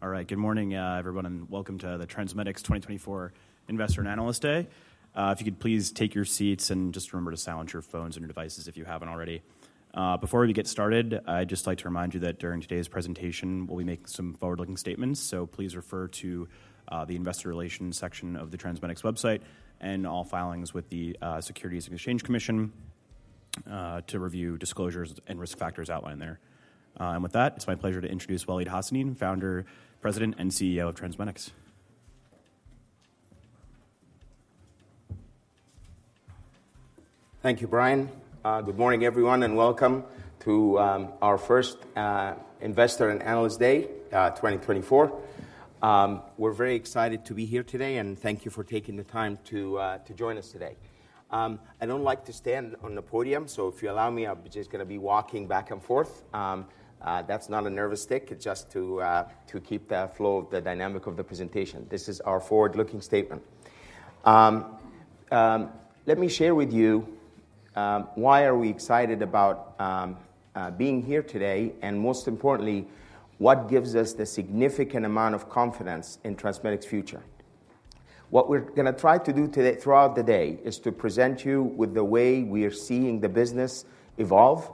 All right, good morning, everyone, and welcome to the TransMedics 2024 Investor and Analyst Day. If you could please take your seats and just remember to silence your phones and your devices if you haven't already. Before we get started, I'd just like to remind you that during today's presentation, we'll be making some forward-looking statements, so please refer to the Investor Relations section of the TransMedics website and all filings with the Securities and Exchange Commission to review disclosures and risk factors outlined there, and with that, it's my pleasure to introduce Waleed Hassanein, Founder, President, and CEO of TransMedics. Thank you, Brian. Good morning, everyone, and welcome to our first Investor and Analyst Day 2024. We're very excited to be here today, and thank you for taking the time to join us today. I don't like to stand on the podium, so if you allow me, I'm just going to be walking back and forth. That's not a nervous tic. It's just to keep the flow of the dynamic of the presentation. This is our forward-looking statement. Let me share with you why we are excited about being here today and, most importantly, what gives us the significant amount of confidence in TransMedics' future. What we're going to try to do throughout the day is to present you with the way we are seeing the business evolve,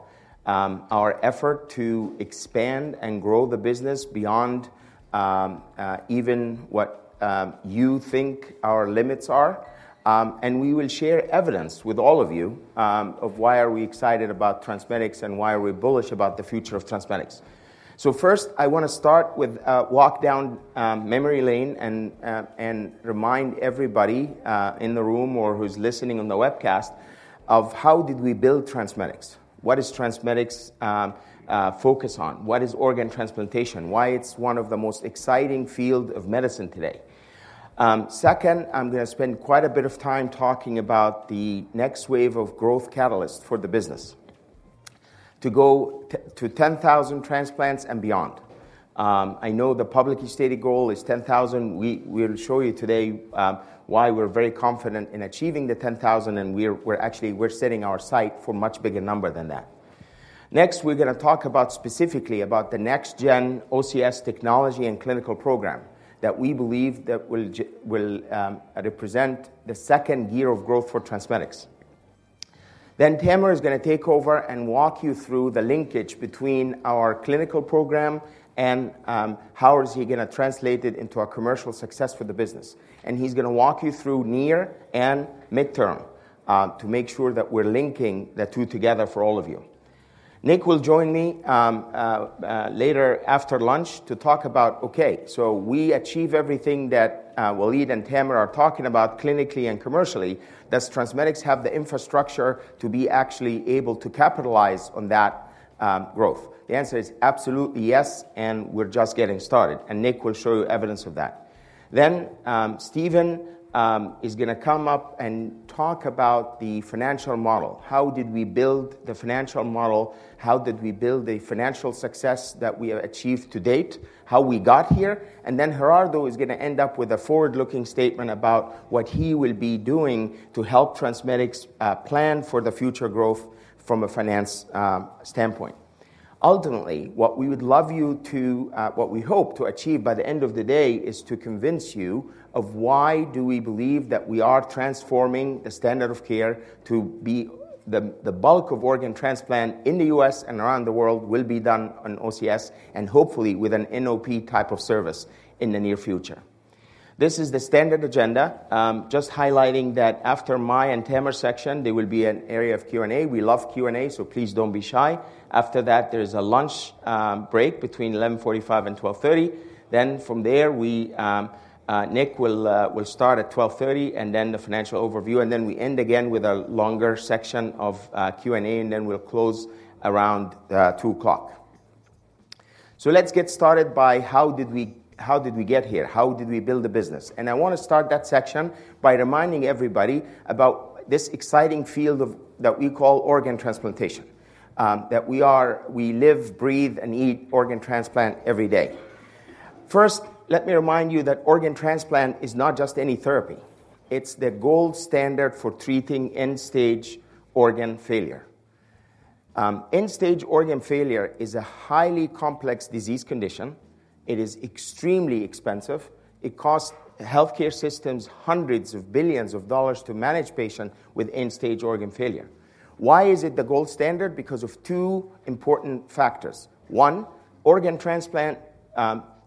our effort to expand and grow the business beyond even what you think our limits are. We will share evidence with all of you of why we are excited about TransMedics and why we're bullish about the future of TransMedics. First, I want to start with walk down memory lane and remind everybody in the room or who's listening on the webcast of how did we build TransMedics. What is TransMedics' focus on? What is organ transplantation? Why is it one of the most exciting fields of medicine today? Second, I'm going to spend quite a bit of time talking about the next wave of growth catalysts for the business to go to 10,000 transplants and beyond. I know the publicly stated goal is 10,000. We'll show you today why we're very confident in achieving the 10,000, and we're actually setting our sights for a much bigger number than that. Next, we're going to talk specifically about the next-gen OCS technology and clinical program that we believe will represent the second gear of growth for TransMedics. Then Tamer is going to take over and walk you through the linkage between our clinical program and how he's going to translate it into a commercial success for the business, and he's going to walk you through near and midterm to make sure that we're linking the two together for all of you. Nick will join me later after lunch to talk about, okay, so we achieve everything that Waleed and Tamer are talking about clinically and commercially. Does TransMedics have the infrastructure to be actually able to capitalize on that growth? The answer is absolutely yes, and we're just getting started, and Nick will show you evidence of that, then Stephen is going to come up and talk about the financial model. How did we build the financial model? How did we build the financial success that we have achieved to date? How we got here? And then Gerardo is going to end up with a forward-looking statement about what he will be doing to help TransMedics plan for the future growth from a finance standpoint. Ultimately, what we would love you to, what we hope to achieve by the end of the day is to convince you of why we believe that we are transforming the standard of care to be the bulk of organ transplant in the U.S. and around the world will be done on OCS and hopefully with an NOP type of service in the near future. This is the standard agenda, just highlighting that after my and Tamer's section, there will be an area of Q&A. We love Q&A, so please don't be shy. After that, there's a lunch break between 11:45 A.M. and 12:30 P.M. Then from there, Nick will start at 12:30 P.M. and then the financial overview. And then we end again with a longer section of Q&A, and then we'll close around 2:00 P.M. So let's get started by how did we get here? How did we build the business? And I want to start that section by reminding everybody about this exciting field that we call organ transplantation, that we live, breathe, and eat organ transplant every day. First, let me remind you that organ transplant is not just any therapy. It's the gold standard for treating end-stage organ failure. End-stage organ failure is a highly complex disease condition. It is extremely expensive. It costs healthcare systems hundreds of billions of dollars to manage patients with end-stage organ failure. Why is it the gold standard? Because of two important factors. One, organ transplant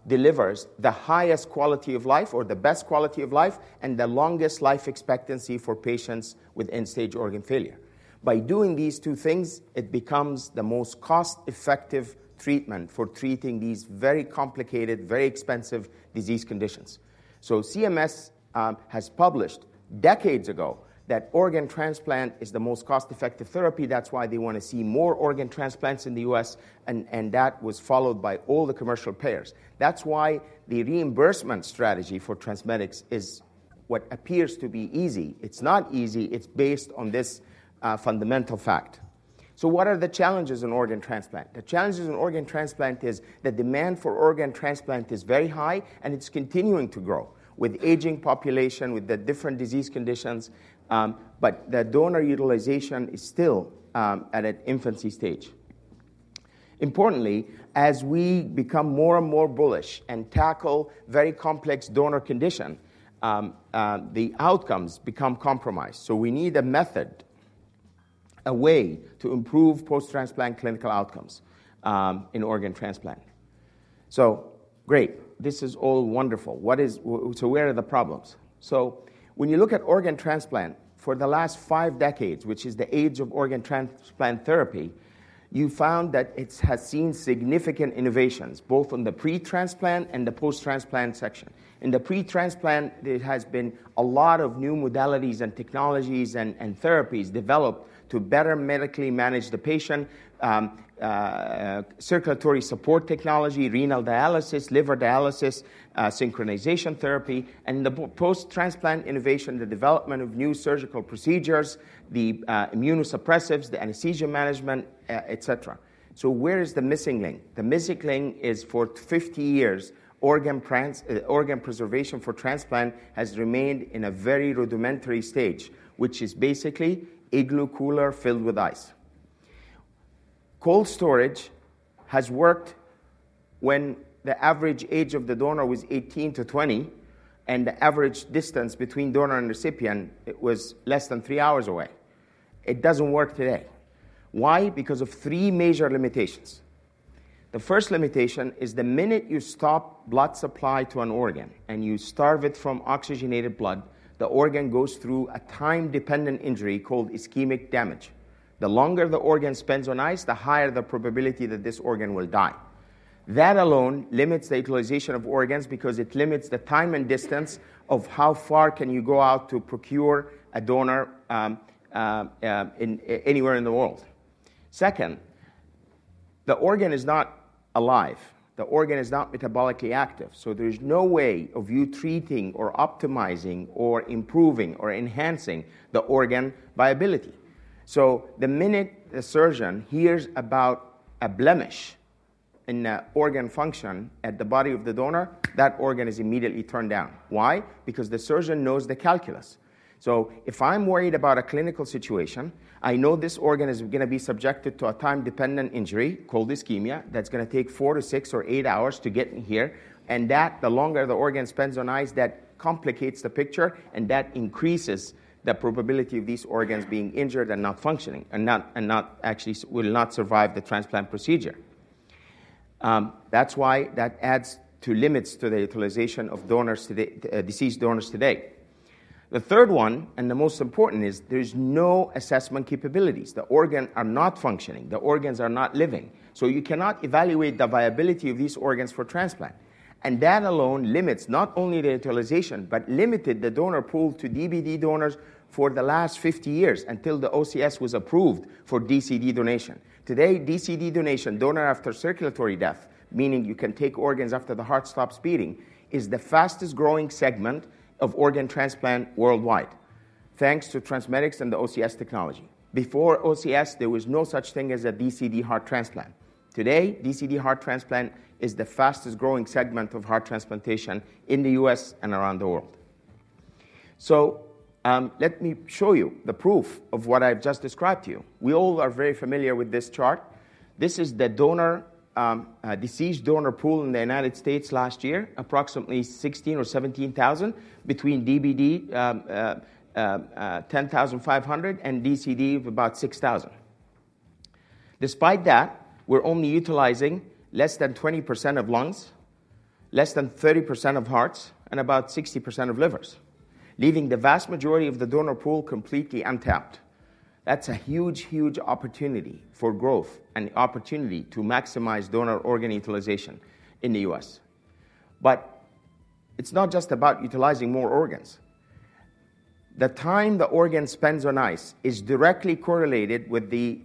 delivers the highest quality of life or the best quality of life and the longest life expectancy for patients with end-stage organ failure. By doing these two things, it becomes the most cost-effective treatment for treating these very complicated, very expensive disease conditions. So CMS has published decades ago that organ transplant is the most cost-effective therapy. That's why they want to see more organ transplants in the U.S., and that was followed by all the commercial payers. That's why the reimbursement strategy for TransMedics is what appears to be easy. It's not easy. It's based on this fundamental fact. So what are the challenges in organ transplant? The challenges in organ transplant is the demand for organ transplant is very high, and it's continuing to grow with aging population, with the different disease conditions, but the donor utilization is still at an infancy stage. Importantly, as we become more and more bullish and tackle very complex donor conditions, the outcomes become compromised, so we need a method, a way to improve post-transplant clinical outcomes in organ transplant, so great. This is all wonderful, so where are the problems? So when you look at organ transplant, for the last five decades, which is the age of organ transplant therapy, you found that it has seen significant innovations both in the pre-transplant and the post-transplant section. In the pre-transplant, there have been a lot of new modalities and technologies and therapies developed to better medically manage the patient, circulatory support technology, renal dialysis, liver dialysis, synchronization therapy, and the post-transplant innovation, the development of new surgical procedures, the immunosuppressives, the anesthesia management, et cetera, so where is the missing link? The missing link is for 50 years, organ preservation for transplant has remained in a very rudimentary stage, which is basically Igloo cooler filled with ice. Cold storage has worked when the average age of the donor was 18 to 20, and the average distance between donor and recipient was less than three hours away. It doesn't work today. Why? Because of three major limitations. The first limitation is the minute you stop blood supply to an organ and you starve it from oxygenated blood, the organ goes through a time-dependent injury called ischemic damage. The longer the organ spends on ice, the higher the probability that this organ will die. That alone limits the utilization of organs because it limits the time and distance of how far can you go out to procure a donor anywhere in the world. Second, the organ is not alive. The organ is not metabolically active, so there's no way of you treating or optimizing or improving or enhancing the organ viability, so the minute the surgeon hears about a blemish in organ function at the body of the donor, that organ is immediately turned down. Why? Because the surgeon knows the calculus. So if I'm worried about a clinical situation, I know this organ is going to be subjected to a time-dependent injury called ischemia that's going to take four to six or eight hours to get here, and the longer the organ spends on ice, that complicates the picture, and that increases the probability of these organs being injured and not functioning and actually will not survive the transplant procedure. That's why that adds to limits to the utilization of deceased donors today. The third one, and the most important, is there's no assessment capabilities. The organ is not functioning. The organs are not living. So you cannot evaluate the viability of these organs for transplant. And that alone limits not only the utilization, but limited the donor pool to DBD donors for the last 50 years until the OCS was approved for DCD donation. Today, DCD donation, donor after circulatory death, meaning you can take organs after the heart stops beating, is the fastest growing segment of organ transplant worldwide thanks to TransMedics and the OCS technology. Before OCS, there was no such thing as a DCD heart transplant. Today, DCD heart transplant is the fastest growing segment of heart transplantation in the U.S. and around the world. So let me show you the proof of what I've just described to you. We all are very familiar with this chart. This is the deceased donor pool in the United States last year, approximately 16 or 17,000, between DBD 10,500 and DCD of about 6,000. Despite that, we're only utilizing less than 20% of lungs, less than 30% of hearts, and about 60% of livers, leaving the vast majority of the donor pool completely untapped. That's a huge, huge opportunity for growth and opportunity to maximize donor organ utilization in the U.S. But it's not just about utilizing more organs. The time the organ spends on ice is directly correlated with the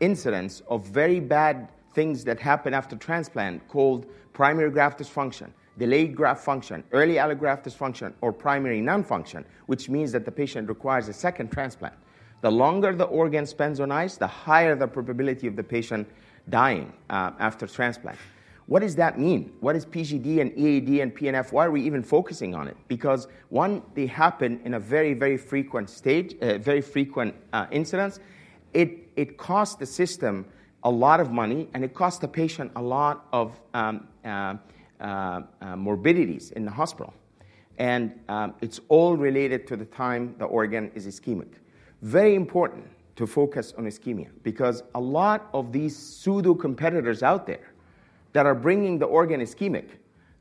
incidence of very bad things that happen after transplant called primary graft dysfunction, delayed graft function, early allograft dysfunction, or primary non-function, which means that the patient requires a second transplant. The longer the organ spends on ice, the higher the probability of the patient dying after transplant. What does that mean? What is PGD and EAD and PNF? Why are we even focusing on it? Because, one, they happen in a very, very frequent incidence. It costs the system a lot of money, and it costs the patient a lot of morbidities in the hospital. And it's all related to the time the organ is ischemic. Very important to focus on ischemia because a lot of these pseudo-competitors out there that are bringing the organ ischemic,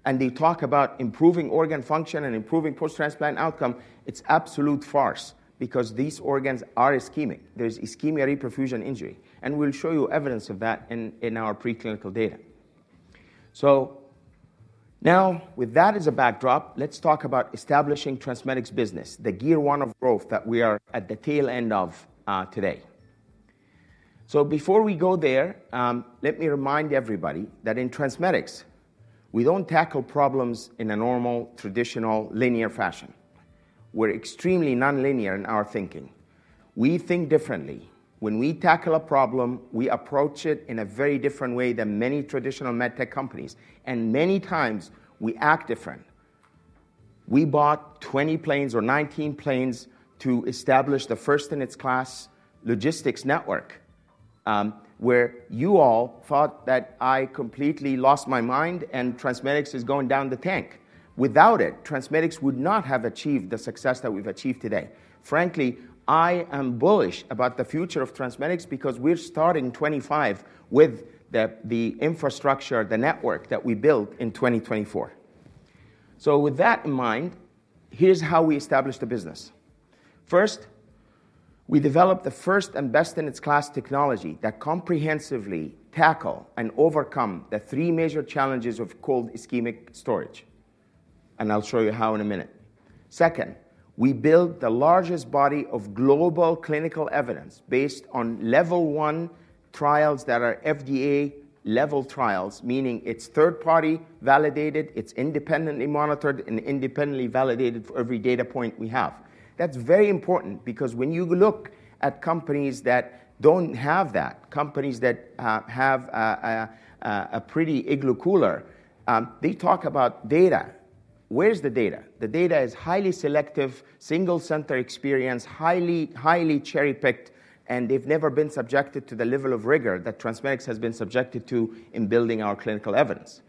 and they talk about improving organ function and improving post-transplant outcome. It's absolute farce because these organs are ischemic. There's ischemia-reperfusion injury. And we'll show you evidence of that in our preclinical data. So now, with that as a backdrop, let's talk about establishing TransMedics' business, the gear one of growth that we are at the tail end of today. So before we go there, let me remind everybody that in TransMedics, we don't tackle problems in a normal, traditional, linear fashion. We're extremely non-linear in our thinking. We think differently. When we tackle a problem, we approach it in a very different way than many traditional medtech companies, and many times, we act different. We bought 20 planes or 19 planes to establish the first-in-its-class logistics network where you all thought that I completely lost my mind and TransMedics is going down the tank. Without it, TransMedics would not have achieved the success that we've achieved today. Frankly, I am bullish about the future of TransMedics because we're starting 2025 with the infrastructure, the network that we built in 2024, so with that in mind, here's how we established the business. First, we developed the first and best-in-class technology that comprehensively tackles and overcomes the three major challenges of cold ischemic storage. I'll show you how in a minute. Second, we built the largest body of global clinical evidence based on level one trials that are FDA-level trials, meaning it's third-party validated, it's independently monitored, and independently validated for every data point we have. That's very important because when you look at companies that don't have that, companies that have a pretty Igloo cooler, they talk about data. Where's the data? The data is highly selective, single-center experience, highly cherry-picked, and they've never been subjected to the level of rigor that TransMedics has been subjected to in building our clinical evidence,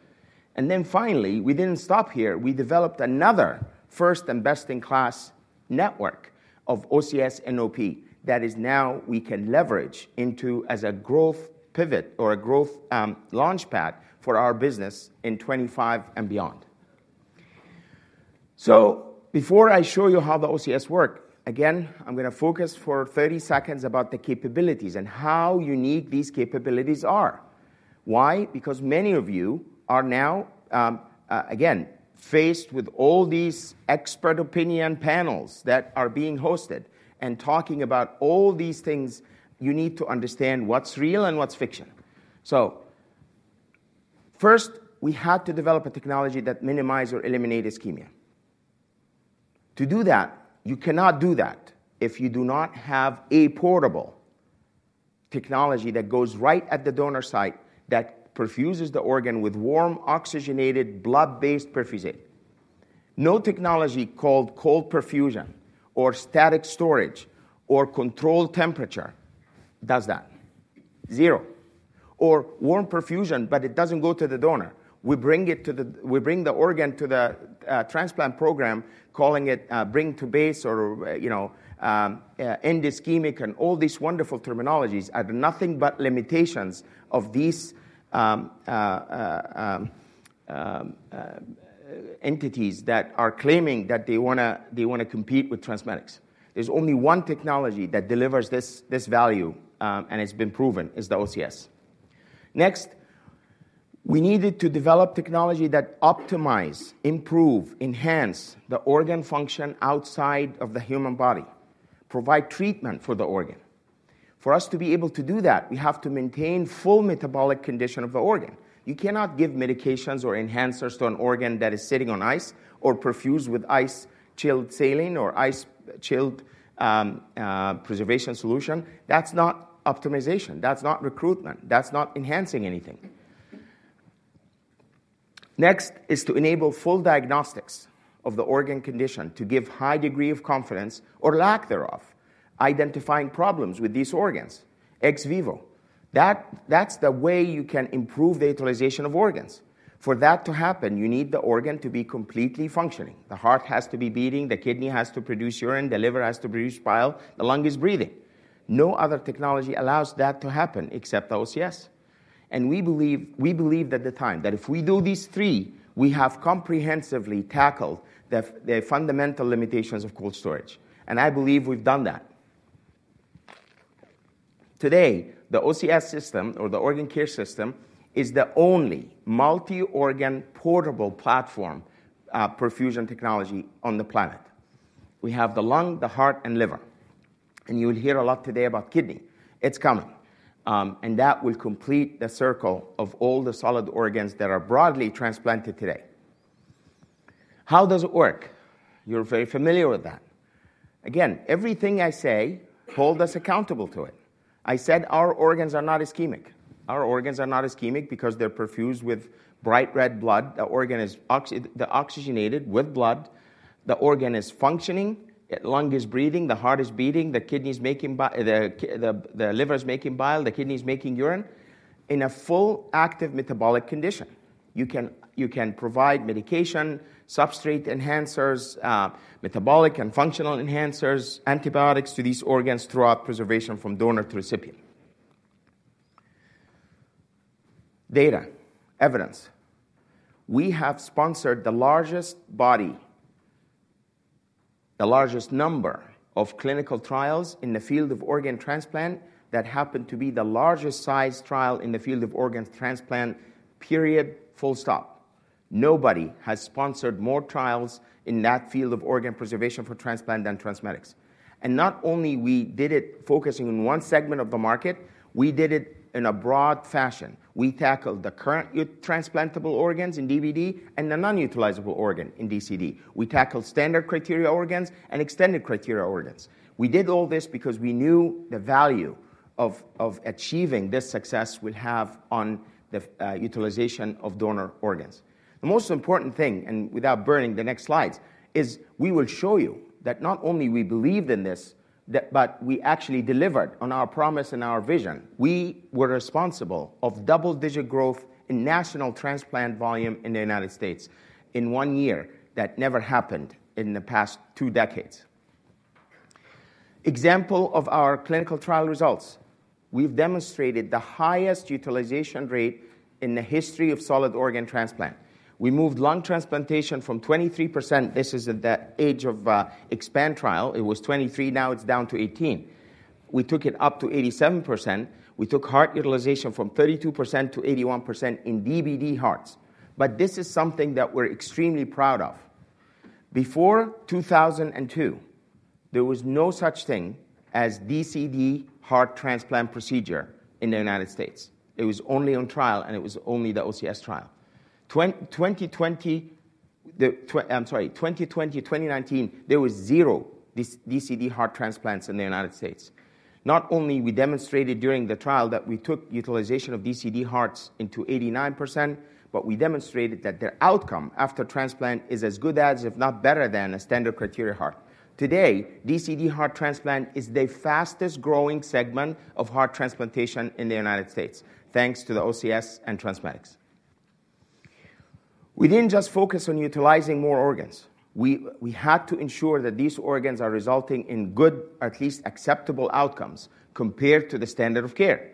and then finally, we didn't stop here. We developed another first and best-in-class network of OCS NOP that is now we can leverage into as a growth pivot or a growth launchpad for our business in 2025 and beyond. So before I show you how the OCS works, again, I'm going to focus for 30 seconds about the capabilities and how unique these capabilities are. Why? Because many of you are now, again, faced with all these expert opinion panels that are being hosted and talking about all these things. You need to understand what's real and what's fiction. So first, we had to develop a technology that minimizes or eliminates ischemia. To do that, you cannot do that if you do not have a portable technology that goes right at the donor site that perfuses the organ with warm oxygenated blood-based perfusion. No technology called cold perfusion or static storage or controlled temperature does that. Zero. Or warm perfusion, but it doesn't go to the donor. We bring the organ to the transplant program, calling it bring to base or end-ischemic and all these wonderful terminologies are nothing but limitations of these entities that are claiming that they want to compete with TransMedics. There's only one technology that delivers this value, and it's been proven, is the OCS. Next, we needed to develop technology that optimizes, improves, enhances the organ function outside of the human body, provides treatment for the organ. For us to be able to do that, we have to maintain full metabolic condition of the organ. You cannot give medications or enhancers to an organ that is sitting on ice or perfused with ice-chilled saline or ice-chilled preservation solution. That's not optimization. That's not recruitment. That's not enhancing anything. Next is to enable full diagnostics of the organ condition to give a high degree of confidence or lack thereof, identifying problems with these organs, XVIVO. That's the way you can improve the utilization of organs. For that to happen, you need the organ to be completely functioning. The heart has to be beating. The kidney has to produce urine. The liver has to produce bile. The lung is breathing. No other technology allows that to happen except the OCS. And we believe at the time that if we do these three, we have comprehensively tackled the fundamental limitations of cold storage. And I believe we've done that. Today, the OCS system or the Organ Care System is the only multi-organ portable platform perfusion technology on the planet. We have the lung, the heart, and liver. And you will hear a lot today about kidney. It's coming. And that will complete the circle of all the solid organs that are broadly transplanted today. How does it work? You're very familiar with that. Again, everything I say, hold us accountable to it. I said our organs are not ischemic. Our organs are not ischemic because they're perfused with bright red blood. The organ is oxygenated with blood. The organ is functioning. The lung is breathing. The heart is beating. The kidney is making bile. The liver is making bile. The kidney is making urine in a full active metabolic condition. You can provide medication, substrate enhancers, metabolic and functional enhancers, antibiotics to these organs throughout preservation from donor to recipient. Data, evidence. We have sponsored the largest body, the largest number of clinical trials in the field of organ transplant that happened to be the largest size trial in the field of organ transplant, period, full stop. Nobody has sponsored more trials in that field of organ preservation for transplant than TransMedics, and not only did we focus on one segment of the market, we did it in a broad fashion. We tackled the current transplantable organs in DBD and the non-utilizable organ in DCD. We tackled standard criteria organs and extended criteria organs. We did all this because we knew the value of achieving this success we have on the utilization of donor organs. The most important thing, and without burning the next slides, is we will show you that not only we believed in this, but we actually delivered on our promise and our vision. We were responsible for double-digit growth in national transplant volume in the United States in one year that never happened in the past two decades. Example of our clinical trial results. We've demonstrated the highest utilization rate in the history of solid organ transplant. We moved lung transplantation from 23%. This is at the end of the EXPAND trial. It was 23%. Now it's down to 18%. We took it up to 87%. We took heart utilization from 32% to 81% in DBD hearts. But this is something that we're extremely proud of. Before 2002, there was no such thing as DCD heart transplant procedure in the United States. It was only on trial, and it was only the OCS trial. I'm sorry, 2019, there was zero DCD heart transplants in the United States. Not only we demonstrated during the trial that we took utilization of DCD hearts into 89%, but we demonstrated that their outcome after transplant is as good as, if not better than, a standard criteria heart. Today, DCD heart transplant is the fastest growing segment of heart transplantation in the United States thanks to the OCS and TransMedics. We didn't just focus on utilizing more organs. We had to ensure that these organs are resulting in good, at least acceptable outcomes compared to the standard of care.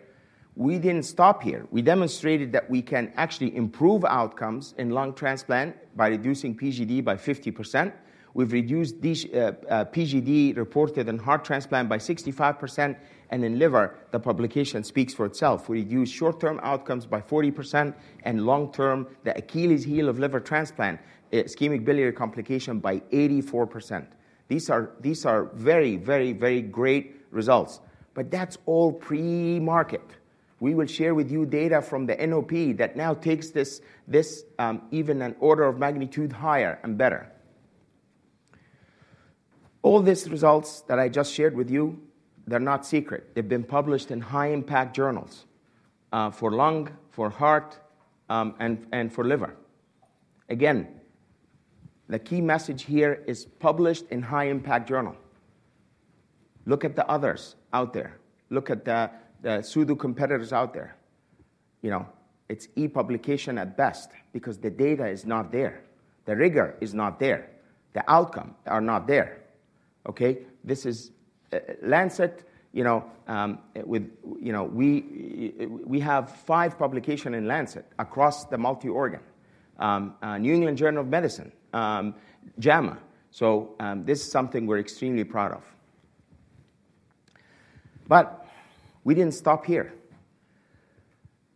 We didn't stop here. We demonstrated that we can actually improve outcomes in lung transplant by reducing PGD by 50%. We've reduced PGD reported in heart transplant by 65%. And in liver, the publication speaks for itself. We reduced short-term outcomes by 40% and long-term the Achilles heel of liver transplant ischemic biliary complication by 84%. These are very, very, very great results. But that's all pre-market. We will share with you data from the NOP that now takes this even an order of magnitude higher and better. All these results that I just shared with you, they're not secret. They've been published in high-impact journals for lung, for heart, and for liver. Again, the key message here is published in high-impact journal. Look at the others out there. Look at the pseudo-competitors out there. It's e-publication at best because the data is not there. The rigor is not there. The outcomes are not there. Okay? Lancet, we have five publications in Lancet across the multi-organ. New England Journal of Medicine, JAMA. So this is something we're extremely proud of. But we didn't stop here.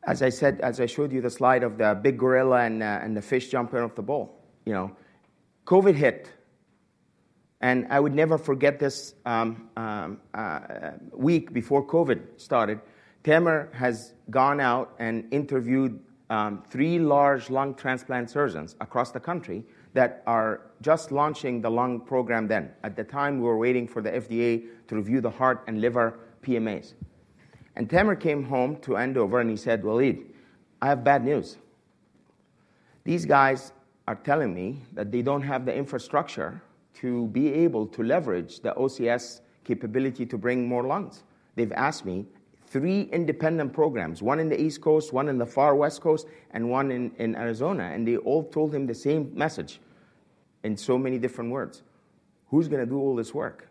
As I said, as I showed you the slide of the big gorilla and the fish jumping out of the bowl, COVID hit. And I would never forget this week before COVID started. Tamer has gone out and interviewed three large lung transplant surgeons across the country that are just launching the lung program then. At the time, we were waiting for the FDA to review the heart and liver PMAs. Tamer came home to Andover, and he said, "Waleed, I have bad news. These guys are telling me that they don't have the infrastructure to be able to leverage the OCS capability to bring more lungs." I asked three independent programs, one in the East Coast, one in the Far West Coast, and one in Arizona. They all told him the same message in so many different words. "Who's going to do all this work?"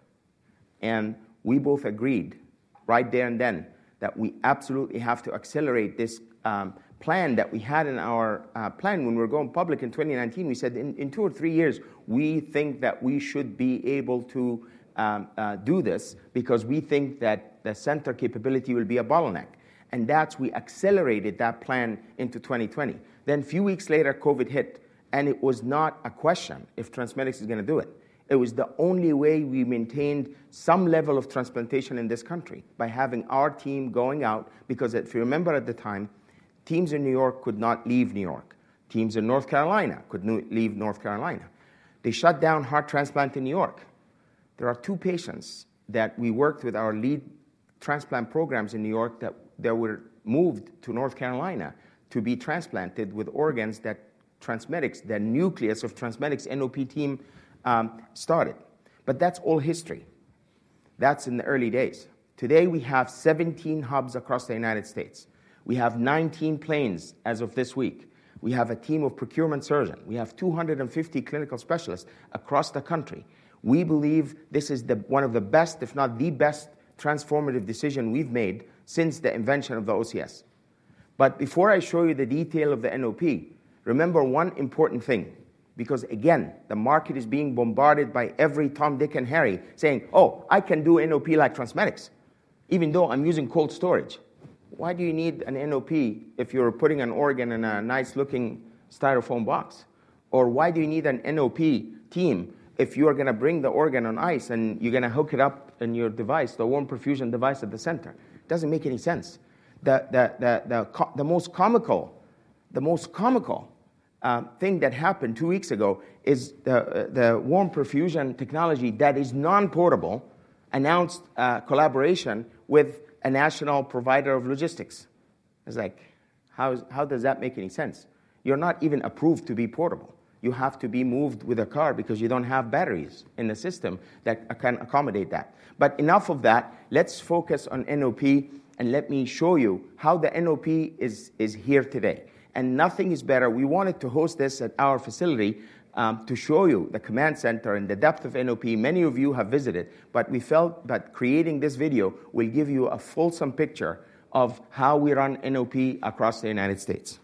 We both agreed right there and then that we absolutely have to accelerate this plan that we had in our plan when we were going public in 2019. We said in two or three years, we think that we should be able to do this because we think that the center capability will be a bottleneck. And that's we accelerated that plan into 2020. Then a few weeks later, COVID hit. And it was not a question if TransMedics is going to do it. It was the only way we maintained some level of transplantation in this country by having our team going out because if you remember at the time, teams in New York could not leave New York. Teams in North Carolina couldn't leave North Carolina. They shut down heart transplant in New York. There are two patients that we worked with our lead transplant programs in New York that were moved to North Carolina to be transplanted with organs that TransMedics, the nucleus of TransMedics NOP team, started. But that's all history. That's in the early days. Today, we have 17 hubs across the United States. We have 19 planes as of this week. We have a team of procurement surgeons. We have 250 clinical specialists across the country. We believe this is one of the best, if not the best, transformative decision we've made since the invention of the OCS. But before I show you the detail of the NOP, remember one important thing because, again, the market is being bombarded by every Tom, Dick, and Harry saying, "Oh, I can do NOP like TransMedics even though I'm using cold storage." Why do you need an NOP if you're putting an organ in a nice-looking Styrofoam box? Or why do you need an NOP team if you're going to bring the organ on ice and you're going to hook it up in your device, the warm perfusion device at the center? It doesn't make any sense. The most comical thing that happened two weeks ago is the warm perfusion technology that is non-portable announced collaboration with a national provider of logistics. It's like, how does that make any sense? You're not even approved to be portable. You have to be moved with a car because you don't have batteries in the system that can accommodate that but enough of that. Let's focus on NOP, and let me show you how the NOP is here today and nothing is better. We wanted to host this at our facility to show you the command center and the depth of NOP. Many of you have visited, but we felt that creating this video will give you a fulsome picture of how we run NOP across the United States.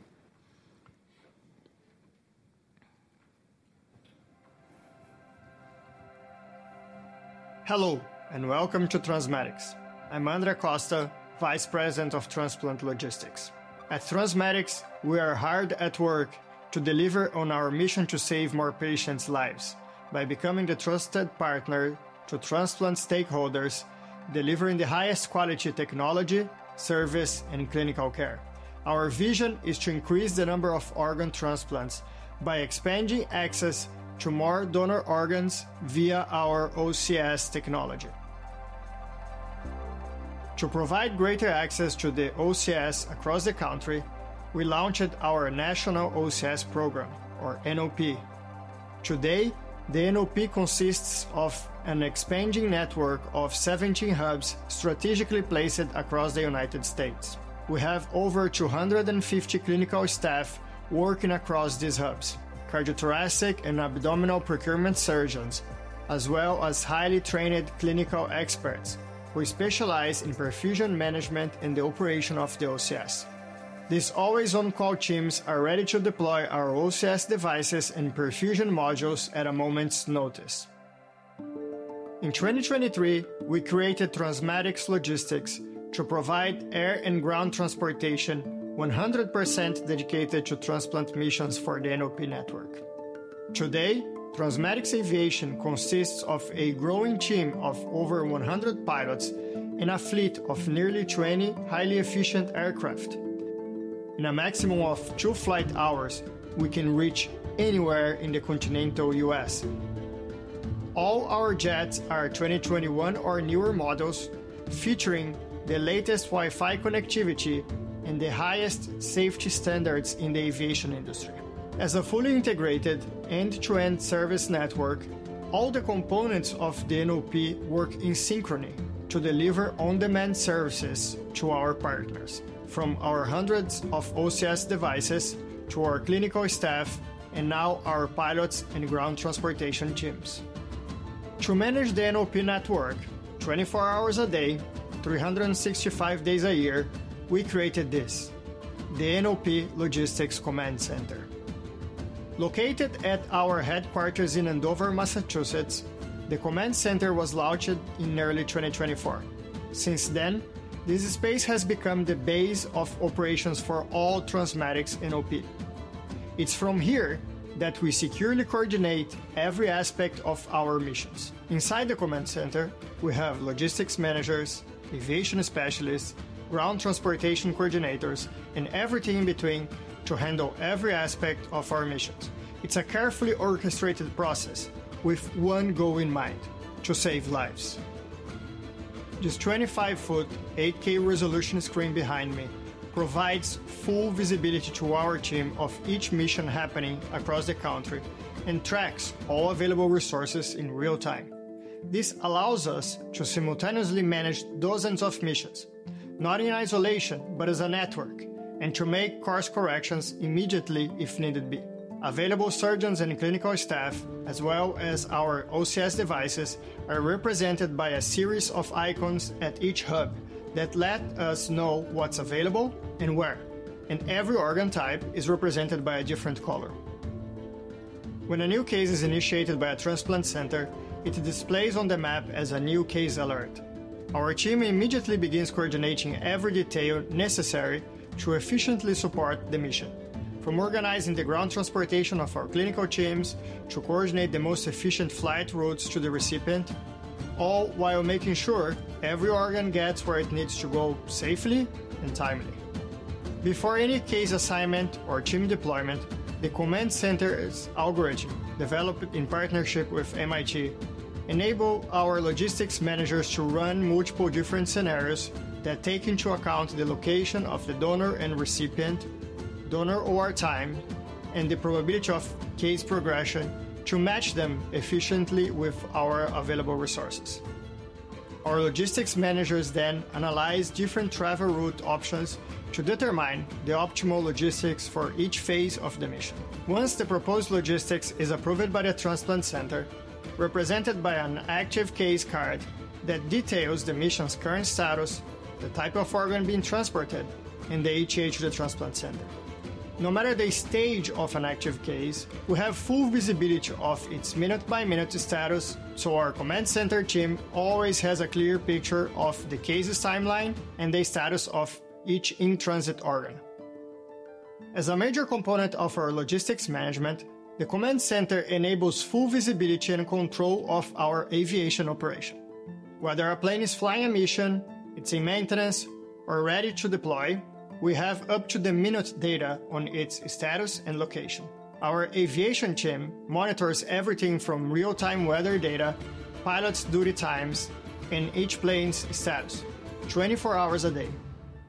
Hello, and welcome to TransMedics. I'm Andre Costa, Vice President of Transplant Logistics. At TransMedics, we are hard at work to deliver on our mission to save more patients' lives by becoming the trusted partner to transplant stakeholders, delivering the highest quality technology, service, and clinical care. Our vision is to increase the number of organ transplants by expanding access to more donor organs via our OCS technology. To provide greater access to the OCS across the country, we launched our National OCS Program, or NOP. Today, the NOP consists of an expanding network of 17 hubs strategically placed across the United States. We have over 250 clinical staff working across these hubs, cardiothoracic and abdominal procurement surgeons, as well as highly trained clinical experts who specialize in perfusion management and the operation of the OCS. These always-on-call teams are ready to deploy our OCS devices and perfusion modules at a moment's notice. In 2023, we created TransMedics Logistics to provide air and ground transportation 100% dedicated to transplant missions for the NOP network. Today, TransMedics Aviation consists of a growing team of over 100 pilots and a fleet of nearly 20 highly efficient aircraft. In a maximum of two flight hours, we can reach anywhere in the continental U.S. All our jets are 2021 or newer models featuring the latest Wi-Fi connectivity and the highest safety standards in the aviation industry. As a fully integrated end-to-end service network, all the components of the NOP work in synchrony to deliver on-demand services to our partners, from our hundreds of OCS devices to our clinical staff and now our pilots and ground transportation teams. To manage the NOP network 24 hours a day, 365 days a year, we created this: the NOP Logistics Command Center. Located at our headquarters in Andover, Massachusetts, the Command Center was launched in early 2024. Since then, this space has become the base of operations for all TransMedics NOP. It's from here that we securely coordinate every aspect of our missions. Inside the Command Center, we have logistics managers, aviation specialists, ground transportation coordinators, and everything in between to handle every aspect of our missions. It's a carefully orchestrated process with one goal in mind: to save lives. This 25-foot 8K resolution screen behind me provides full visibility to our team of each mission happening across the country and tracks all available resources in real time. This allows us to simultaneously manage dozens of missions, not in isolation, but as a network, and to make course corrections immediately if needed be. Available surgeons and clinical staff, as well as our OCS devices, are represented by a series of icons at each hub that let us know what's available and where. And every organ type is represented by a different color. When a new case is initiated by a transplant center, it displays on the map as a new case alert. Our team immediately begins coordinating every detail necessary to efficiently support the mission, from organizing the ground transportation of our clinical teams to coordinate the most efficient flight routes to the recipient, all while making sure every organ gets where it needs to go safely and timely. Before any case assignment or team deployment, the Command Center's algorithm, developed in partnership with MIT, enables our logistics managers to run multiple different scenarios that take into account the location of the donor and recipient, donor OR time, and the probability of case progression to match them efficiently with our available resources. Our logistics managers then analyze different travel route options to determine the optimal logistics for each phase of the mission. Once the proposed logistics is approved by the transplant center, represented by an active case card that details the mission's current status, the type of organ being transported, and the ETA to the transplant center. No matter the stage of an active case, we have full visibility of its minute-by-minute status, so our Command Center team always has a clear picture of the case's timeline and the status of each in-transit organ. As a major component of our logistics management, the Command Center enables full visibility and control of our aviation operation. Whether a plane is flying a mission, it's in maintenance, or ready to deploy, we have up-to-the-minute data on its status and location. Our aviation team monitors everything from real-time weather data, pilots' duty times, and each plane's status, 24 hours a day,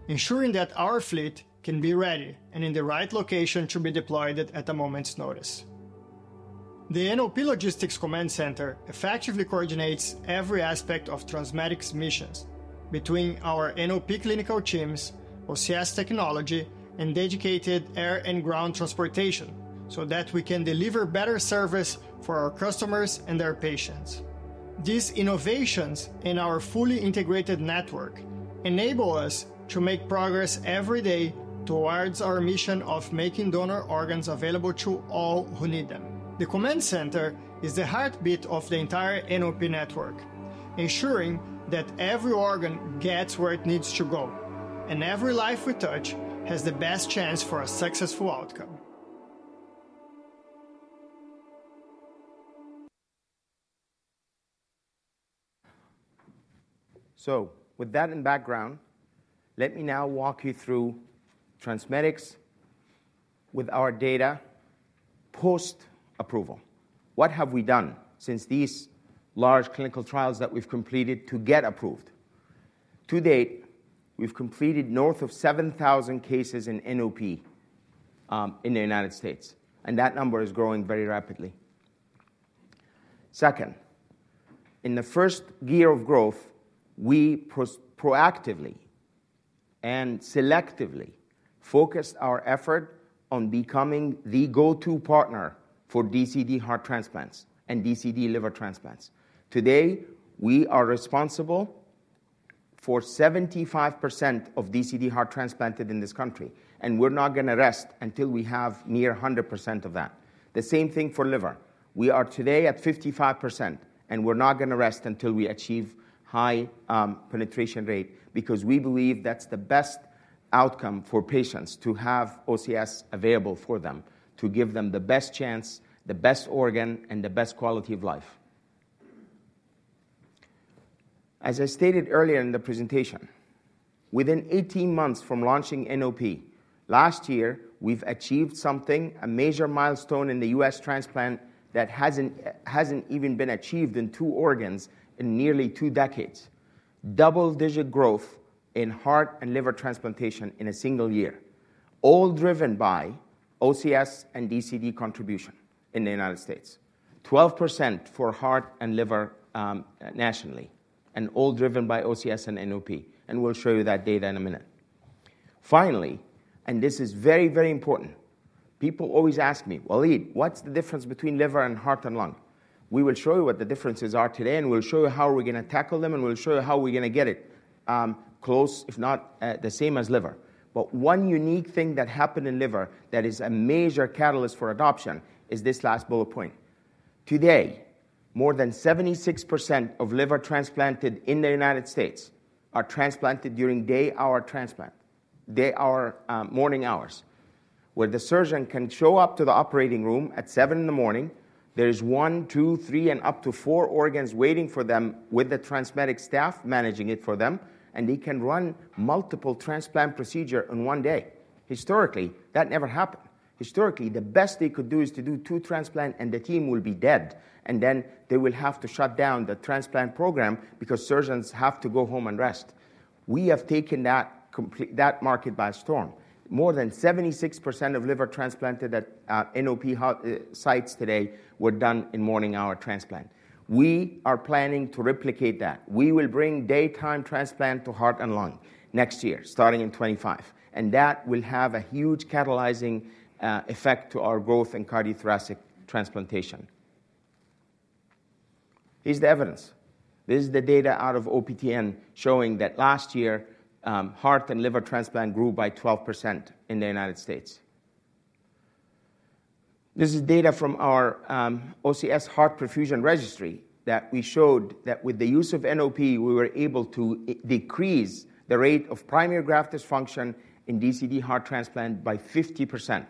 ensuring that our fleet can be ready and in the right location to be deployed at a moment's notice. The NOP Logistics Command Center effectively coordinates every aspect of TransMedics missions between our NOP clinical teams, OCS technology, and dedicated air and ground transportation so that we can deliver better service for our customers and their patients. These innovations in our fully integrated network enable us to make progress every day towards our mission of making donor organs available to all who need them. The Command Center is the heartbeat of the entire NOP network, ensuring that every organ gets where it needs to go, and every life we touch has the best chance for a successful outcome. So, with that in background, let me now walk you through TransMedics with our data post-approval. What have we done since these large clinical trials that we've completed to get approved? To date, we've completed north of 7,000 cases in NOP in the United States, and that number is growing very rapidly. Second, in the first year of growth, we proactively and selectively focused our effort on becoming the go-to partner for DCD heart transplants and DCD liver transplants. Today, we are responsible for 75% of DCD heart transplants in this country, and we're not going to rest until we have near 100% of that. The same thing for liver. We are today at 55%, and we're not going to rest until we achieve high penetration rate because we believe that's the best outcome for patients to have OCS available for them, to give them the best chance, the best organ, and the best quality of life. As I stated earlier in the presentation, within 18 months from launching NOP, last year, we've achieved something, a major milestone in the U.S. transplant that hasn't even been achieved in two organs in nearly two decades: double-digit growth in heart and liver transplantation in a single year, all driven by OCS and DCD contribution in the United States, 12% for heart and liver nationally, and all driven by OCS and NOP, and we'll show you that data in a minute. Finally, and this is very, very important, people always ask me, "Waleed, what's the difference between liver and heart and lung?" We will show you what the differences are today, and we'll show you how we're going to tackle them, and we'll show you how we're going to get it close, if not the same as liver. But one unique thing that happened in liver that is a major catalyst for adoption is this last bullet point. Today, more than 76% of liver transplanted in the United States are transplanted during day-hour transplant, day-hour morning hours, where the surgeon can show up to the operating room at 7:00 A.M. There is one, two, three, and up to four organs waiting for them with the TransMedics staff managing it for them, and they can run multiple transplant procedures in one day. Historically, that never happened. Historically, the best they could do is to do two transplants, and the team will be dead, and then they will have to shut down the transplant program because surgeons have to go home and rest. We have taken that market by storm. More than 76% of livers transplanted at NOP sites today were done in morning-hour transplants. We are planning to replicate that. We will bring daytime transplants to heart and lung next year, starting in 2025, and that will have a huge catalyzing effect to our growth in cardiothoracic transplantation. Here's the evidence. This is the data out of OPTN showing that last year, heart and liver transplants grew by 12% in the United States. This is data from our OCS heart perfusion registry that we showed that with the use of NOP, we were able to decrease the rate of primary graft dysfunction in DCD heart transplant by 50%.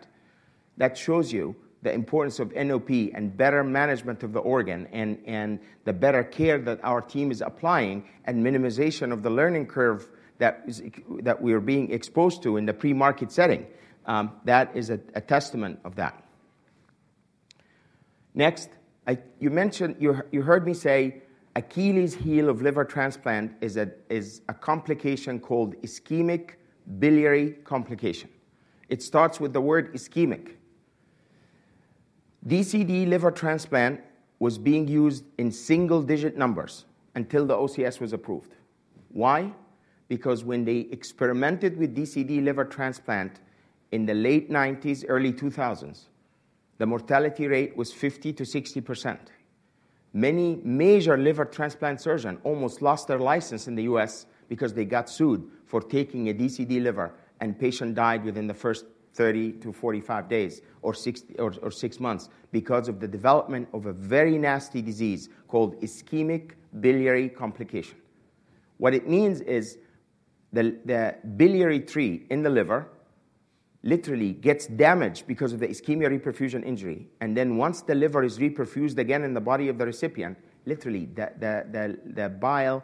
That shows you the importance of NOP and better management of the organ and the better care that our team is applying and minimization of the learning curve that we are being exposed to in the pre-market setting. That is a testament of that. Next, you heard me say Achilles' heel of liver transplant is a complication called ischemic biliary complication. It starts with the word ischemic. DCD liver transplant was being used in single-digit numbers until the OCS was approved. Why? Because when they experimented with DCD liver transplant in the late 1990s, early 2000s, the mortality rate was 50%-60%. Many major liver transplant surgeons almost lost their license in the U.S. because they got sued for taking a DCD liver, and patients died within the first 30-45 days or six months because of the development of a very nasty disease called ischemic biliary complication. What it means is the biliary tree in the liver literally gets damaged because of the ischemia-reperfusion injury, and then once the liver is reperfused again in the body of the recipient, literally the bile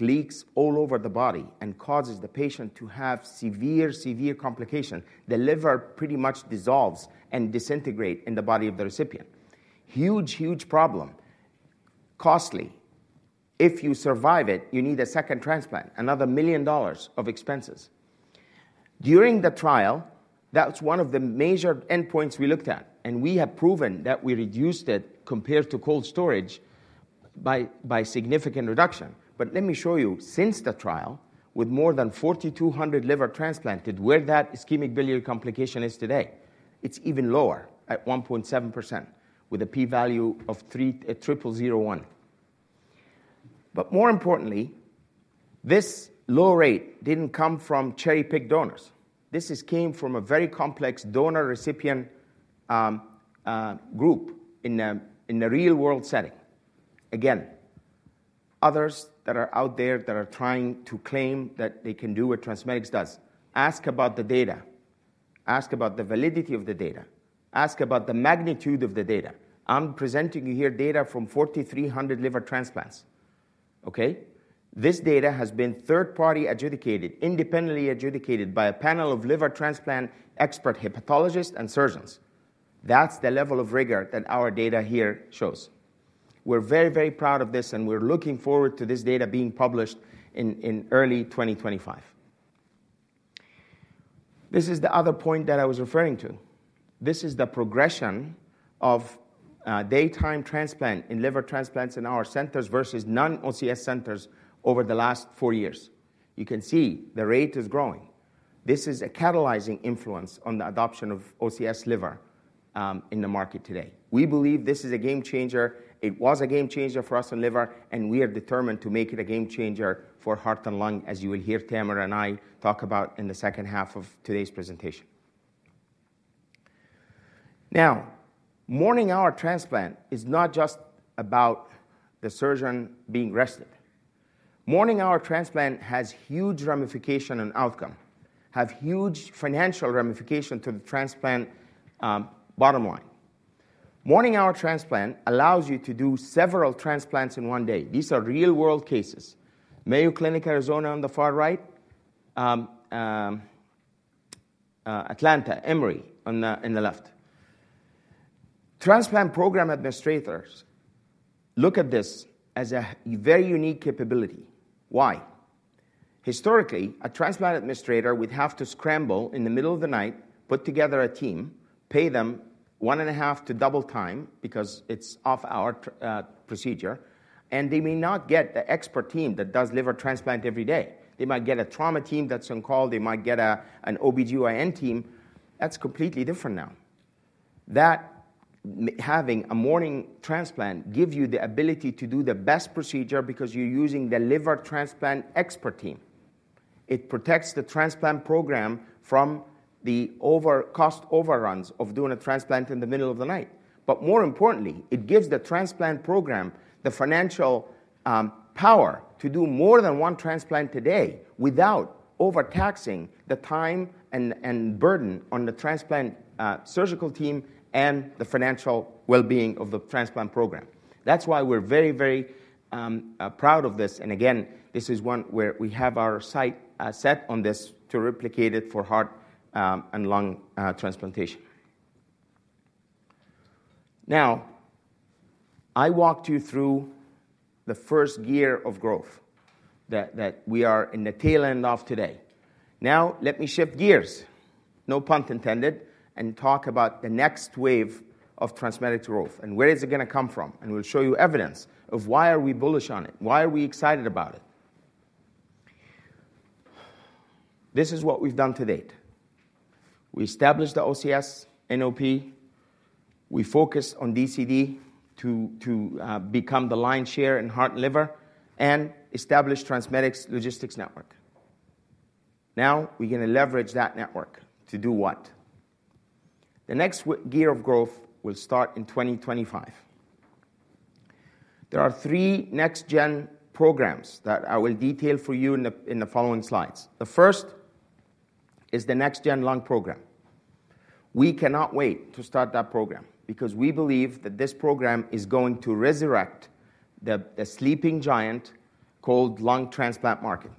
leaks all over the body and causes the patient to have severe, severe complications. The liver pretty much dissolves and disintegrates in the body of the recipient. Huge, huge problem. Costly. If you survive it, you need a second transplant, another $1 million of expenses. During the trial, that's one of the major endpoints we looked at, and we have proven that we reduced it compared to cold storage by significant reduction. But let me show you since the trial, with more than 4,200 liver transplanted, where that ischemic biliary complication is today. It's even lower at 1.7% with a p-value of 0.0001. But more importantly, this low rate didn't come from cherry-picked donors. This came from a very complex donor-recipient group in a real-world setting. Again, others that are out there that are trying to claim that they can do what TransMedics does. Ask about the data. Ask about the validity of the data. Ask about the magnitude of the data. I'm presenting you here data from 4,300 liver transplants. Okay? This data has been third-party adjudicated, independently adjudicated by a panel of liver transplant expert hepatologists and surgeons. That's the level of rigor that our data here shows. We're very, very proud of this, and we're looking forward to this data being published in early 2025. This is the other point that I was referring to. This is the progression of daytime transplant in liver transplants in our centers versus non-OCS centers over the last four years. You can see the rate is growing. This is a catalyzing influence on the adoption of OCS liver in the market today. We believe this is a game changer. It was a game changer for us in liver, and we are determined to make it a game changer for heart and lung, as you will hear Tamer and I talk about in the second half of today's presentation. Now, morning-hour transplant is not just about the surgeon being rested. Morning-hour transplant has huge ramification and outcome, has huge financial ramification to the transplant bottom line. Morning-hour transplant allows you to do several transplants in one day. These are real-world cases. Mayo Clinic, Arizona, on the far right. Atlanta, Emory on the left. Transplant program administrators look at this as a very unique capability. Why? Historically, a transplant administrator would have to scramble in the middle of the night, put together a team, pay them one and a half to double time because it's off-hour procedure, and they may not get the expert team that does liver transplant every day. They might get a trauma team that's on call. They might get an OB-GYN team. That's completely different now. That having a morning transplant gives you the ability to do the best procedure because you're using the liver transplant expert team. It protects the transplant program from the cost overruns of doing a transplant in the middle of the night. But more importantly, it gives the transplant program the financial power to do more than one transplant today without overtaxing the time and burden on the transplant surgical team and the financial well-being of the transplant program. That's why we're very, very proud of this. And again, this is one where we have our sight set on this to replicate it for heart and lung transplantation. Now, I walked you through the first year of growth that we are in the tail end of today. Now, let me shift gears, no pun intended, and talk about the next wave of TransMedics growth and where is it going to come from. And we'll show you evidence of why are we bullish on it, why are we excited about it. This is what we've done to date. We established the OCS NOP. We focused on DCD to become the lion's share in heart and liver and established TransMedics Logistics Network. Now, we're going to leverage that network to do what? The next year of growth will start in 2025. There are three next-gen programs that I will detail for you in the following slides. The first is the next-gen lung program. We cannot wait to start that program because we believe that this program is going to resurrect the sleeping giant called lung transplant market,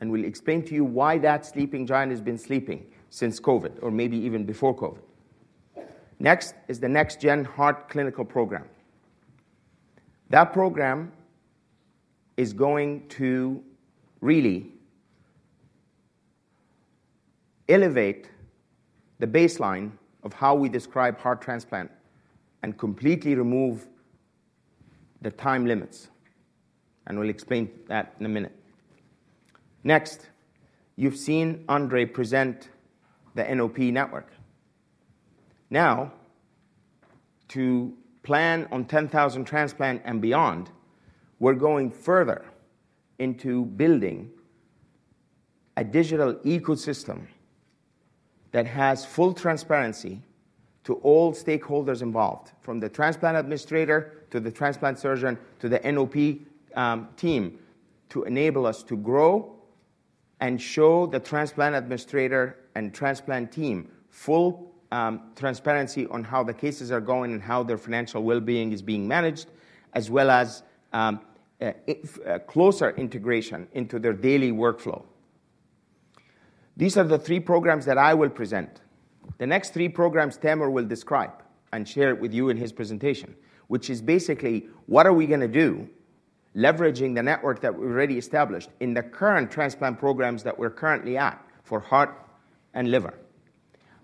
and we'll explain to you why that sleeping giant has been sleeping since COVID or maybe even before COVID. Next is the next-gen heart clinical program. That program is going to really elevate the baseline of how we describe heart transplant and completely remove the time limits, and we'll explain that in a minute. Next, you've seen Andre present the NOP network. Now, to plan on 10,000 transplants and beyond, we're going further into building a digital ecosystem that has full transparency to all stakeholders involved, from the transplant administrator to the transplant surgeon to the NOP team, to enable us to grow and show the transplant administrator and transplant team full transparency on how the cases are going and how their financial well-being is being managed, as well as closer integration into their daily workflow. These are the three programs that I will present. The next three programs Tamer will describe and share with you in his presentation, which is basically what are we going to do leveraging the network that we've already established in the current transplant programs that we're currently at for heart and liver.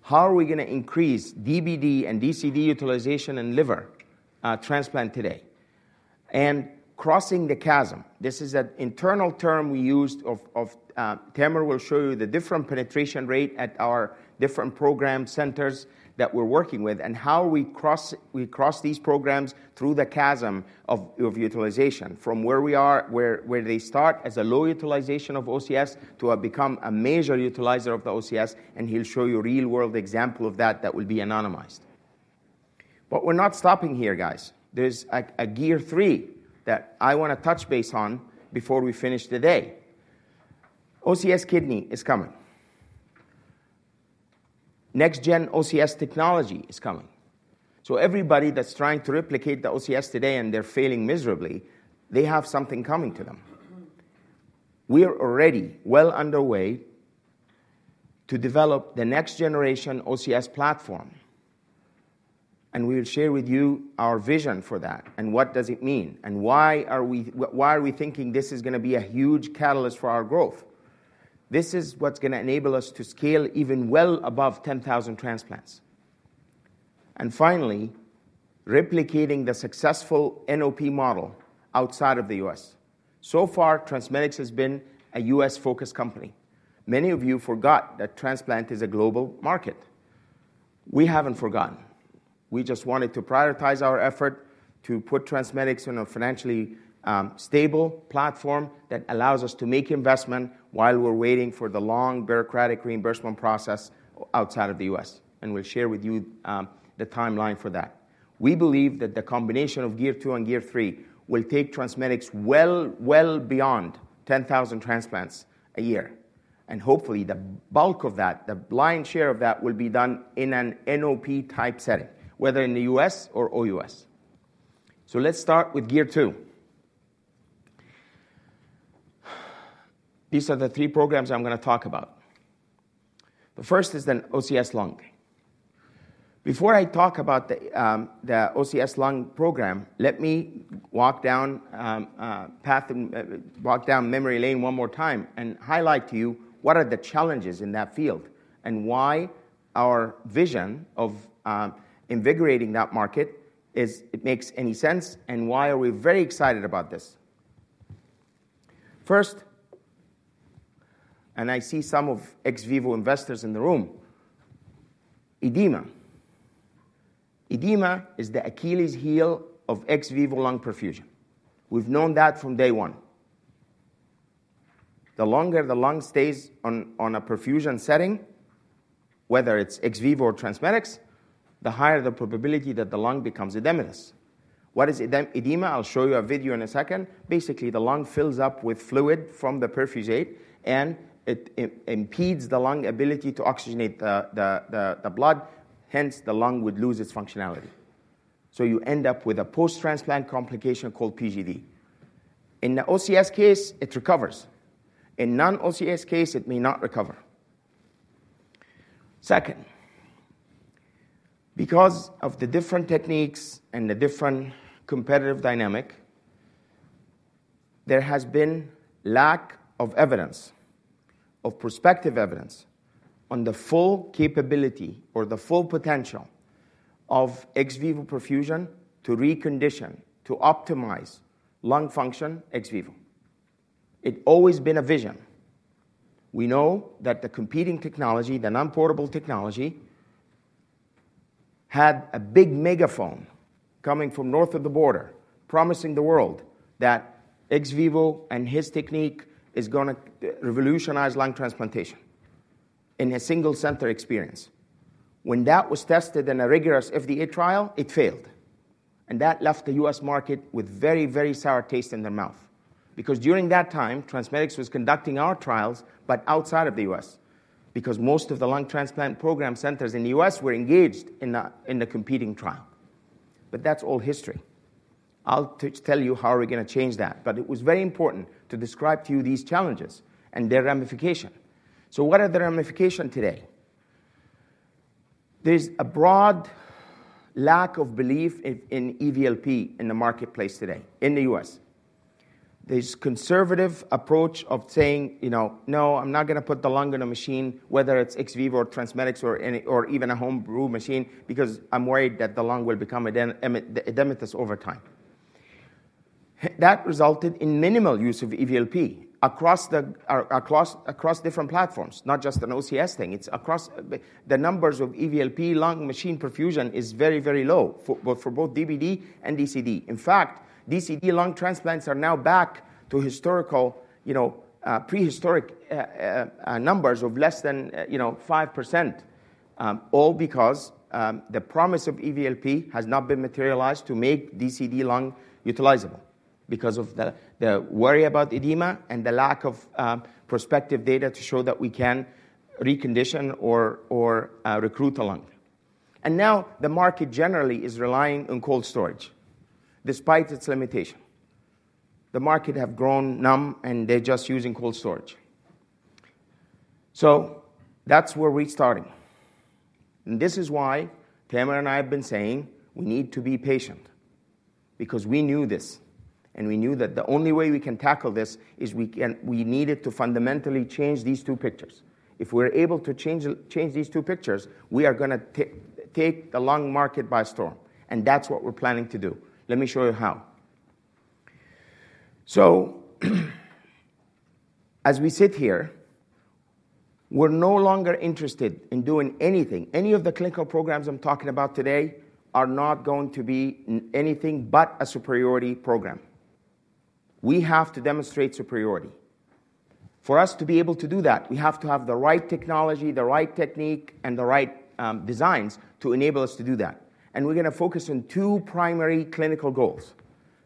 How are we going to increase DBD and DCD utilization in liver transplant today and crossing the chasm? This is an internal term we use. Tamer will show you the different penetration rate at our different program centers that we're working with and how we cross these programs through the chasm of utilization from where we are, where they start as a low utilization of OCS to become a major utilizer of the OCS, and he'll show you a real-world example of that that will be anonymized. But we're not stopping here, guys. There's a Gear Three that I want to touch base on before we finish today. OCS kidney is coming. Next-gen OCS technology is coming. So everybody that's trying to replicate the OCS today and they're failing miserably, they have something coming to them. We are already well underway to develop the next-generation OCS platform, and we will share with you our vision for that and what does it mean and why are we thinking this is going to be a huge catalyst for our growth. This is what's going to enable us to scale even well above 10,000 transplants. And finally, replicating the successful NOP model outside of the U.S. So far, TransMedics has been a U.S.-focused company. Many of you forgot that transplant is a global market. We haven't forgotten. We just wanted to prioritize our effort to put TransMedics on a financially stable platform that allows us to make investment while we're waiting for the long bureaucratic reimbursement process outside of the U.S., and we'll share with you the timeline for that. We believe that the combination of Gear Two and Gear Three will take TransMedics well beyond 10,000 transplants a year, and hopefully the bulk of that, the lion's share of that, will be done in an NOP-type setting, whether in the U.S. or OUS. So let's start with Gear Two. These are the three programs I'm going to talk about. The first is the OCS Lung. Before I talk about the OCS Lung program, let me walk down memory lane one more time and highlight to you what are the challenges in that field and why our vision of invigorating that market makes any sense and why are we very excited about this. First, and I see some of XVIVO investors in the room, edema. Edema is the Achilles' heel of XVIVO lung perfusion. We've known that from day one. The longer the lung stays on a perfusion setting, whether it's XVIVO or TransMedics, the higher the probability that the lung becomes edematous. What is edema? I'll show you a video in a second. Basically, the lung fills up with fluid from the perfusate, and it impedes the lung's ability to oxygenate the blood, hence the lung would lose its functionality. So you end up with a post-transplant complication called PGD. In the OCS case, it recovers. In non-OCS case, it may not recover. Second, because of the different techniques and the different competitive dynamic, there has been a lack of evidence, of prospective evidence, on the full capability or the full potential of XVIVO perfusion to recondition, to optimize lung function XVIVO. It's always been a vision. We know that the competing technology, the non-portable technology, had a big megaphone coming from north of the border promising the world that XVIVO and his technique is going to revolutionize lung transplantation in a single center experience. When that was tested in a rigorous FDA trial, it failed, and that left the U.S. market with very, very sour taste in their mouth because during that time, TransMedics was conducting our trials but outside of the U.S. because most of the lung transplant program centers in the U.S. were engaged in the competing trial. But that's all history. I'll tell you how are we going to change that, but it was very important to describe to you these challenges and their ramification. So what are the ramifications today? There's a broad lack of belief in EVLP in the marketplace today in the U.S. There's a conservative approach of saying, "No, I'm not going to put the lung in a machine, whether it's XVIVO or TransMedics or even a home-brew machine, because I'm worried that the lung will become edematous over time." That resulted in minimal use of EVLP across different platforms, not just an OCS thing. The numbers of EVLP lung machine perfusion are very, very low for both DBD and DCD. In fact, DCD lung transplants are now back to prehistoric numbers of less than 5%, all because the promise of EVLP has not been materialized to make DCD lung utilizable because of the worry about edema and the lack of prospective data to show that we can recondition or recruit the lung. And now the market generally is relying on cold storage despite its limitation. The market has grown numb, and they're just using cold storage. So that's where we're starting. And this is why Tamer and I have been saying we need to be patient because we knew this, and we knew that the only way we can tackle this is we needed to fundamentally change these two pictures. If we're able to change these two pictures, we are going to take the lung market by storm, and that's what we're planning to do. Let me show you how. So as we sit here, we're no longer interested in doing anything. Any of the clinical programs I'm talking about today are not going to be anything but a superiority program. We have to demonstrate superiority. For us to be able to do that, we have to have the right technology, the right technique, and the right designs to enable us to do that. And we're going to focus on two primary clinical goals.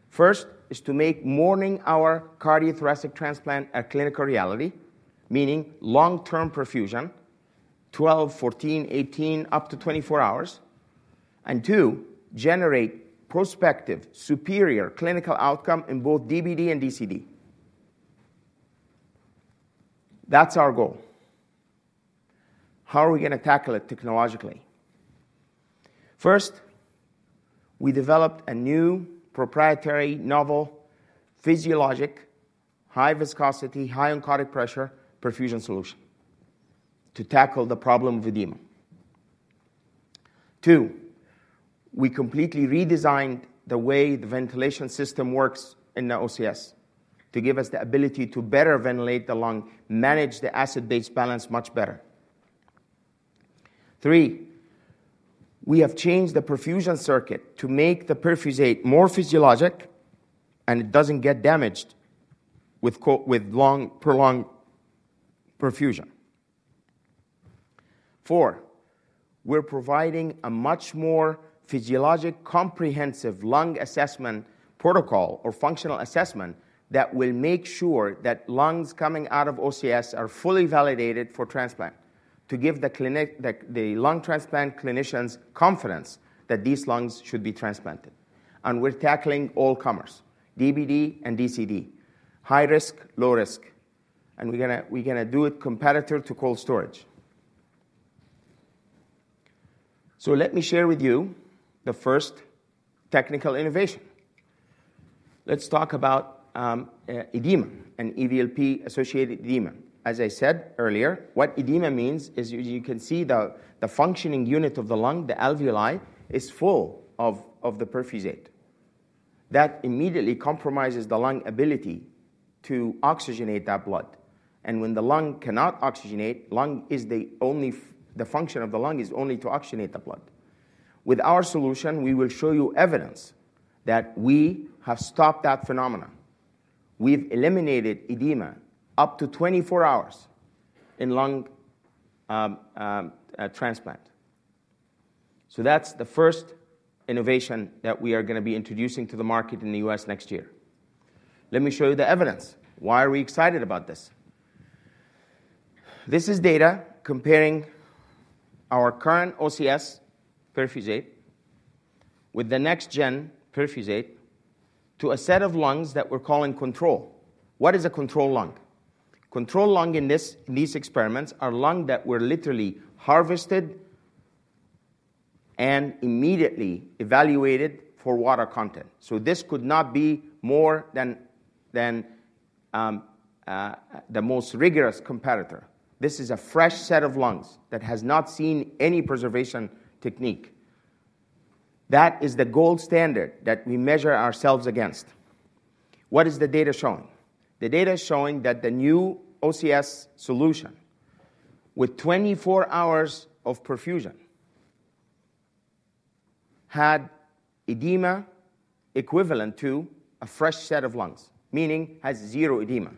First is to make normothermic cardiothoracic transplant a clinical reality, meaning long-term perfusion, 12, 14, 18, up to 24 hours, and two, generate prospective superior clinical outcome in both DBD and DCD. That's our goal. How are we going to tackle it technologically? First, we developed a new proprietary novel physiologic high-viscosity, high-oncotic pressure perfusion solution to tackle the problem of edema. Two, we completely redesigned the way the ventilation system works in the OCS to give us the ability to better ventilate the lung, manage the acid-base balance much better. Three, we have changed the perfusion circuit to make the perfusate more physiologic, and it doesn't get damaged with prolonged perfusion. Four, we're providing a much more physiologic comprehensive lung assessment protocol or functional assessment that will make sure that lungs coming out of OCS are fully validated for transplant to give the lung transplant clinicians confidence that these lungs should be transplanted, and we're tackling all comers: DBD and DCD, high risk, low risk, and we're going to do it competitive to cold storage, so let me share with you the first technical innovation. Let's talk about edema and EVLP-associated edema. As I said earlier, what edema means is you can see the functioning unit of the lung, the alveoli, is full of the perfusate. That immediately compromises the lung's ability to oxygenate that blood, and when the lung cannot oxygenate, the function of the lung is only to oxygenate the blood. With our solution, we will show you evidence that we have stopped that phenomenon. We've eliminated edema up to 24 hours in lung transplant. So that's the first innovation that we are going to be introducing to the market in the U.S. next year. Let me show you the evidence. Why are we excited about this? This is data comparing our current OCS perfusate with the next-gen perfusate to a set of lungs that we're calling control. What is a control lung? Control lung in these experiments are lungs that were literally harvested and immediately evaluated for water content. So this could not be more than the most rigorous competitor. This is a fresh set of lungs that has not seen any preservation technique. That is the gold standard that we measure ourselves against. What is the data showing? The data is showing that the new OCS solution with 24 hours of perfusion had edema equivalent to a fresh set of lungs, meaning it has zero edema.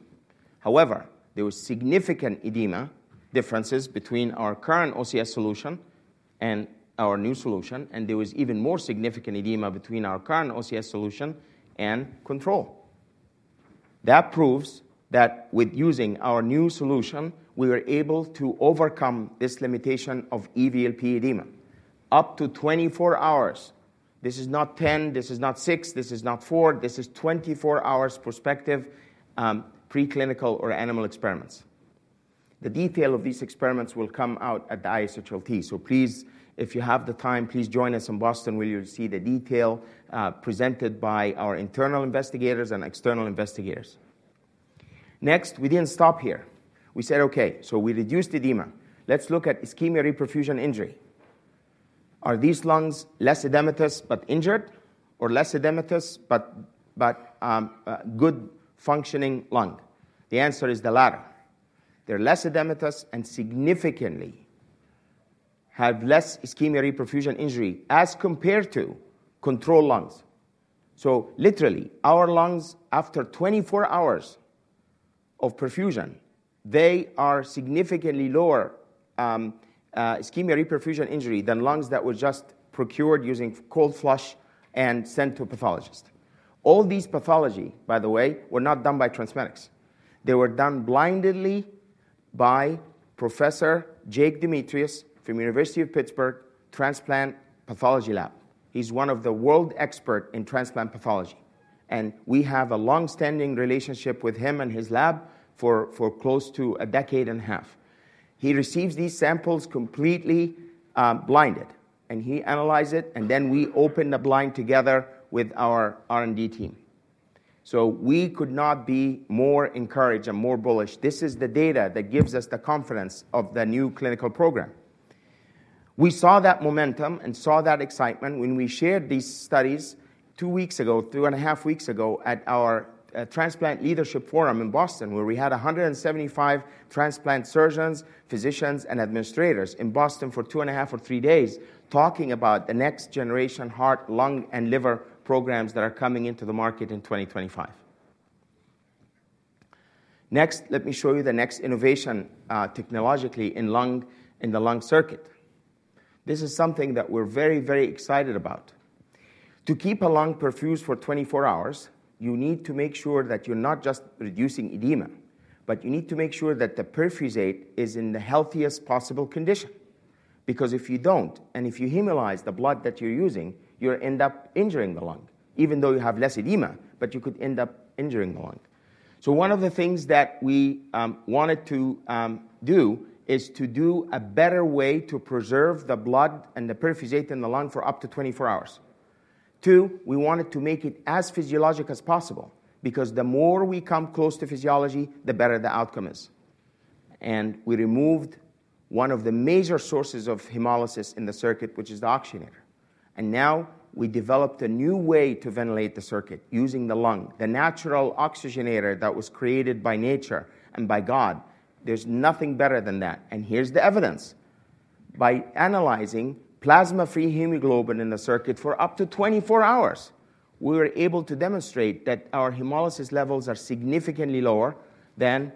However, there was significant edema differences between our current OCS solution and our new solution, and there was even more significant edema between our current OCS solution and control. That proves that with using our new solution, we were able to overcome this limitation of EVLP edema up to 24 hours. This is not 10. This is not 6. This is not 4. This is 24 hours prospective preclinical or animal experiments. The detail of these experiments will come out at the ISHLT. So please, if you have the time, please join us in Boston. You'll see the detail presented by our internal investigators and external investigators. Next, we didn't stop here. We said, "Okay, so we reduced edema. Let's look at ischemia-reperfusion injury. "Are these lungs less edematous but injured or less edematous but good functioning lung?" The answer is the latter. They're less edematous and significantly have less ischemia-reperfusion injury as compared to control lungs. So literally, our lungs, after 24 hours of perfusion, they are significantly lower ischemia-reperfusion injury than lungs that were just procured using cold flush and sent to a pathologist. All these pathologies, by the way, were not done by TransMedics. They were done blindly by Professor Jake Demetris from the University of Pittsburgh Transplant Pathology Lab. He's one of the world experts in transplant pathology, and we have a long-standing relationship with him and his lab for close to a decade and a half. He receives these samples completely blinded, and he analyzes it, and then we open the blind together with our R&D team. So we could not be more encouraged and more bullish. This is the data that gives us the confidence of the new clinical program. We saw that momentum and saw that excitement when we shared these studies two weeks ago, two and a half weeks ago at our Transplant Leadership Forum in Boston, where we had 175 transplant surgeons, physicians, and administrators in Boston for two and a half or three days talking about the next-generation heart, lung, and liver programs that are coming into the market in 2025. Next, let me show you the next innovation technologically in the lung circuit. This is something that we're very, very excited about. To keep a lung perfused for 24 hours, you need to make sure that you're not just reducing edema, but you need to make sure that the perfusate is in the healthiest possible condition because if you don't, and if you hemolyze the blood that you're using, you'll end up injuring the lung, even though you have less edema, but you could end up injuring the lung, so one of the things that we wanted to do is to do a better way to preserve the blood and the perfusate in the lung for up to 24 hours. Two, we wanted to make it as physiologic as possible because the more we come close to physiology, the better the outcome is, and we removed one of the major sources of hemolysis in the circuit, which is the oxygenator. Now we developed a new way to ventilate the circuit using the lung, the natural oxygenator that was created by nature and by God. There's nothing better than that, and here's the evidence. By analyzing plasma-free hemoglobin in the circuit for up to 24 hours, we were able to demonstrate that our hemolysis levels are significantly lower than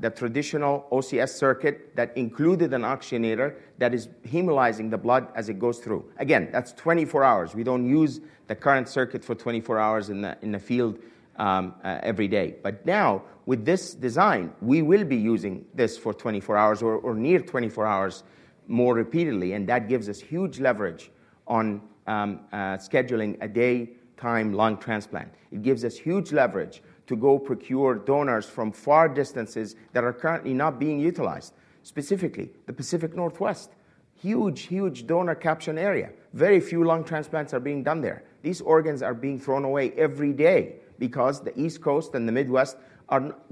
the traditional OCS circuit that included an oxygenator that is hemolyzing the blood as it goes through. Again, that's 24 hours. We don't use the current circuit for 24 hours in the field every day. But now, with this design, we will be using this for 24 hours or near 24 hours more repeatedly, and that gives us huge leverage on scheduling a daytime lung transplant. It gives us huge leverage to go procure donors from far distances that are currently not being utilized, specifically the Pacific Northwest, huge, huge donor catchment area. Very few lung transplants are being done there. These organs are being thrown away every day because the East Coast and the Midwest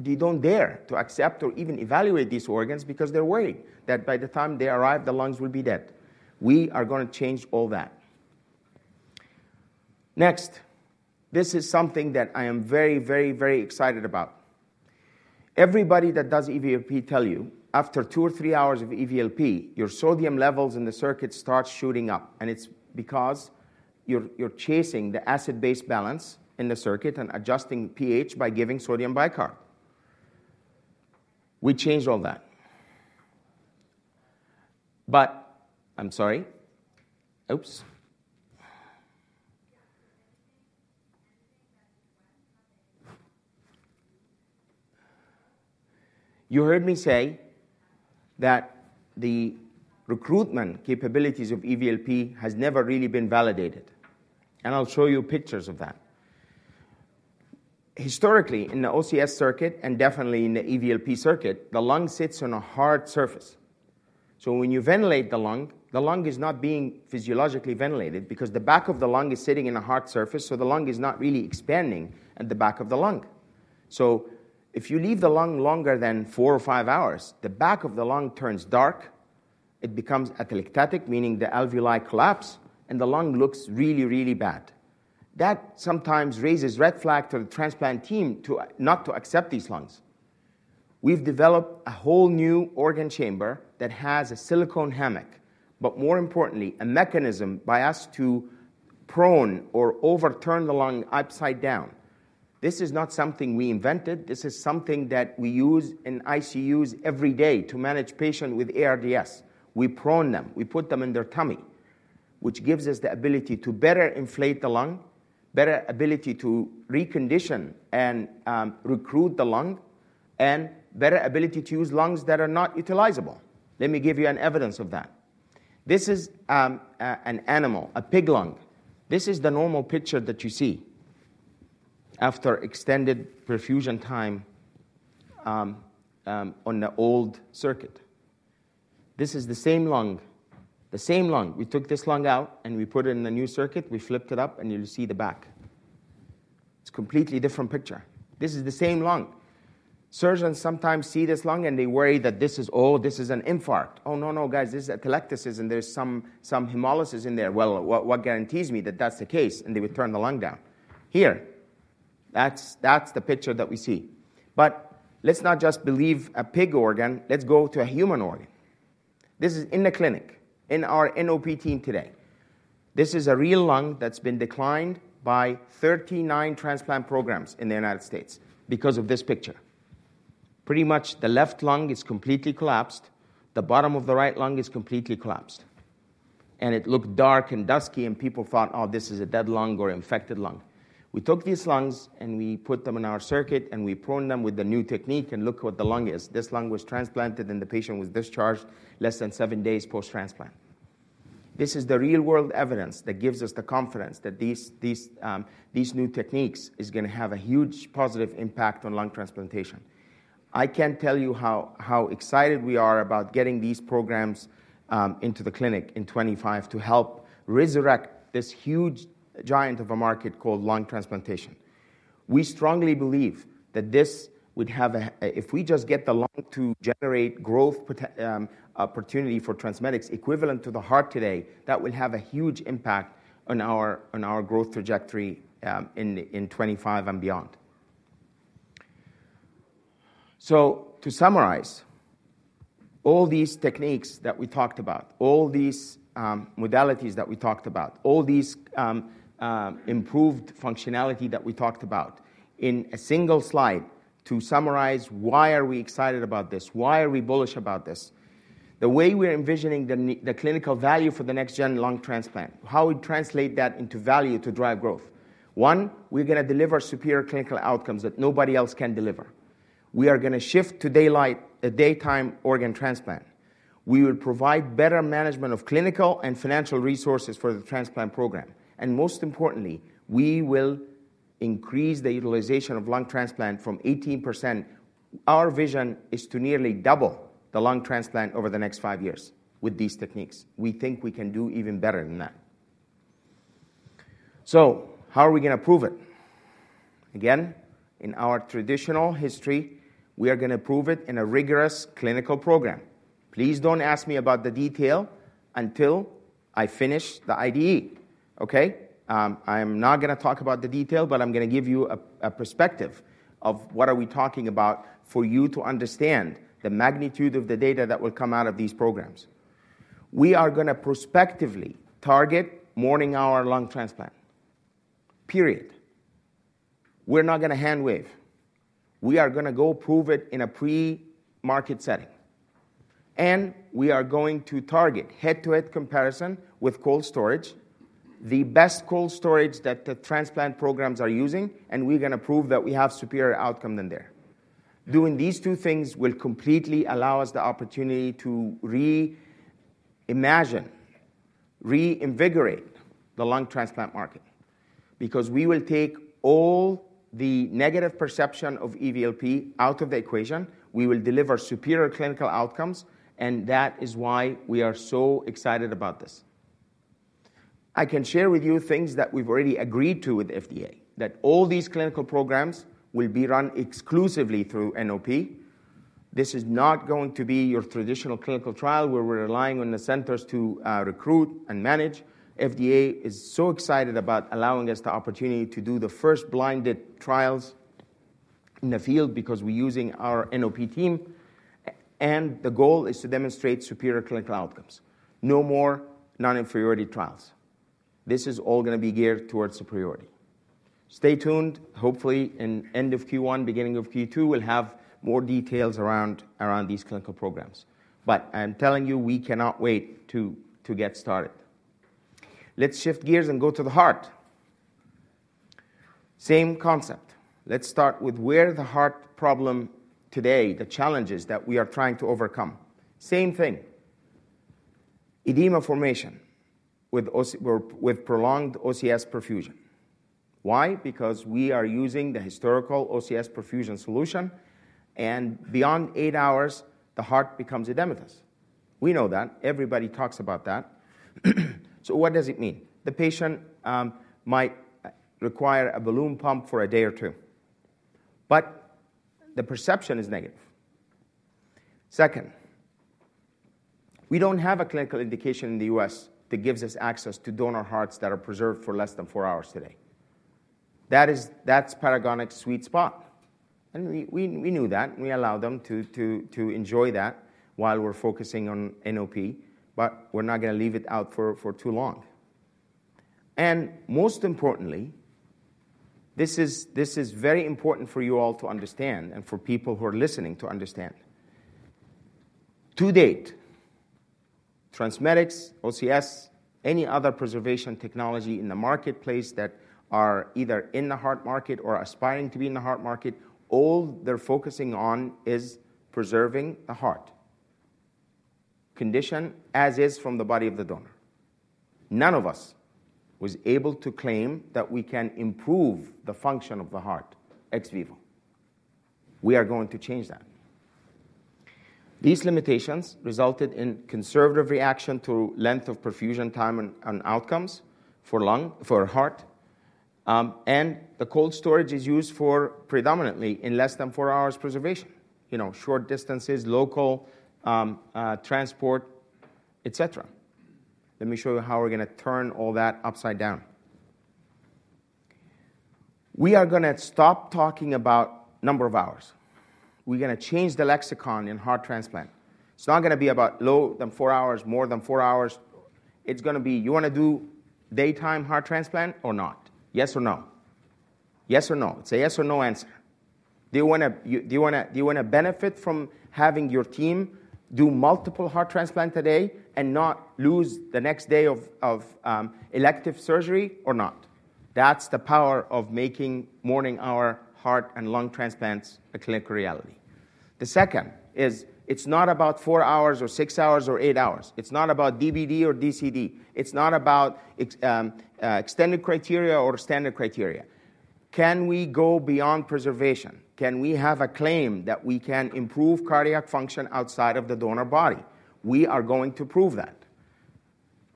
don't dare to accept or even evaluate these organs because they're worried that by the time they arrive, the lungs will be dead. We are going to change all that. Next, this is something that I am very, very, very excited about. Everybody that does EVLP tells you after two or three hours of EVLP, your sodium levels in the circuit start shooting up, and it's because you're chasing the acid-base balance in the circuit and adjusting pH by giving sodium bicarb. We changed all that. But I'm sorry. Oops. You heard me say that the recruitment capabilities of EVLP have never really been validated, and I'll show you pictures of that. Historically, in the OCS circuit and definitely in the EVLP circuit, the lung sits on a hard surface. So when you ventilate the lung, the lung is not being physiologically ventilated because the back of the lung is sitting on a hard surface, so the lung is not really expanding at the back of the lung. So if you leave the lung longer than four or five hours, the back of the lung turns dark. It becomes atelectatic, meaning the alveoli collapse, and the lung looks really, really bad. That sometimes raises red flags to the transplant team not to accept these lungs. We've developed a whole new organ chamber that has a silicone hammock, but more importantly, a mechanism by us to prone or overturn the lung upside down. This is not something we invented. This is something that we use in ICUs every day to manage patients with ARDS. We prone them. We put them in their tummy, which gives us the ability to better inflate the lung, better ability to recondition and recruit the lung, and better ability to use lungs that are not utilizable. Let me give you an evidence of that. This is an animal, a pig lung. This is the normal picture that you see after extended perfusion time on the old circuit. This is the same lung. The same lung. We took this lung out, and we put it in the new circuit. We flipped it up, and you'll see the back. It's a completely different picture. This is the same lung. Surgeons sometimes see this lung, and they worry that this is, "Oh, this is an infarct." "Oh, no, no, guys. This is atelectasis, and there's some hemolysis in there." "Well, what guarantees me that that's the case?", and they would turn the lung down. Here, that's the picture that we see, but let's not just believe a pig organ. Let's go to a human organ. This is in the clinic, in our NOP team today. This is a real lung that's been declined by 39 transplant programs in the United States because of this picture. Pretty much the left lung is completely collapsed. The bottom of the right lung is completely collapsed, and it looked dark and dusky, and people thought, "Oh, this is a dead lung or infected lung." We took these lungs, and we put them in our circuit, and we prone them with the new technique and looked at what the lung is. This lung was transplanted, and the patient was discharged less than seven days post-transplant. This is the real-world evidence that gives us the confidence that these new techniques are going to have a huge positive impact on lung transplantation. I can't tell you how excited we are about getting these programs into the clinic in 2025 to help resurrect this huge giant of a market called lung transplantation. We strongly believe that this would have a, if we just get the lung to generate growth opportunity for TransMedics equivalent to the heart today, that will have a huge impact on our growth trajectory in 2025 and beyond. So to summarize, all these techniques that we talked about, all these modalities that we talked about, all this improved functionality that we talked about in a single slide to summarize why are we excited about this, why are we bullish about this, the way we're envisioning the clinical value for the next-gen lung transplant, how we translate that into value to drive growth. One, we're going to deliver superior clinical outcomes that nobody else can deliver. We are going to shift to daylight, a daytime organ transplant. We will provide better management of clinical and financial resources for the transplant program. And most importantly, we will increase the utilization of lung transplant from 18%. Our vision is to nearly double the lung transplant over the next five years with these techniques. We think we can do even better than that. So how are we going to prove it? Again, in our traditional history, we are going to prove it in a rigorous clinical program. Please don't ask me about the detail until I finish the IDE. Okay? I'm not going to talk about the detail, but I'm going to give you a perspective of what are we talking about for you to understand the magnitude of the data that will come out of these programs. We are going to prospectively target morning-hour lung transplant. Period. We're not going to handwave. We are going to go prove it in a pre-market setting. And we are going to target head-to-head comparison with cold storage, the best cold storage that the transplant programs are using, and we're going to prove that we have superior outcome than there. Doing these two things will completely allow us the opportunity to reimagine, reinvigorate the lung transplant market because we will take all the negative perception of EVLP out of the equation. We will deliver superior clinical outcomes, and that is why we are so excited about this. I can share with you things that we've already agreed to with the FDA, that all these clinical programs will be run exclusively through NOP. This is not going to be your traditional clinical trial where we're relying on the centers to recruit and manage. FDA is so excited about allowing us the opportunity to do the first blinded trials in the field because we're using our NOP team, and the goal is to demonstrate superior clinical outcomes. No more non-inferiority trials. This is all going to be geared towards superiority. Stay tuned. Hopefully, in the end of Q1, beginning of Q2, we'll have more details around these clinical programs. But I'm telling you, we cannot wait to get started. Let's shift gears and go to the heart. Same concept. Let's start with where the heart problem today, the challenges that we are trying to overcome. Same thing. Edema formation with prolonged OCS perfusion. Why? Because we are using the historical OCS perfusion solution, and beyond eight hours, the heart becomes edematous. We know that. Everybody talks about that. So what does it mean? The patient might require a balloon pump for a day or two, but the perception is negative. Second, we don't have a clinical indication in the U.S. that gives us access to donor hearts that are preserved for less than four hours today. That's Paragonix's sweet spot, and we knew that, and we allowed them to enjoy that while we're focusing on NOP, but we're not going to leave it out for too long, and most importantly, this is very important for you all to understand and for people who are listening to understand. To date, TransMedics, OCS, any other preservation technology in the marketplace that are either in the heart market or aspiring to be in the heart market, all they're focusing on is preserving the heart condition as is from the body of the donor. None of us was able to claim that we can improve the function of the heart XVIVO. We are going to change that. These limitations resulted in conservative reaction to length of perfusion time and outcomes for heart, and the cold storage is used predominantly in less than four hours preservation, short distances, local transport, etc. Let me show you how we're going to turn all that upside down. We are going to stop talking about number of hours. We're going to change the lexicon in heart transplant. It's not going to be about less than four hours, more than four hours. It's going to be, "You want to do daytime heart transplant or not? Yes or no? Yes or no?" It's a yes or no answer. Do you want to benefit from having your team do multiple heart transplants a day and not lose the next day of elective surgery or not? That's the power of making morning-hour heart and lung transplants a clinical reality. The second is it's not about four hours or six hours or eight hours. It's not about DBD or DCD. It's not about extended criteria or standard criteria. Can we go beyond preservation? Can we have a claim that we can improve cardiac function outside of the donor body? We are going to prove that.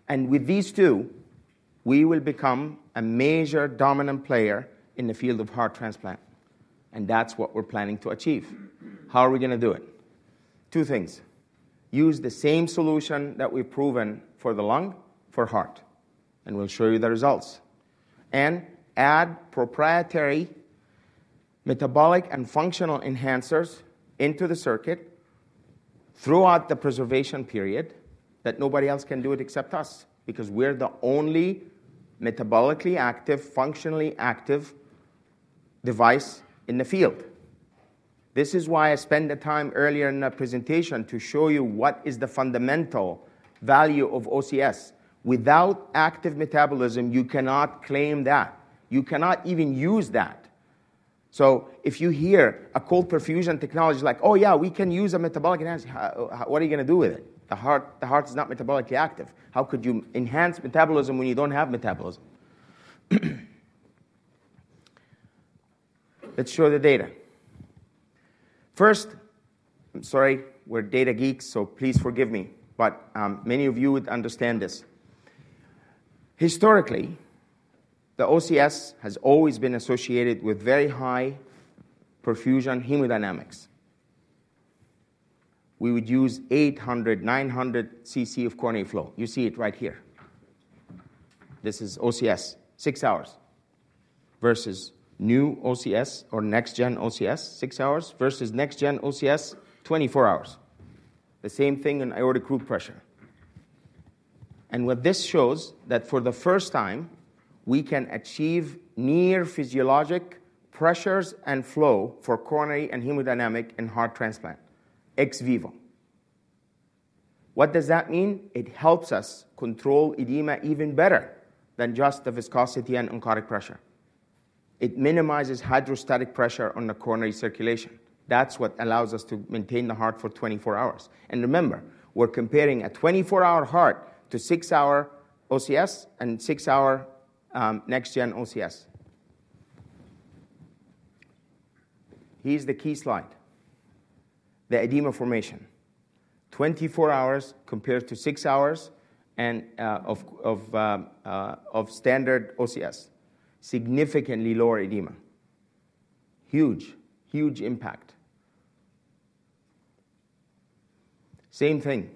And with these two, we will become a major dominant player in the field of heart transplant, and that's what we're planning to achieve. How are we going to do it? Two things. Use the same solution that we've proven for the lung, for heart, and we'll show you the results. Add proprietary metabolic and functional enhancers into the circuit throughout the preservation period that nobody else can do it except us because we're the only metabolically active, functionally active device in the field. This is why I spent the time earlier in the presentation to show you what is the fundamental value of OCS. Without active metabolism, you cannot claim that. You cannot even use that. So if you hear a cold perfusion technology like, "Oh, yeah, we can use a metabolic enhancer," what are you going to do with it? The heart is not metabolically active. How could you enhance metabolism when you don't have metabolism? Let's show the data. First, I'm sorry, we're data geeks, so please forgive me, but many of you would understand this. Historically, the OCS has always been associated with very high perfusion hemodynamics. We would use 800, 900 cc of coronary flow. You see it right here. This is OCS, six hours versus new OCS or next-gen OCS, six hours versus next-gen OCS, 24 hours. The same thing in aortic root pressure. And what this shows is that for the first time, we can achieve near physiologic pressures and flow for coronary and hemodynamic in heart transplant XVIVO. What does that mean? It helps us control edema even better than just the viscosity and oncotic pressure. It minimizes hydrostatic pressure on the coronary circulation. That's what allows us to maintain the heart for 24 hours. And remember, we're comparing a 24-hour heart to six-hour OCS and six-hour next-gen OCS. Here's the key slide. The edema formation. 24 hours compared to six hours of standard OCS. Significantly lower edema. Huge, huge impact. Same thing.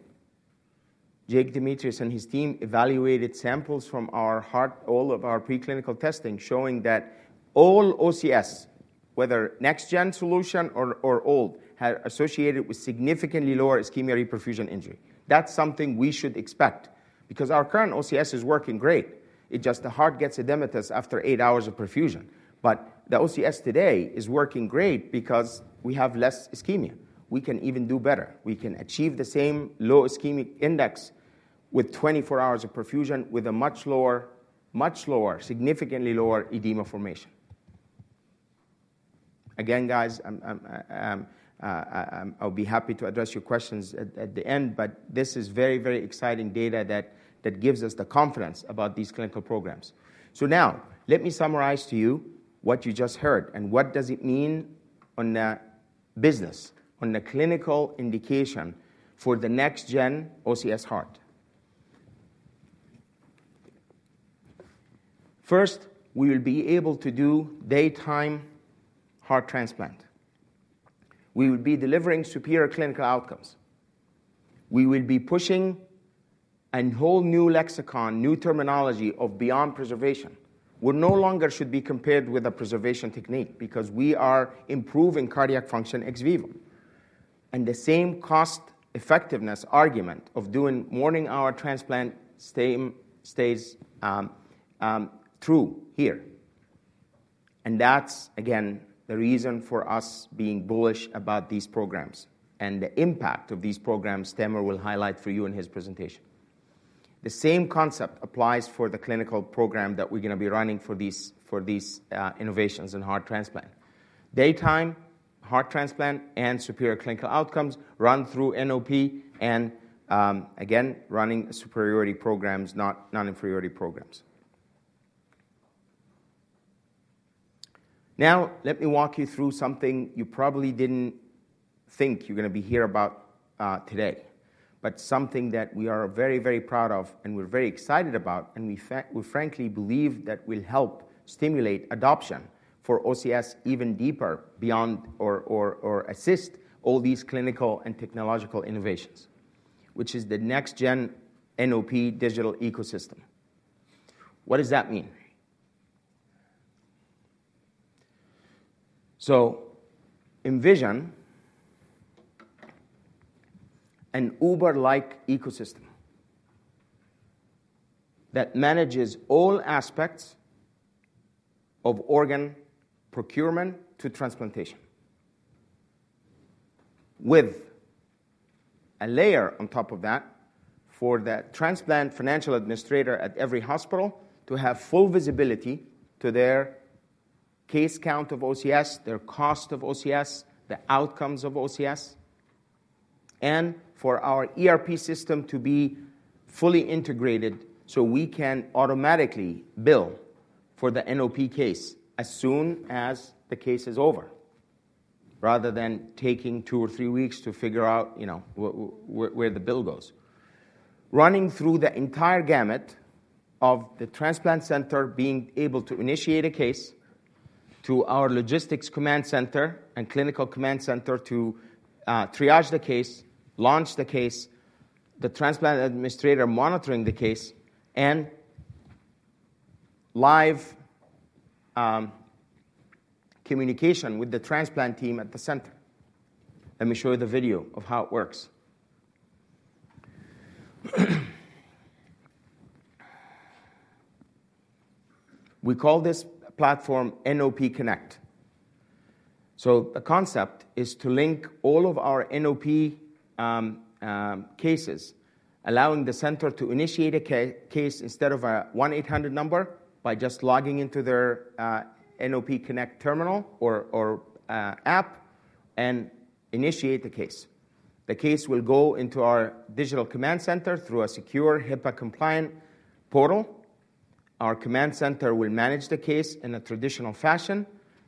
Jake Demetris and his team evaluated samples from all of our preclinical testing showing that all OCS, whether next-gen solution or old, had associated with significantly lower ischemia-reperfusion injury. That's something we should expect because our current OCS is working great. It's just the heart gets edematous after eight hours of perfusion. But the OCS today is working great because we have less ischemia. We can even do better. We can achieve the same low ischemic index with 24 hours of perfusion with a much lower, much lower, significantly lower edema formation. Again, guys, I'll be happy to address your questions at the end, but this is very, very exciting data that gives us the confidence about these clinical programs. So now, let me summarize to you what you just heard and what does it mean on the business, on the clinical indication for the next-gen OCS Heart. First, we will be able to do daytime heart transplant. We will be delivering superior clinical outcomes. We will be pushing a whole new lexicon, new terminology of beyond preservation. We no longer should be compared with a preservation technique because we are improving cardiac function XVIVO. And the same cost-effectiveness argument of doing morning-hour transplant stays true here. And that's, again, the reason for us being bullish about these programs and the impact of these programs Tamer will highlight for you in his presentation. The same concept applies for the clinical program that we're going to be running for these innovations in heart transplant. Daytime heart transplant and superior clinical outcomes run through NOP and, again, running superiority programs, non-inferiority programs. Now, let me walk you through something you probably didn't think you're going to hear about today, but something that we are very, very proud of and we're very excited about and we frankly believe that will help stimulate adoption for OCS even deeper beyond or assist all these clinical and technological innovations, which is the next-gen NOP digital ecosystem. What does that mean? So envision an Uber-like ecosystem that manages all aspects of organ procurement to transplantation with a layer on top of that for the transplant financial administrator at every hospital to have full visibility to their case count of OCS, their cost of OCS, the outcomes of OCS, and for our ERP system to be fully integrated so we can automatically bill for the NOP case as soon as the case is over rather than taking two or three weeks to figure out where the bill goes. Running through the entire gamut of the transplant center being able to initiate a case to our logistics command center and clinical command center to triage the case, launch the case, the transplant administrator monitoring the case, and live communication with the transplant team at the center. Let me show you the video of how it works. We call this platform NOP Connect. The concept is to link all of our NOP cases, allowing the center to initiate a case instead of a 1-800 number by just logging into their NOP Connect terminal or app and initiate the case. The case will go into our digital command center through a secure HIPAA-compliant portal. Our command center will manage the case in a traditional fashion.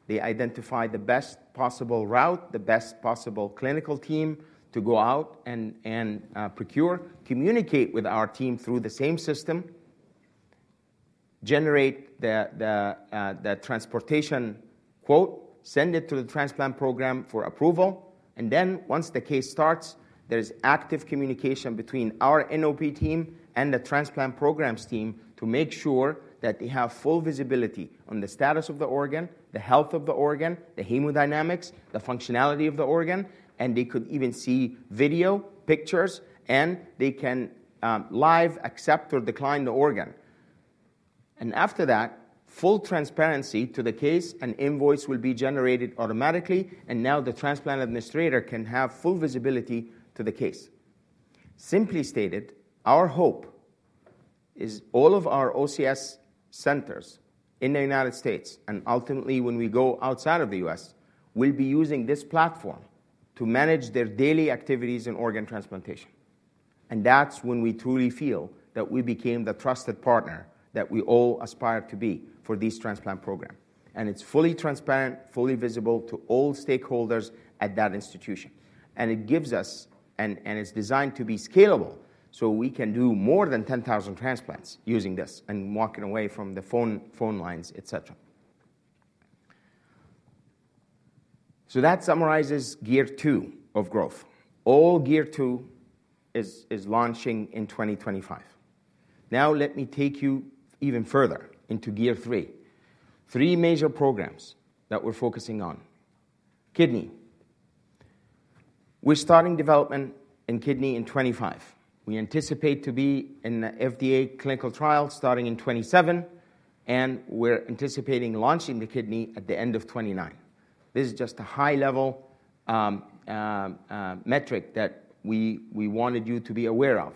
They identify the best possible route, the best possible clinical team to go out and procure, communicate with our team through the same system, generate the transportation quote, send it to the transplant program for approval, and then once the case starts, there is active communication between our NOP team and the transplant program's team to make sure that they have full visibility on the status of the organ, the health of the organ, the hemodynamics, the functionality of the organ, and they could even see video, pictures, and they can live accept or decline the organ. And after that, full transparency to the case, an invoice will be generated automatically, and now the transplant administrator can have full visibility to the case. Simply stated, our hope is all of our OCS centers in the United States and ultimately when we go outside of the U.S. will be using this platform to manage their daily activities in organ transplantation. And that's when we truly feel that we became the trusted partner that we all aspire to be for these transplant programs. And it's fully transparent, fully visible to all stakeholders at that institution. And it gives us, and it's designed to be scalable so we can do more than 10,000 transplants using this and walking away from the phone lines, etc. So that summarizes Gear Two of growth. All Gear Two is launching in 2025. Now, let me take you even further into Gear Three. Three major programs that we're focusing on. Kidney. We're starting development in kidney in 2025. We anticipate to be in the FDA clinical trial starting in 2027, and we're anticipating launching the kidney at the end of 2029. This is just a high-level metric that we wanted you to be aware of.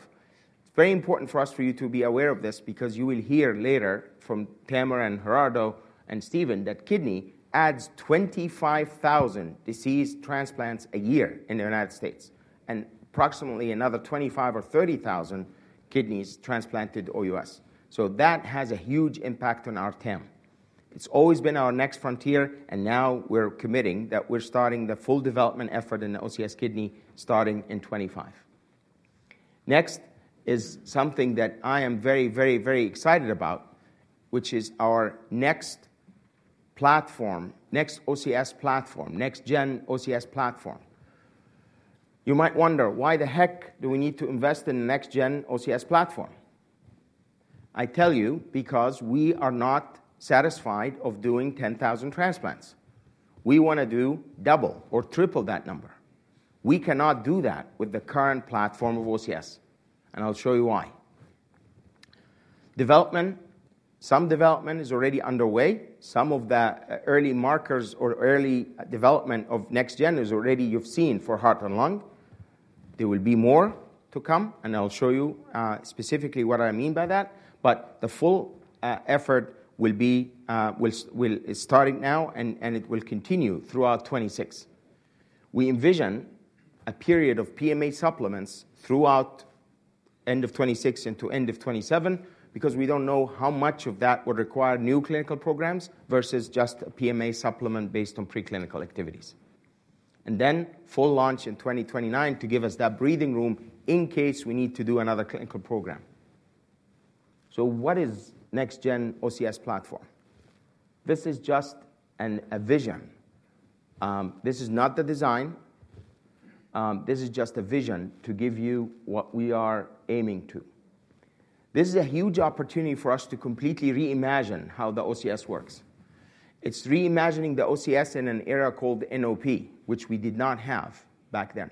It's very important for us for you to be aware of this because you will hear later from Tamer and Gerardo and Stephen that kidney adds 25,000 disease transplants a year in the United States and approximately another 25 or 30,000 kidneys transplanted OUS. So that has a huge impact on our team. It's always been our next frontier, and now we're committing that we're starting the full development effort in the OCS Kidney starting in 2025. Next is something that I am very, very, very excited about, which is our next OCS platform, next-gen OCS platform. You might wonder, why the heck do we need to invest in a next-gen OCS platform? I tell you because we are not satisfied of doing 10,000 transplants. We want to do double or triple that number. We cannot do that with the current platform of OCS, and I'll show you why. Some development is already underway. Some of the early markers or early development of next-gen is already you've seen for heart and lung. There will be more to come, and I'll show you specifically what I mean by that. But the full effort will be starting now, and it will continue throughout 2026. We envision a period of PMA supplements throughout end of 2026 into end of 2027 because we don't know how much of that would require new clinical programs versus just a PMA supplement based on preclinical activities, and then full launch in 2029 to give us that breathing room in case we need to do another clinical program. What is next-gen OCS platform? This is just a vision. This is not the design. This is just a vision to give you what we are aiming to. This is a huge opportunity for us to completely reimagine how the OCS works. It's reimagining the OCS in an era called NOP, which we did not have back then.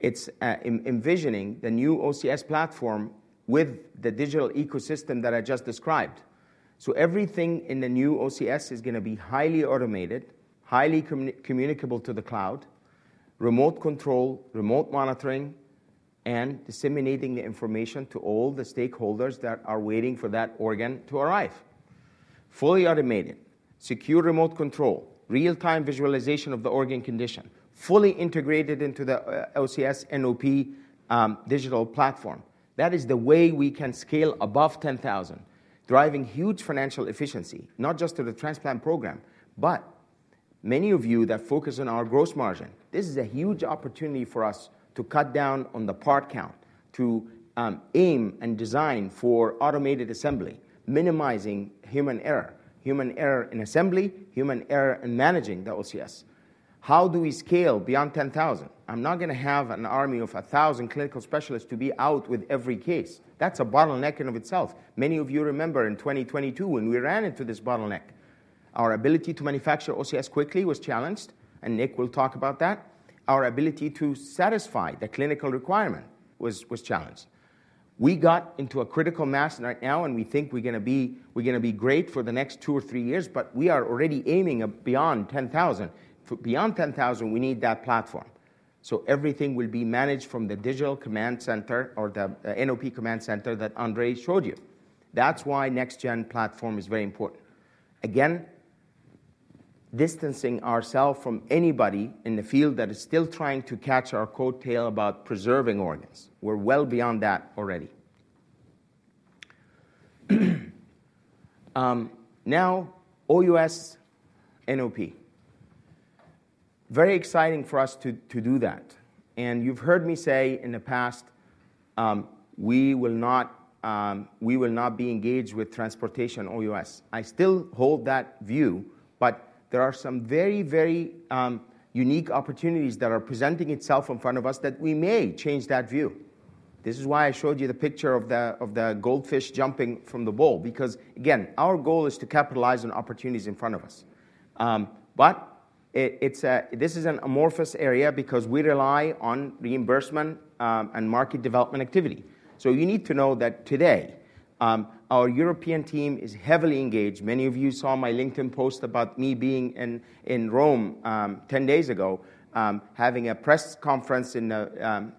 It's envisioning the new OCS platform with the digital ecosystem that I just described. Everything in the new OCS is going to be highly automated, highly communicable to the cloud, remote control, remote monitoring, and disseminating the information to all the stakeholders that are waiting for that organ to arrive. Fully automated, secure remote control, real-time visualization of the organ condition, fully integrated into the OCS NOP digital platform. That is the way we can scale above 10,000, driving huge financial efficiency, not just to the transplant program, but many of you that focus on our gross margin. This is a huge opportunity for us to cut down on the part count, to aim and design for automated assembly, minimizing human error, human error in assembly, human error in managing the OCS. How do we scale beyond 10,000? I'm not going to have an army of 1,000 clinical specialists to be out with every case. That's a bottleneck in and of itself. Many of you remember in 2022 when we ran into this bottleneck. Our ability to manufacture OCS quickly was challenged, and Nick will talk about that. Our ability to satisfy the clinical requirement was challenged. We got into a critical mass right now, and we think we're going to be great for the next two or three years, but we are already aiming beyond 10,000. Beyond 10,000, we need that platform. So everything will be managed from the digital command center or the NOP command center that Andre showed you. That's why next-gen platform is very important. Again, distancing ourselves from anybody in the field that is still trying to catch our coattail about preserving organs. We're well beyond that already. Now, OUS NOP. Very exciting for us to do that. And you've heard me say in the past, we will not be engaged with transportation OUS. I still hold that view, but there are some very, very unique opportunities that are presenting itself in front of us that we may change that view. This is why I showed you the picture of the goldfish jumping from the bowl because, again, our goal is to capitalize on opportunities in front of us. But this is an amorphous area because we rely on reimbursement and market development activity. So you need to know that today, our European team is heavily engaged. Many of you saw my LinkedIn post about me being in Rome 10 days ago, having a press conference in the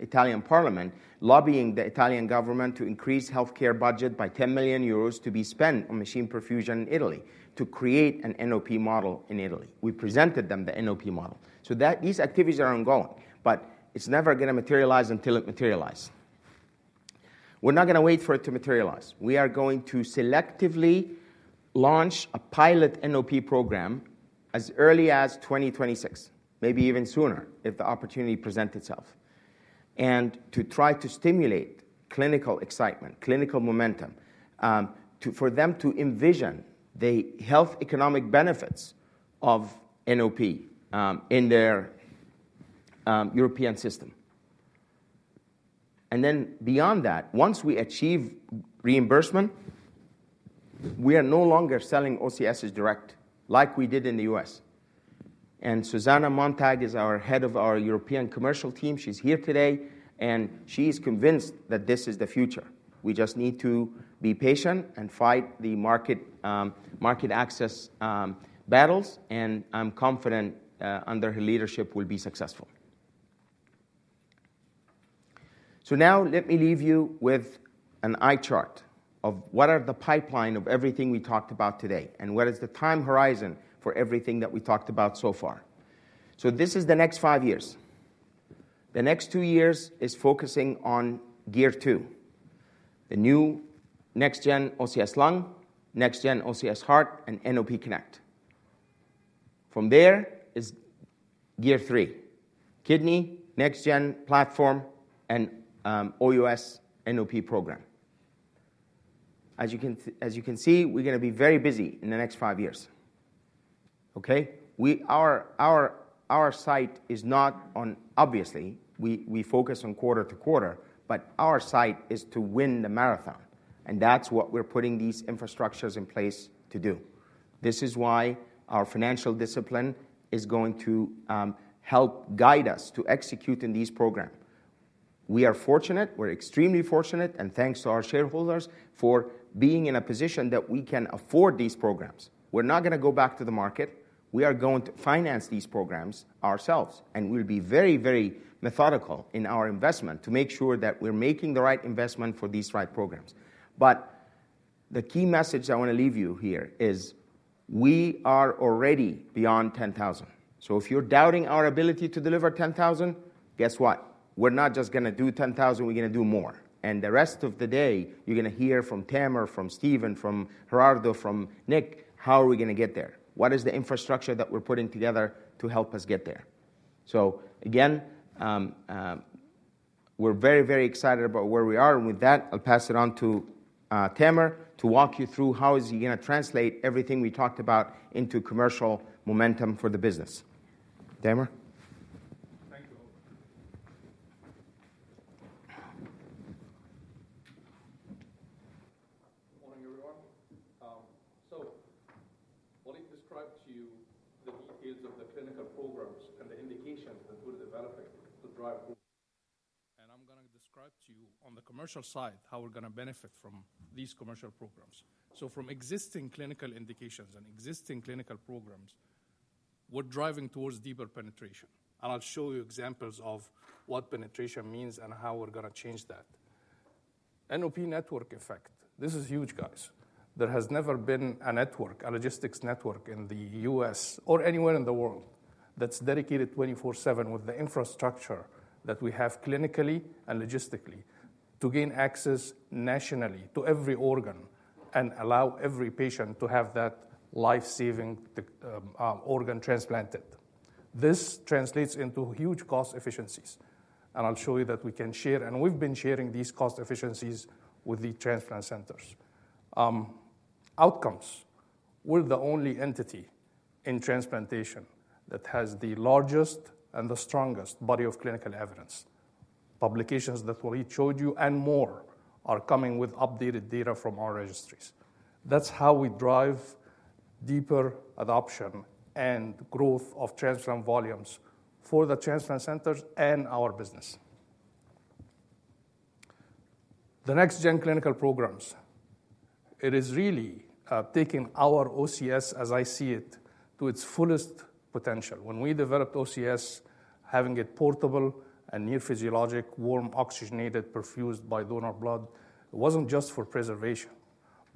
Italian Parliament, lobbying the Italian government to increase healthcare budget by 10 million euros to be spent on machine perfusion in Italy to create an NOP model in Italy. We presented them the NOP model. So these activities are ongoing, but it's never going to materialize until it materializes. We're not going to wait for it to materialize. We are going to selectively launch a pilot NOP program as early as 2026, maybe even sooner if the opportunity presents itself, and to try to stimulate clinical excitement, clinical momentum for them to envision the health economic benefits of NOP in their European system. Then beyond that, once we achieve reimbursement, we are no longer selling OCS direct like we did in the U.S.. Susanne Montag is our head of our European commercial team. She is here today, and she is convinced that this is the future. We just need to be patient and fight the market access battles, and I am confident under her leadership we will be successful. Now let me leave you with an eye chart of what are the pipeline of everything we talked about today and what is the time horizon for everything that we talked about so far. So this is the next five years. The next two years is focusing on Gear Two, the new next-gen OCS Lung, next-gen OCS Heart, and NOP Connect. From there is Gear Three, kidney, next-gen platform, and OUS NOP program. As you can see, we're going to be very busy in the next five years. Okay? Our sight is not on, obviously, we focus on quarter to quarter, but our sight is to win the marathon, and that's what we're putting these infrastructures in place to do. This is why our financial discipline is going to help guide us to execute in these programs. We are fortunate. We're extremely fortunate, and thanks to our shareholders for being in a position that we can afford these programs. We're not going to go back to the market. We are going to finance these programs ourselves, and we'll be very, very methodical in our investment to make sure that we're making the right investment for these right programs. But the key message I want to leave you here is we are already beyond 10,000. So if you're doubting our ability to deliver 10,000, guess what? We're not just going to do 10,000. We're going to do more. And the rest of the day, you're going to hear from Tamer, from Stephen, from Gerardo, from Nick, how are we going to get there? What is the infrastructure that we're putting together to help us get there? So again, we're very, very excited about where we are. And with that, I'll pass it on to Tamer to walk you through how is he going to translate everything we talked about into commercial momentum for the business. Tamer? Thank you all. Good morning, everyone. So what I've described to you, the details of the clinical programs and the indications that we're developing to drive. And I'm going to describe to you on the commercial side how we're going to benefit from these commercial programs. So from existing clinical indications and existing clinical programs, we're driving towards deeper penetration. And I'll show you examples of what penetration means and how we're going to change that. NOP network effect. This is huge, guys. There has never been a network, a logistics network in the U.S. or anywhere in the world that's dedicated 24/7 with the infrastructure that we have clinically and logistically to gain access nationally to every organ and allow every patient to have that life-saving organ transplanted. This translates into huge cost efficiencies. And I'll show you that we can share, and we've been sharing these cost efficiencies with the transplant centers. Outcomes. We're the only entity in transplantation that has the largest and the strongest body of clinical evidence. Publications that we showed you and more are coming with updated data from our registries. That's how we drive deeper adoption and growth of transplant volumes for the transplant centers and our business. The next-gen clinical programs. It is really taking our OCS, as I see it, to its fullest potential. When we developed OCS, having it portable and near physiologic, warm, oxygenated, perfused by donor blood, it wasn't just for preservation.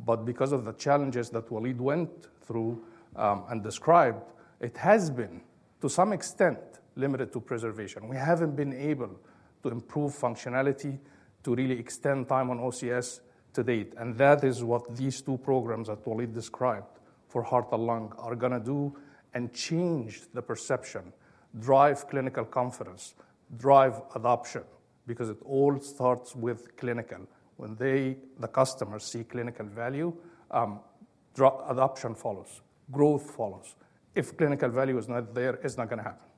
But because of the challenges that Waleed went through and described, it has been, to some extent, limited to preservation. We haven't been able to improve functionality to really extend time on OCS to date. That is what these two programs that Waleed described for heart and lung are going to do and change the perception, drive clinical confidence, drive adoption, because it all starts with clinical. When the customers see clinical value, adoption follows. Growth follows. If clinical value is not there, it's not going to happen.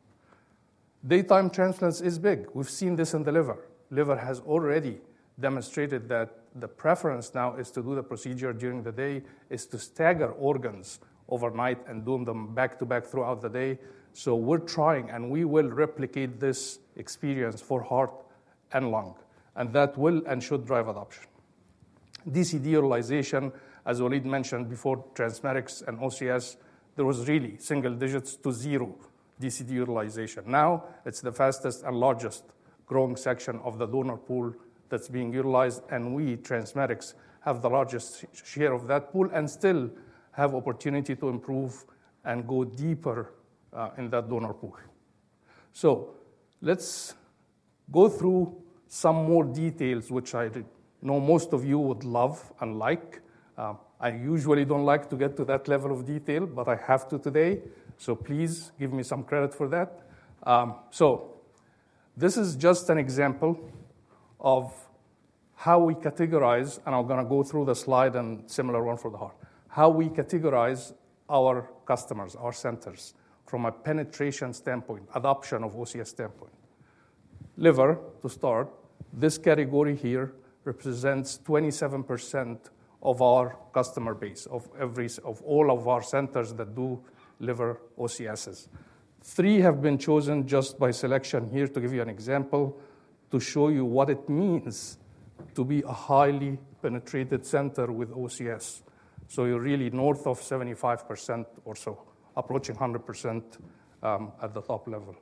Daytime transplants is big. We've seen this in the liver. Liver has already demonstrated that the preference now is to do the procedure during the day, is to stagger organs overnight and do them back to back throughout the day. We're trying, and we will replicate this experience for heart and lung. That will and should drive adoption. DCD utilization, as Waleed mentioned before, TransMedics and OCS, there was really single digits to zero DCD utilization. Now, it's the fastest and largest growing section of the donor pool that's being utilized. We, TransMedics, have the largest share of that pool and still have the opportunity to improve and go deeper in that donor pool. Let's go through some more details, which I know most of you would love and like. I usually don't like to get to that level of detail, but I have to today. Please give me some credit for that. This is just an example of how we categorize, and I'm going to go through the slide and similar one for the heart, how we categorize our customers, our centers from a penetration standpoint, adoption of OCS standpoint. Liver to start. This category here represents 27% of our customer base of all of our centers that do liver OCSs. Three have been chosen just by selection here to give you an example to show you what it means to be a highly penetrated center with OCS. So you're really north of 75% or so, approaching 100% at the top level.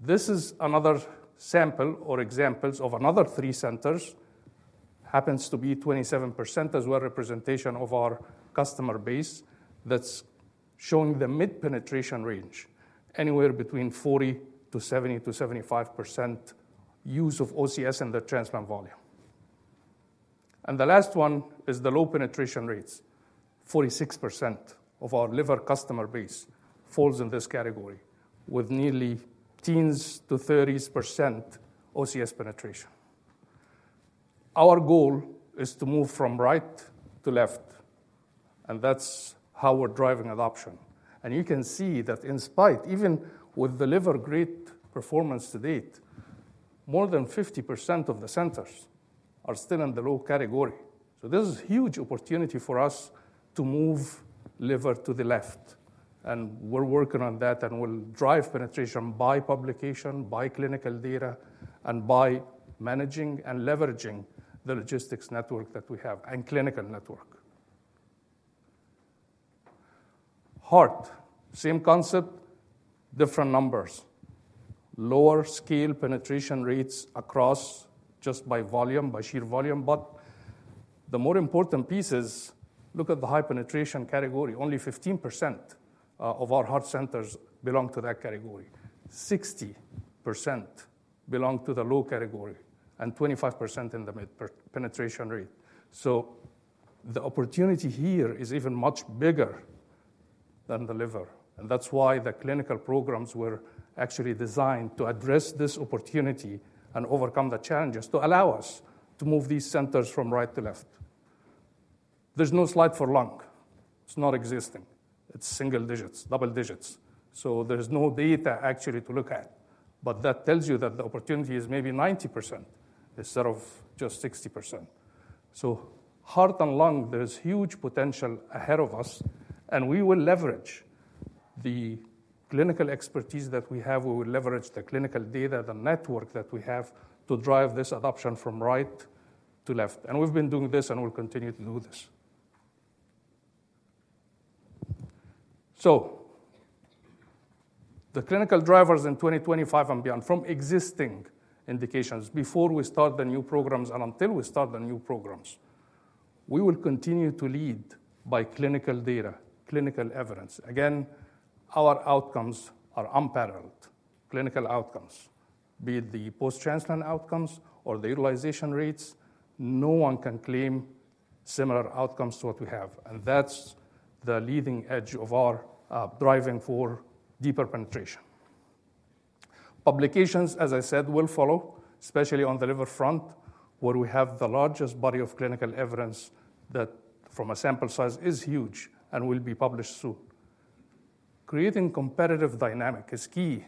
This is another sample or examples of another three centers. Happens to be 27% as well representation of our customer base that's showing the mid-penetration range, anywhere between 40% to 70% to 75% use of OCS in the transplant volume, and the last one is the low penetration rates. 46% of our liver customer base falls in this category with nearly teens to 30% OCS penetration. Our goal is to move from right to left, and that's how we're driving adoption. And you can see that in spite of, even with the liver great performance to date, more than 50% of the centers are still in the low category. This is a huge opportunity for us to move liver to the left. And we're working on that, and we'll drive penetration by publication, by clinical data, and by managing and leveraging the logistics network that we have and clinical network. Heart. Same concept, different numbers. Lower scale penetration rates across just by volume, by sheer volume. But the more important pieces, look at the high penetration category. Only 15% of our heart centers belong to that category. 60% belong to the low category and 25% in the mid-penetration rate. So the opportunity here is even much bigger than the liver. And that's why the clinical programs were actually designed to address this opportunity and overcome the challenges to allow us to move these centers from right to left. There's no slide for lung. It's not existing. It's single digits, double digits. So there's no data actually to look at. But that tells you that the opportunity is maybe 90% instead of just 60%. So heart and lung, there's huge potential ahead of us. And we will leverage the clinical expertise that we have. We will leverage the clinical data, the network that we have to drive this adoption from right to left. And we've been doing this and we'll continue to do this. So the clinical drivers in 2025 and beyond from existing indications before we start the new programs and until we start the new programs, we will continue to lead by clinical data, clinical evidence. Again, our outcomes are unparalleled. Clinical outcomes, be it the post-transplant outcomes or the utilization rates, no one can claim similar outcomes to what we have. And that's the leading edge of our driving for deeper penetration. Publications, as I said, will follow, especially on the liver front, where we have the largest body of clinical evidence that from a sample size is huge and will be published soon. Creating competitive dynamic is key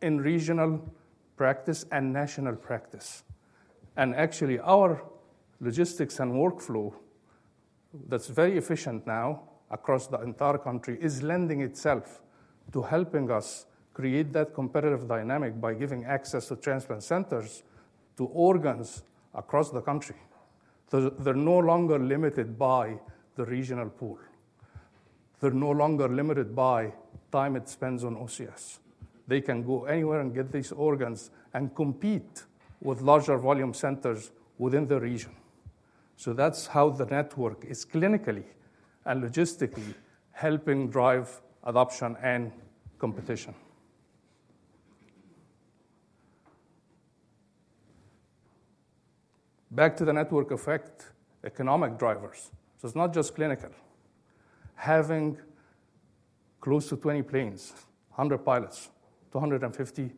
in regional practice and national practice. And actually, our logistics and workflow that's very efficient now across the entire country is lending itself to helping us create that competitive dynamic by giving access to transplant centers to organs across the country. They're no longer limited by the regional pool. They're no longer limited by time it spends on OCS. They can go anywhere and get these organs and compete with larger volume centers within the region. So that's how the network is clinically and logistically helping drive adoption and competition. Back to the network effect, economic drivers. So it's not just clinical. Having close to 20 planes, 100 pilots, 250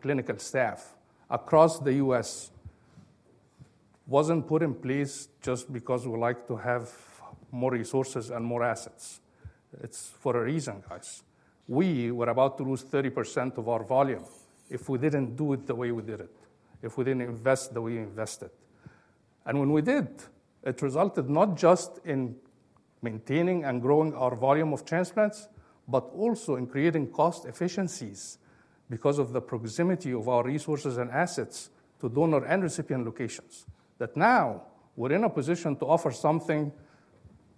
clinical staff across the U.S. wasn't put in place just because we'd like to have more resources and more assets. It's for a reason, guys. We were about to lose 30% of our volume if we didn't do it the way we did it, if we didn't invest the way we invested. And when we did, it resulted not just in maintaining and growing our volume of transplants, but also in creating cost efficiencies because of the proximity of our resources and assets to donor and recipient locations. That now we're in a position to offer something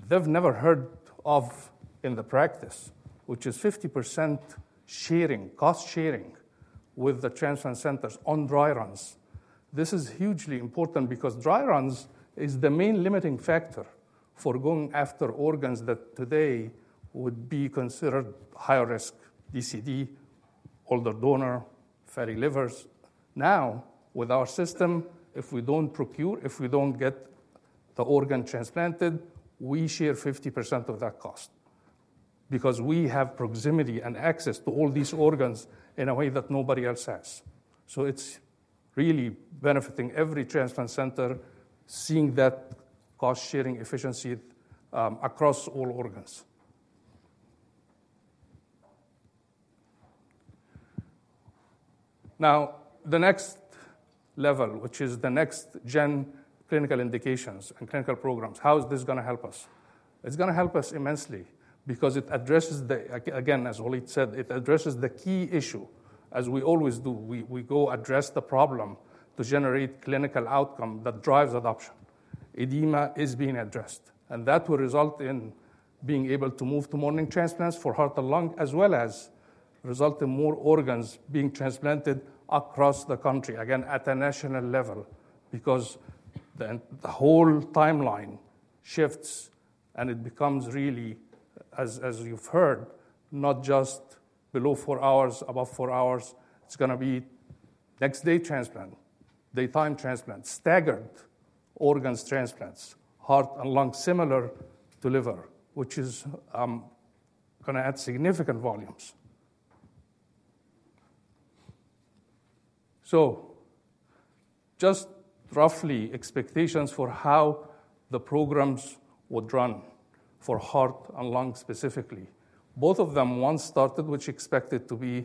they've never heard of in the practice, which is 50% sharing, cost sharing with the transplant centers on dry runs. This is hugely important because dry runs is the main limiting factor for going after organs that today would be considered higher risk, DCD, older donor, fatty livers. Now, with our system, if we don't procure, if we don't get the organ transplanted, we share 50% of that cost because we have proximity and access to all these organs in a way that nobody else has. So it's really benefiting every transplant center seeing that cost sharing efficiency across all organs. Now, the next level, which is the next-gen clinical indications and clinical programs, how is this going to help us? It's going to help us immensely because it addresses the, again, as Waleed said, it addresses the key issue, as we always do. We go address the problem to generate clinical outcome that drives adoption. Edema is being addressed. And that will result in being able to move to morning transplants for heart and lung, as well as result in more organs being transplanted across the country, again, at a national level, because the whole timeline shifts and it becomes really, as you've heard, not just below four hours, above four hours. It's going to be next-day transplant, daytime transplant, staggered organs transplants, heart and lung similar to liver, which is going to add significant volumes. So just roughly expectations for how the programs would run for heart and lung specifically. Both of them once started, which expected to be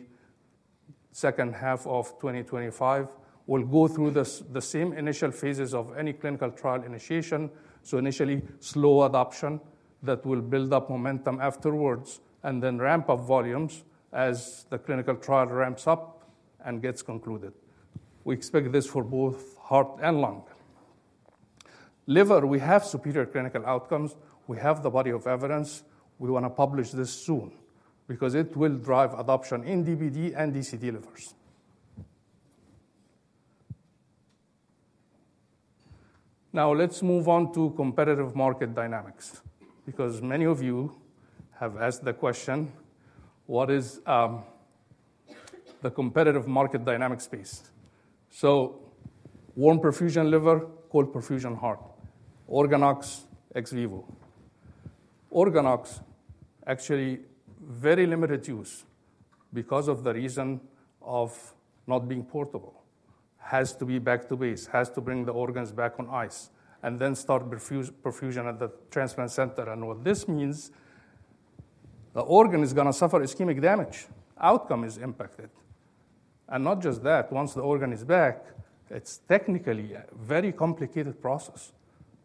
second half of 2025, will go through the same initial phases of any clinical trial initiation. So initially, slow adoption that will build up momentum afterwards and then ramp up volumes as the clinical trial ramps up and gets concluded. We expect this for both heart and lung. Liver, we have superior clinical outcomes. We have the body of evidence. We want to publish this soon because it will drive adoption in DBD and DCD livers. Now, let's move on to competitive market dynamics because many of you have asked the question, what is the competitive market dynamics space? So warm perfusion liver, cold perfusion heart, OrganOx, XVIVO. OrganOx, actually very limited use because of the reason of not being portable. Has to be back to base, has to bring the organs back on ice and then start perfusion at the transplant center, and what this means, the organ is going to suffer ischemic damage. Outcome is impacted. And not just that, once the organ is back, it's technically a very complicated process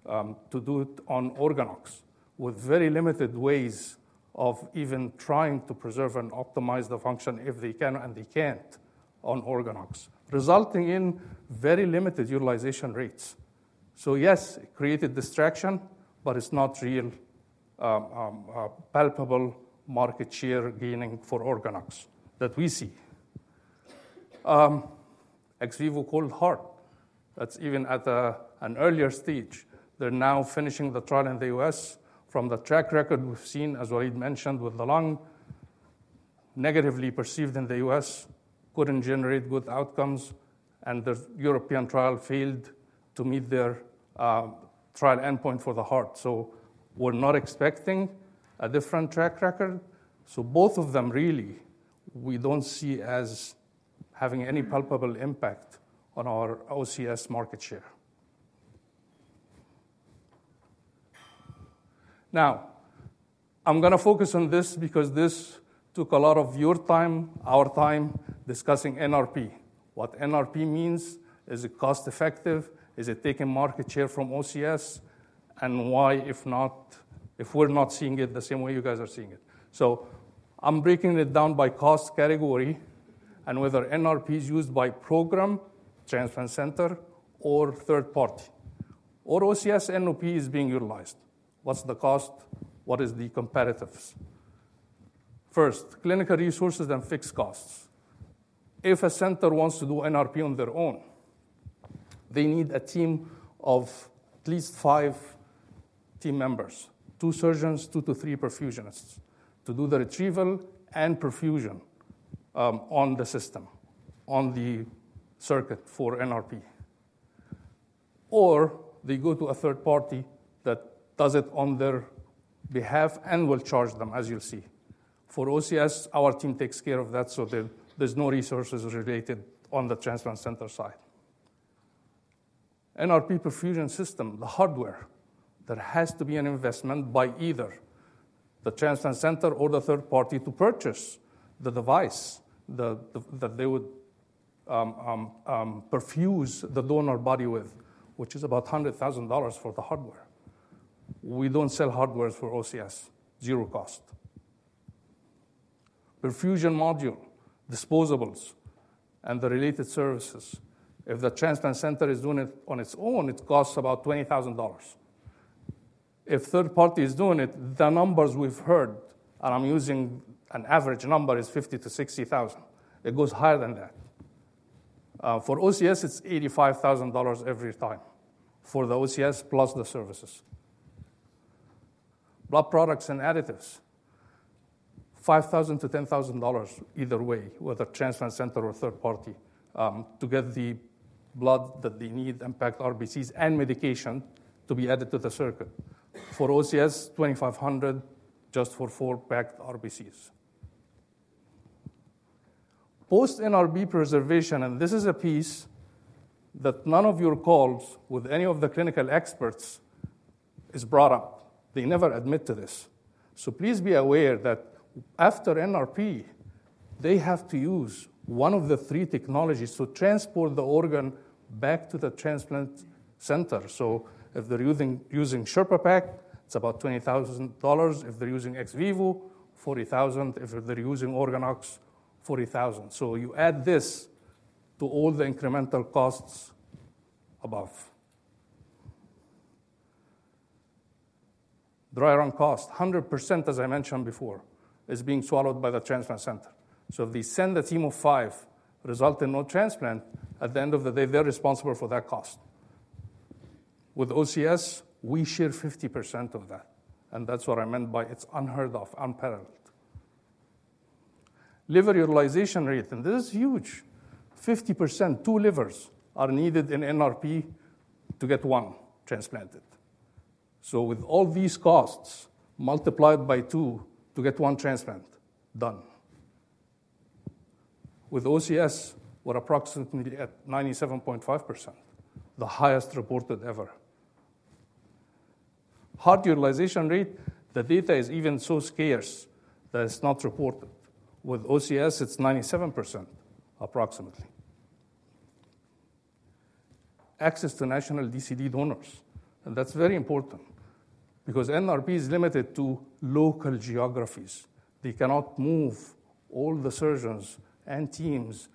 to do it on OrganOx with very limited ways of even trying to preserve and optimize the function if they can and they can't on OrganOx, resulting in very limited utilization rates. So yes, it created distraction, but it's not real palpable market share gaining for OrganOx that we see. XVIVO cold heart, that's even at an earlier stage. They're now finishing the trial in the U.S. From the track record we've seen, as Waleed mentioned, with the lung negatively perceived in the U.S., couldn't generate good outcomes. And the European trial failed to meet their trial endpoint for the heart. So we're not expecting a different track record. So both of them really, we don't see as having any palpable impact on our OCS market share. Now, I'm going to focus on this because this took a lot of your time, our time discussing NRP. What NRP means? Is it cost-effective? Is it taking market share from OCS? And why, if not, if we're not seeing it the same way you guys are seeing it? So I'm breaking it down by cost category and whether NRP is used by program, transplant center, or third party. Or OCS, NOP is being utilized. What's the cost? What is the competitiveness? First, clinical resources and fixed costs. If a center wants to do NRP on their own, they need a team of at least five team members, two surgeons, two to three perfusionists to do the retrieval and perfusion on the system, on the circuit for NRP. Or they go to a third party that does it on their behalf and will charge them, as you'll see. For OCS, our team takes care of that, so there's no resources related on the transplant center side. NRP perfusion system, the hardware, there has to be an investment by either the transplant center or the third party to purchase the device that they would perfuse the donor body with, which is about $100,000 for the hardware. We don't sell hardware for OCS, zero cost. Perfusion module, disposables, and the related services. If the transplant center is doing it on its own, it costs about $20,000. If third party is doing it, the numbers we've heard, and I'm using an average number, is $50,000-$60,000. It goes higher than that. For OCS, it's $85,000 every time for the OCS plus the services. Blood products and additives, $5,000-$10,000 either way with a transplant center or third party to get the blood that they need, impact RBCs and medication to be added to the circuit. For OCS, $2,500 just for four packed RBCs. Post-NRP preservation, and this is a piece that none of your calls with any of the clinical experts is brought up. They never admit to this. So please be aware that after NRP, they have to use one of the three technologies to transport the organ back to the transplant center. So if they're using SherpaPak, it's about $20,000. If they're using XVIVO, $40,000. If they're using OrganOx, $40,000. So you add this to all the incremental costs above. Dry run cost, 100%, as I mentioned before, is being swallowed by the transplant center. So if they send a team of five resulting no transplant, at the end of the day, they're responsible for that cost. With OCS, we share 50% of that. And that's what I meant by it's unheard of, unparalleled. Liver utilization rate, and this is huge. 50%, two livers are needed in NRP to get one transplanted. So with all these costs multiplied by two to get one transplant, done. With OCS, we're approximately at 97.5%, the highest reported ever. Heart utilization rate, the data is even so scarce that it's not reported. With OCS, it's 97% approximately. Access to national DCD donors, and that's very important because NRP is limited to local geographies. They cannot move all the surgeons and teams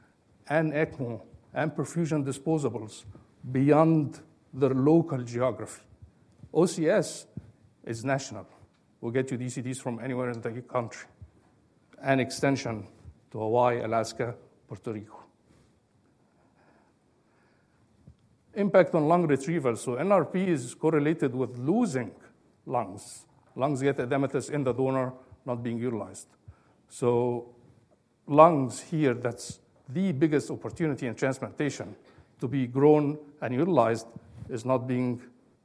and ECMO and perfusion disposables beyond their local geography. OCS is national. We'll get you DCDs from anywhere in the country and extension to Hawaii, Alaska, Puerto Rico. Impact on lung retrieval, so NRP is correlated with losing lungs. Lungs get edematous in the donor, not being utilized. So lungs here, that's the biggest opportunity in transplantation to be grown and utilized, is not being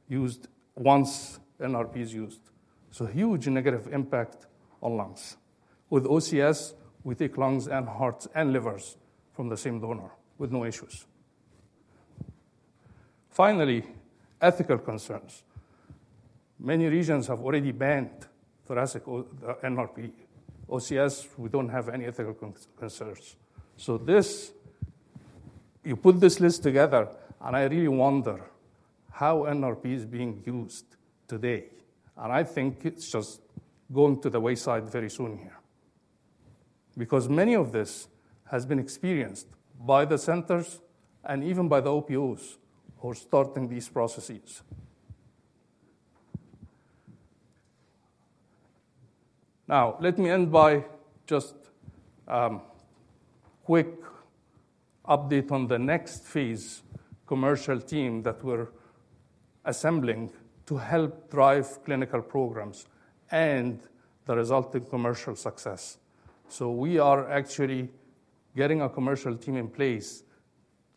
used once NRP is used. So huge negative impact on lungs. With OCS, we take lungs and hearts and livers from the same donor with no issues. Finally, ethical concerns. Many regions have already banned NRP. OCS, we don't have any ethical concerns. So this, you put this list together, and I really wonder how NRP is being used today, and I think it's just going to the wayside very soon here because many of this has been experienced by the centers and even by the OPOs who are starting these processes. Now, let me end by just a quick update on the next phase commercial team that we're assembling to help drive clinical programs and the resulting commercial success. So we are actually getting a commercial team in place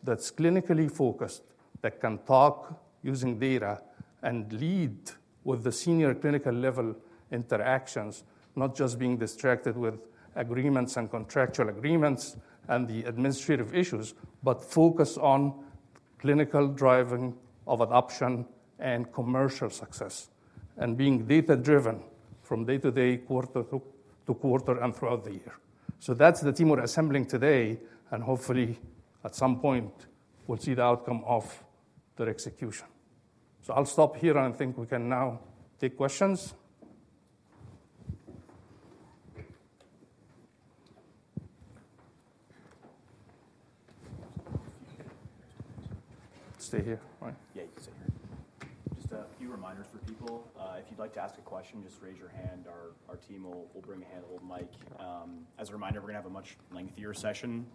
that's clinically focused, that can talk using data and lead with the senior clinical level interactions, not just being distracted with agreements and contractual agreements and the administrative issues, but focus on clinical driving of adoption and commercial success and being data-driven from day to day, quarter to quarter, and throughout the year. So that's the team we're assembling today, and hopefully at some point, we'll see the outcome of their execution. So I'll stop here and I think we can now take questions. Stay here, right? Yeah, you can stay here. Just a few reminders for people. If you'd like to ask a question, just raise your hand. Our team will bring a handheld mic. As a reminder, we're going to have a much lengthier session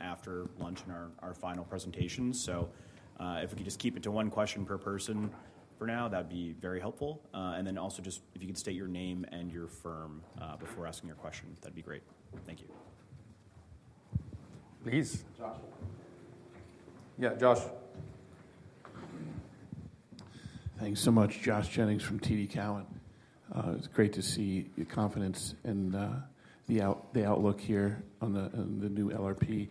after lunch and our final presentation. So if we could just keep it to one question per person for now, that'd be very helpful. And then also just if you could state your name and your firm before asking your question, that'd be great. Thank you. Please. Josh. Yeah, Josh. Thanks so much, Josh Jennings from TD Cowen. It's great to see your confidence in the outlook here on the new NOP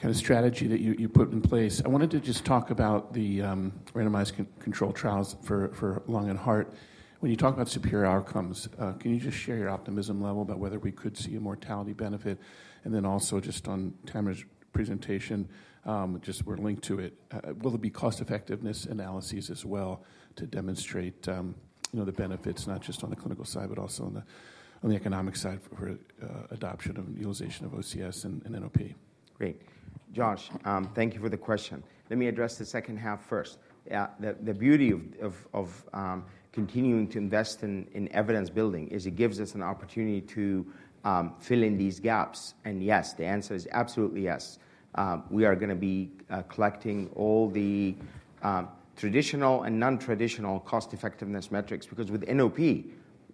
kind of strategy that you put in place. I wanted to just talk about the randomized control trials for lung and heart. When you talk about superior outcomes, can you just share your optimism level about whether we could see a mortality benefit? And then also just on Tamer's presentation, just we're linked to it. Will there be cost-effectiveness analyses as well to demonstrate the benefits, not just on the clinical side, but also on the economic side for adoption and utilization of OCS and NOP? Great. Josh, thank you for the question. Let me address the second half first. The beauty of continuing to invest in evidence building is it gives us an opportunity to fill in these gaps. And yes, the answer is absolutely yes. We are going to be collecting all the traditional and non-traditional cost-effectiveness metrics because with NOP,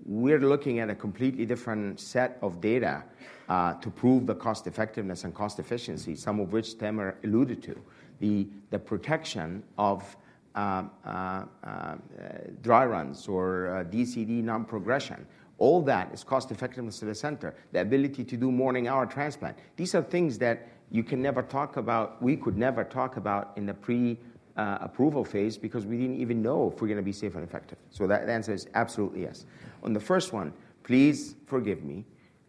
we're looking at a completely different set of data to prove the cost-effectiveness and cost-efficiency, some of which Tamer alluded to. The protection of dry runs or DCD non-progression, all that is cost-effectiveness to the center. The ability to do morning-hour transplant. These are things that you can never talk about, we could never talk about in the pre-approval phase because we didn't even know if we're going to be safe and effective. So that answer is absolutely yes. On the first one, please forgive me.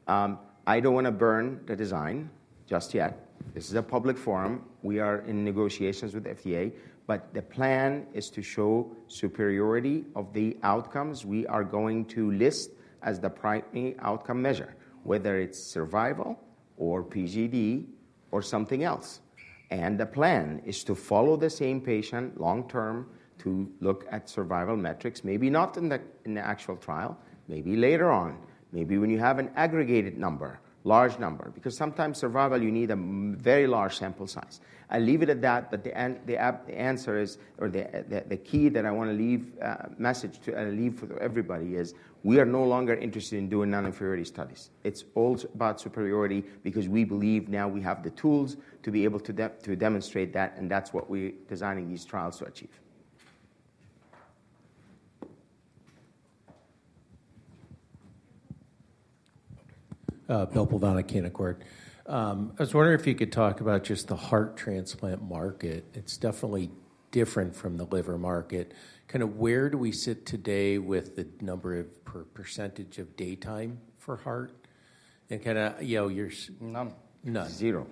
I don't want to burn the bridge just yet. This is a public forum. We are in negotiations with the FDA, but the plan is to show superiority of the outcomes we are going to list as the primary outcome measure, whether it's survival or PGD or something else, and the plan is to follow the same patient long-term to look at survival metrics, maybe not in the actual trial, maybe later on, maybe when you have an aggregated number, large number, because sometimes survival, you need a very large sample size. I'll leave it at that, but the answer is, or the key that I want to leave a message to and leave for everybody is we are no longer interested in doing non-inferiority studies. It's all about superiority because we believe now we have the tools to be able to demonstrate that, and that's what we're designing these trials to achieve. Bill Plovanic at Canaccord. I was wondering if you could talk about just the heart transplant market. It's definitely different from the liver market. Kind of where do we sit today with the number or percentage of DCD time for heart? And kind of you're. None. None. Zero.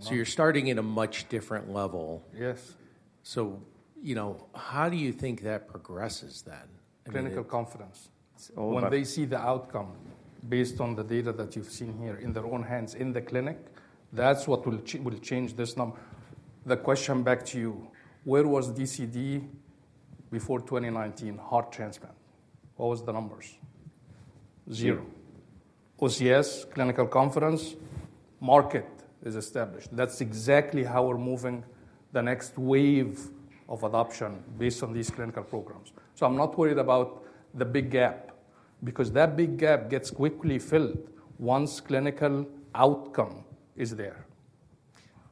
So you're starting at a much different level. Yes. So how do you think that progresses then? Clinical confidence. When they see the outcome based on the data that you've seen here in their own hands in the clinic, that's what will change this number. The question back to you, where was DCD before 2019, heart transplant? What was the numbers? Zero. OCS, clinical confidence, market is established. That's exactly how we're moving the next wave of adoption based on these clinical programs. So I'm not worried about the big gap because that big gap gets quickly filled once clinical outcome is there.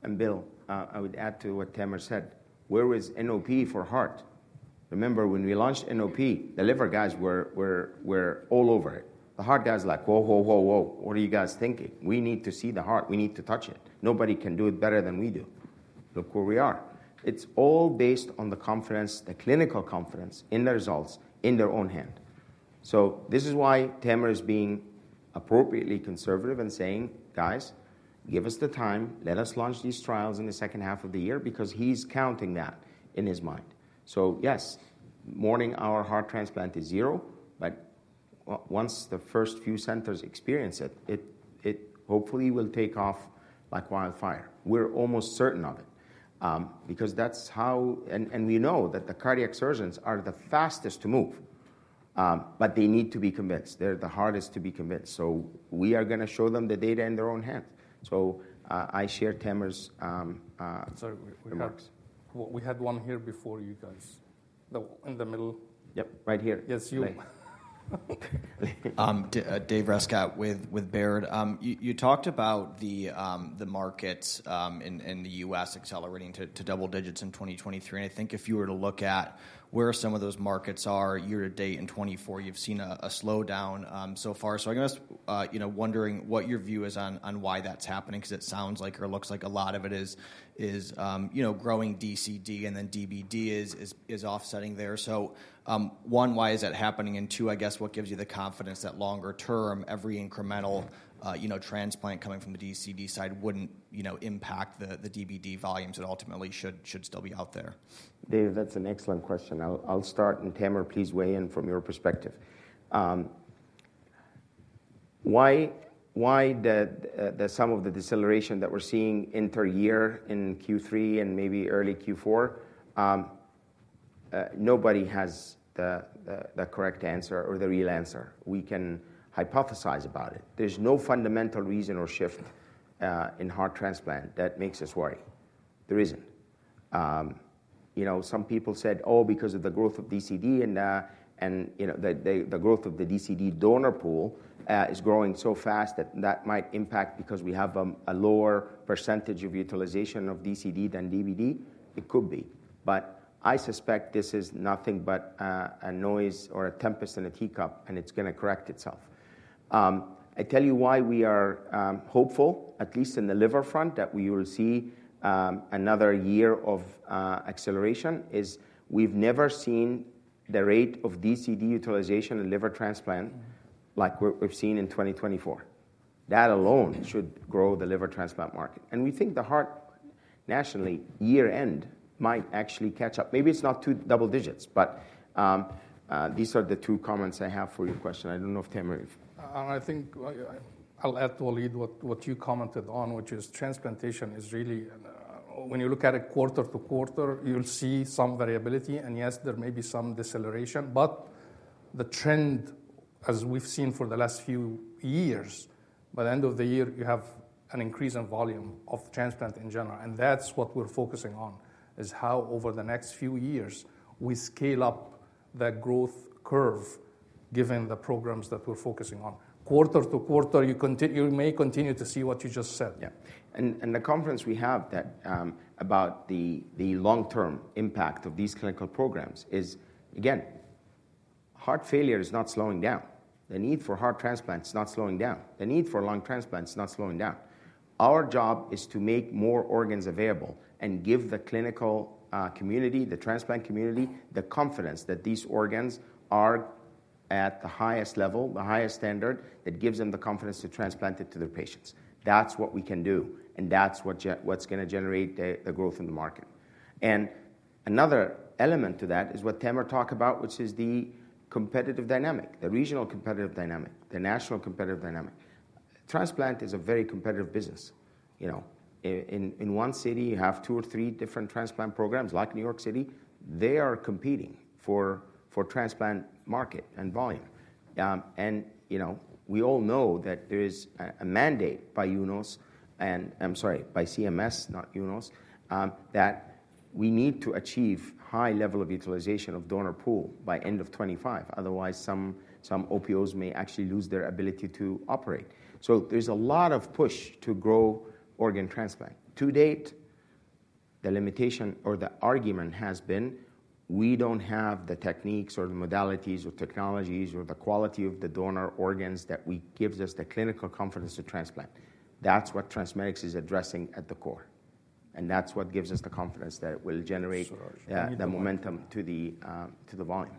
And Bill, I would add to what Tamer said. Where is NOP for heart? Remember when we launched NOP, the liver guys were all over it. The heart guys are like, "Whoa, whoa, whoa, whoa. What are you guys thinking? We need to see the heart. We need to touch it. Nobody can do it better than we do." Look where we are. It's all based on the confidence, the clinical confidence in the results in their own hand. So this is why Tamer is being appropriately conservative and saying, "Guys, give us the time. Let us launch these trials in the second half of the year," because he's counting that in his mind. So yes, morning-hour heart transplant is zero, but once the first few centers experience it, it hopefully will take off like wildfire. We're almost certain of it because that's how, and we know that the cardiac surgeons are the fastest to move, but they need to be convinced. They're the hardest to be convinced. So we are going to show them the data in their own hands. So I share Tamer's. Sorry, we had one here before you guys. In the middle. Yep, right here. Yes, you. David Rescott with Baird. You talked about the markets in the U.S. accelerating to double digits in 2023. And I think if you were to look at where some of those markets are year to date in 2024, you've seen a slowdown so far. So I guess wondering what your view is on why that's happening because it sounds like or looks like a lot of it is growing DCD and then DBD is offsetting there. So one, why is that happening? And two, I guess what gives you the confidence that longer term, every incremental transplant coming from the DCD side wouldn't impact the DBD volumes that ultimately should still be out there? Dave, that's an excellent question. I'll start, and Tamer please weigh in from your perspective. Why the sudden deceleration that we're seeing year-over-year in Q3 and maybe early Q4? Nobody has the correct answer or the real answer. We can hypothesize about it. There's no fundamental reason or shift in heart transplant that makes us worry. There isn't. Some people said, "Oh, because of the growth of DCD and the growth of the DCD donor pool is growing so fast that that might impact because we have a lower percentage of utilization of DCD than DBD." It could be, but I suspect this is nothing but a noise or a tempest in a teacup, and it's going to correct itself. I tell you why we are hopeful, at least in the liver front, that we will see another year of acceleration: it's that we've never seen the rate of DCD utilization in liver transplant like we've seen in 2024. That alone should grow the liver transplant market. And we think the heart nationally year-end might actually catch up. Maybe it's not two double digits, but these are the two comments I have for your question. I don't know if Tamer. I think I'll add to what you commented on, which is transplantation is really, when you look at it quarter to quarter, you'll see some variability, and yes, there may be some deceleration, but the trend, as we've seen for the last few years, by the end of the year, you have an increase in volume of transplant in general, and that's what we're focusing on, is how over the next few years, we scale up the growth curve given the programs that we're focusing on. Quarter to quarter, you may continue to see what you just said. Yeah. And the conference we have about the long-term impact of these clinical programs is, again, heart failure is not slowing down. The need for heart transplants is not slowing down. The need for lung transplants is not slowing down. Our job is to make more organs available and give the clinical community, the transplant community, the confidence that these organs are at the highest level, the highest standard that gives them the confidence to transplant it to their patients. That's what we can do, and that's what's going to generate the growth in the market. And another element to that is what Tamer talked about, which is the competitive dynamic, the regional competitive dynamic, the national competitive dynamic. Transplant is a very competitive business. In one city, you have two or three different transplant programs like New York City. They are competing for transplant market and volume. We all know that there is a mandate by UNOS and I'm sorry, by CMS, not UNOS, that we need to achieve high level of utilization of donor pool by end of 2025. Otherwise, some OPOs may actually lose their ability to operate. There's a lot of push to grow organ transplant. To date, the limitation or the argument has been we don't have the techniques or the modalities or technologies or the quality of the donor organs that gives us the clinical confidence to transplant. That's what TransMedics is addressing at the core. That's what gives us the confidence that it will generate the momentum to the volume.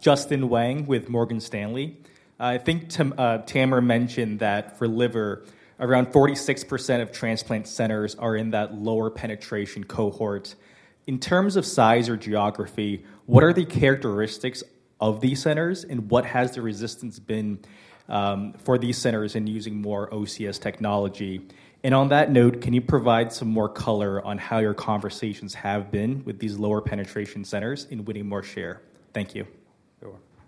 Justin Wang with Morgan Stanley. I think Tamer mentioned that for liver, around 46% of transplant centers are in that lower penetration cohort. In terms of size or geography, what are the characteristics of these centers and what has the resistance been for these centers in using more OCS technology? And on that note, can you provide some more color on how your conversations have been with these lower penetration centers to win more share? Thank you.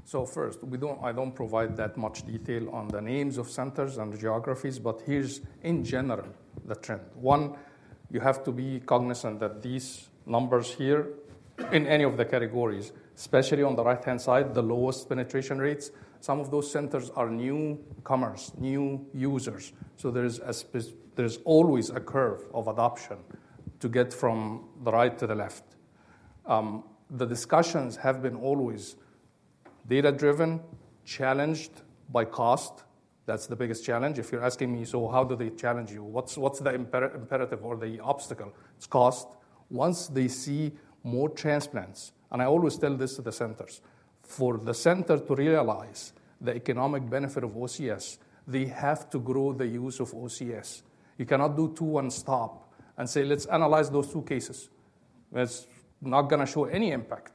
So first, I don't provide that much detail on the names of centers and the geographies, but here's, in general, the trend. One, you have to be cognizant that these numbers here in any of the categories, especially on the right-hand side, the lowest penetration rates, some of those centers are newcomers, new users. So there's always a curve of adoption to get from the right to the left. The discussions have been always data-driven, challenged by cost. That's the biggest challenge. If you're asking me, "So how do they challenge you? What's the imperative or the obstacle?" It's cost. Once they see more transplants, and I always tell this to the centers, for the center to realize the economic benefit of OCS, they have to grow the use of OCS. You cannot do two-one-stop and say, "Let's analyze those two cases." That's not going to show any impact.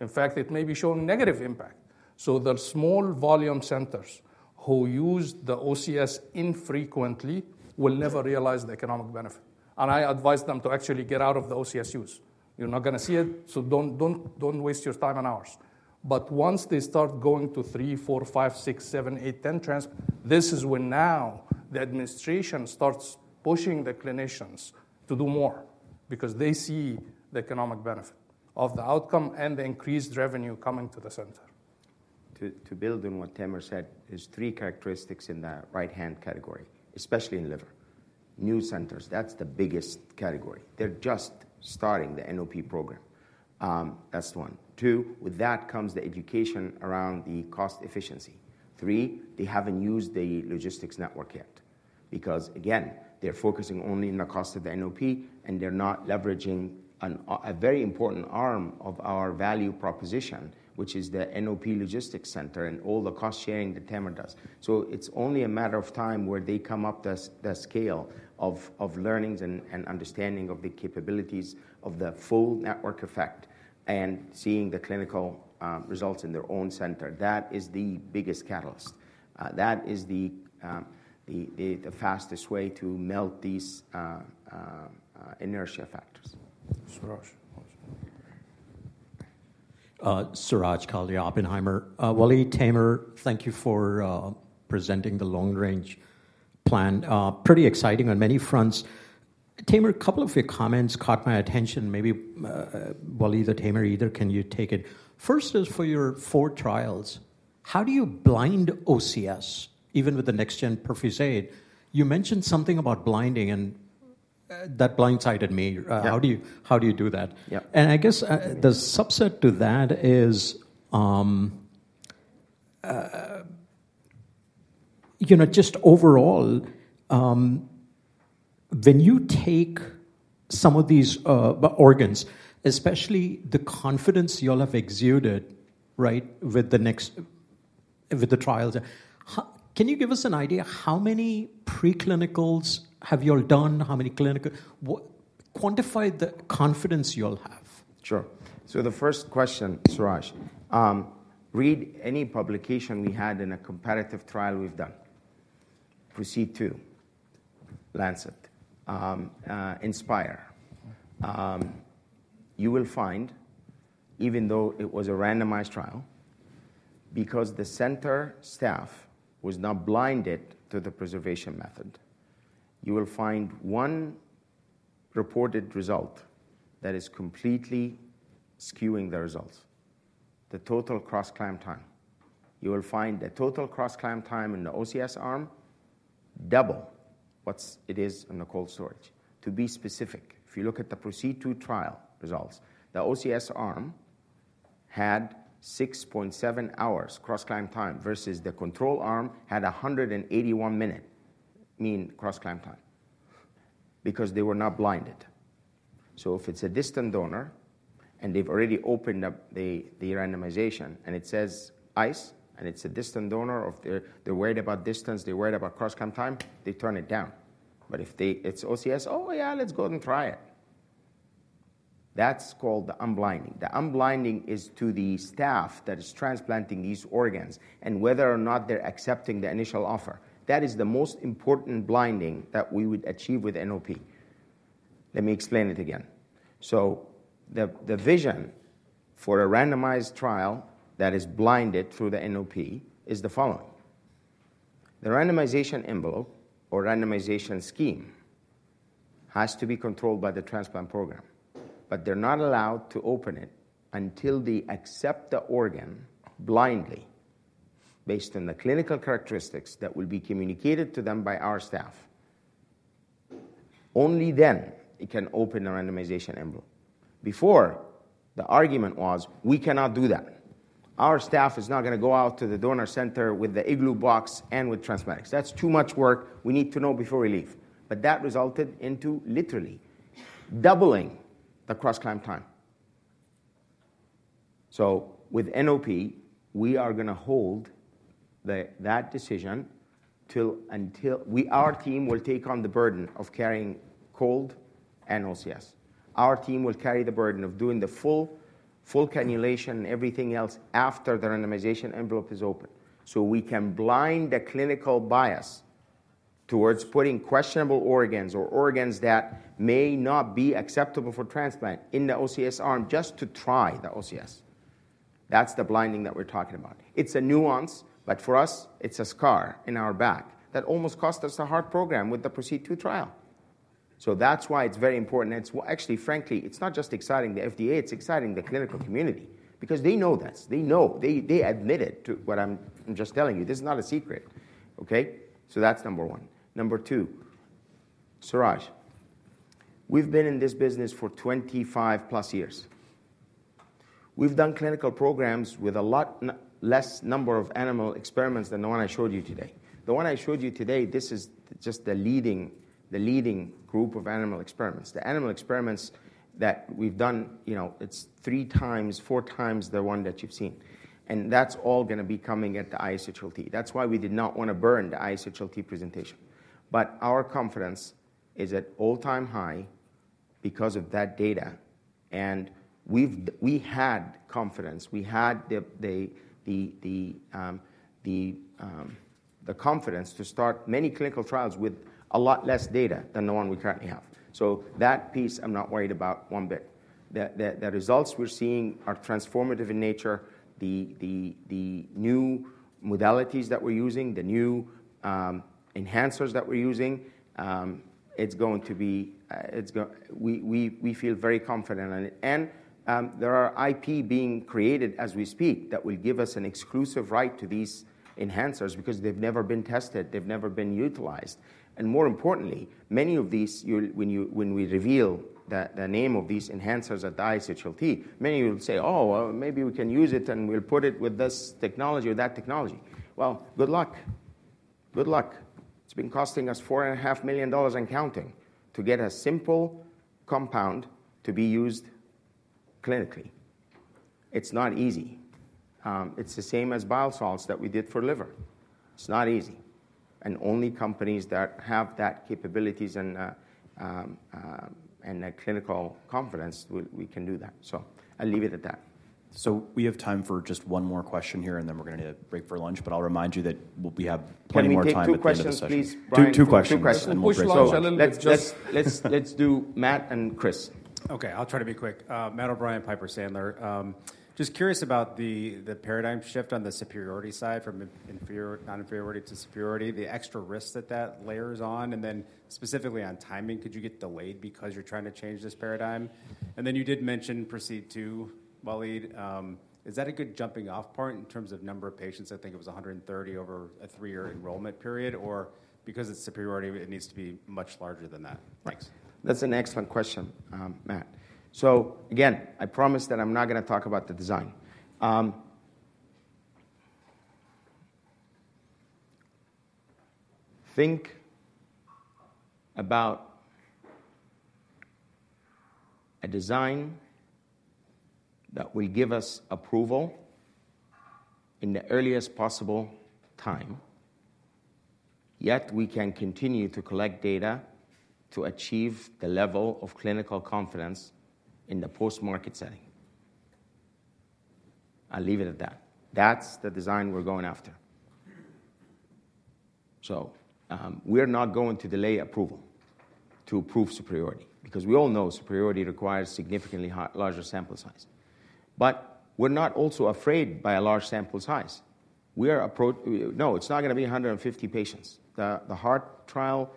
In fact, it may be showing negative impact, so the small volume centers who use the OCS infrequently will never realize the economic benefit. I advise them to actually get out of the OCS use. You're not going to see it, so don't waste your time and hours. Once they start going to three, four, five, six, seven, eight, 10 transplants, this is when now the administration starts pushing the clinicians to do more because they see the economic benefit of the outcome and the increased revenue coming to the center. To build on what Tamer said, there's three characteristics in the right-hand category, especially in liver. New centers, that's the biggest category. They're just starting the NOP program. That's one. Two, with that comes the education around the cost efficiency. Three, they haven't used the logistics network yet because, again, they're focusing only on the cost of the NOP, and they're not leveraging a very important arm of our value proposition, which is the NOP logistics center and all the cost sharing that Tamer does. So it's only a matter of time where they come up the scale of learnings and understanding of the capabilities of the full network effect and seeing the clinical results in their own center. That is the biggest catalyst. That is the fastest way to melt these inertia factors. Suraj Kalia Oppenheimer. Waleed, Tamer, thank you for presenting the long-range plan. Pretty exciting on many fronts. Tamer, a couple of your comments caught my attention. Maybe Waleed or Tamer, either can you take it? First is for your four trials. How do you blind OCS, even with the next-gen perfusion aid? You mentioned something about blinding, and that blindsided me. How do you do that? And I guess the subset to that is, just overall, when you take some of these organs, especially the confidence you'll have accrued with the trials, can you give us an idea how many preclinicals have you all done? Quantify the confidence you'll have. Sure. So the first question, Suraj, read any publication we had in a competitive trial we've done. PROCEED II Lancet, INSPIRE. You will find, even though it was a randomized trial, because the center staff was not blinded to the preservation method, you will find one reported result that is completely skewing the results, the total cross-clamp time. You will find the total cross-clamp time in the OCS arm double what it is in the cold storage. To be specific, if you look at the PROCEED II Trial results, the OCS arm had 6.7 hours cross-clamp time versus the control arm had 181-minute mean cross-clamp time because they were not blinded. So if it's a distant donor and they've already opened up the randomization and it says ICE, and it's a distant donor, they're worried about distance, they're worried about cross-clamp time, they turn it down. But if it's OCS, "Oh, yeah, let's go and try it." That's called the unblinding. The unblinding is to the staff that is transplanting these organs and whether or not they're accepting the initial offer. That is the most important blinding that we would achieve with NOP. Let me explain it again. So the vision for a randomized trial that is blinded through the NOP is the following. The randomization envelope or randomization scheme has to be controlled by the transplant program, but they're not allowed to open it until they accept the organ blindly based on the clinical characteristics that will be communicated to them by our staff. Only then it can open the randomization envelope. Before, the argument was, "We cannot do that. Our staff is not going to go out to the donor center with the igloo box and with TransMedics. That's too much work. We need to know before we leave." But that resulted in literally doubling the cross-clamp time. So with NOP, we are going to hold that decision until our team will take on the burden of carrying cold and OCS. Our team will carry the burden of doing the full cannulation and everything else after the randomization envelope is open so we can blind the clinical bias towards putting questionable organs or organs that may not be acceptable for transplant in the OCS arm just to try the OCS. That's the blinding that we're talking about. It's a nuance, but for us, it's a scar on our back that almost cost us the heart program with the PROCEED II Trial. So that's why it's very important. And actually, frankly, it's not just exciting the FDA, it's exciting the clinical community because they know that. They know. They admit it to what I'm just telling you. This is not a secret. Okay? So that's number one. Number two, Suraj, we've been in this business for 25-plus years. We've done clinical programs with a lot less number of animal experiments than the one I showed you today. The one I showed you today, this is just the leading group of animal experiments. The animal experiments that we've done, it's three times, four times the one that you've seen. And that's all going to be coming at the ISHLT. That's why we did not want to burn the ISHLT presentation. But our confidence is at all-time high because of that data. And we had confidence. We had the confidence to start many clinical trials with a lot less data than the one we currently have. So that piece, I'm not worried about one bit. The results we're seeing are transformative in nature. The new modalities that we're using, the new enhancers that we're using, we feel very confident on it. And there are IP being created as we speak that will give us an exclusive right to these enhancers because they've never been tested. They've never been utilized. And more importantly, many of these, when we reveal the name of these enhancers at the ISHLT, many will say, "Oh, well, maybe we can use it and we'll put it with this technology or that technology." Well, good luck. Good luck. It's been costing us $4.5 million and counting to get a simple compound to be used clinically. It's not easy. It's the same as bile salts that we did for liver. It's not easy. And only companies that have that capabilities and clinical confidence, we can do that. So I'll leave it at that. So we have time for just one more question here, and then we're going to need a break for lunch. But I'll remind you that we have plenty more time at the end of the session. Okay. Two questions, please. Let's do Matt and Chris. Okay. I'll try to be quick. Matt O'Brien and Piper Sandler. Just curious about the paradigm shift on the superiority side from non-inferiority to superiority, the extra risks that that layers on, and then specifically on timing, could you get delayed because you're trying to change this paradigm, and then you did mention PROCEED II, Waleed. Is that a good jumping-off point in terms of number of patients? I think it was 130 over a three-year enrollment period, or because it's superiority, it needs to be much larger than that. Thanks. That's an excellent question, Matt. So again, I promised that I'm not going to talk about the design. Think about a design that will give us approval in the earliest possible time, yet we can continue to collect data to achieve the level of clinical confidence in the post-market setting. I'll leave it at that. That's the design we're going after. So we're not going to delay approval to prove superiority because we all know superiority requires significantly larger sample size. But we're not also afraid by a large sample size. No, it's not going to be 150 patients. The heart trial,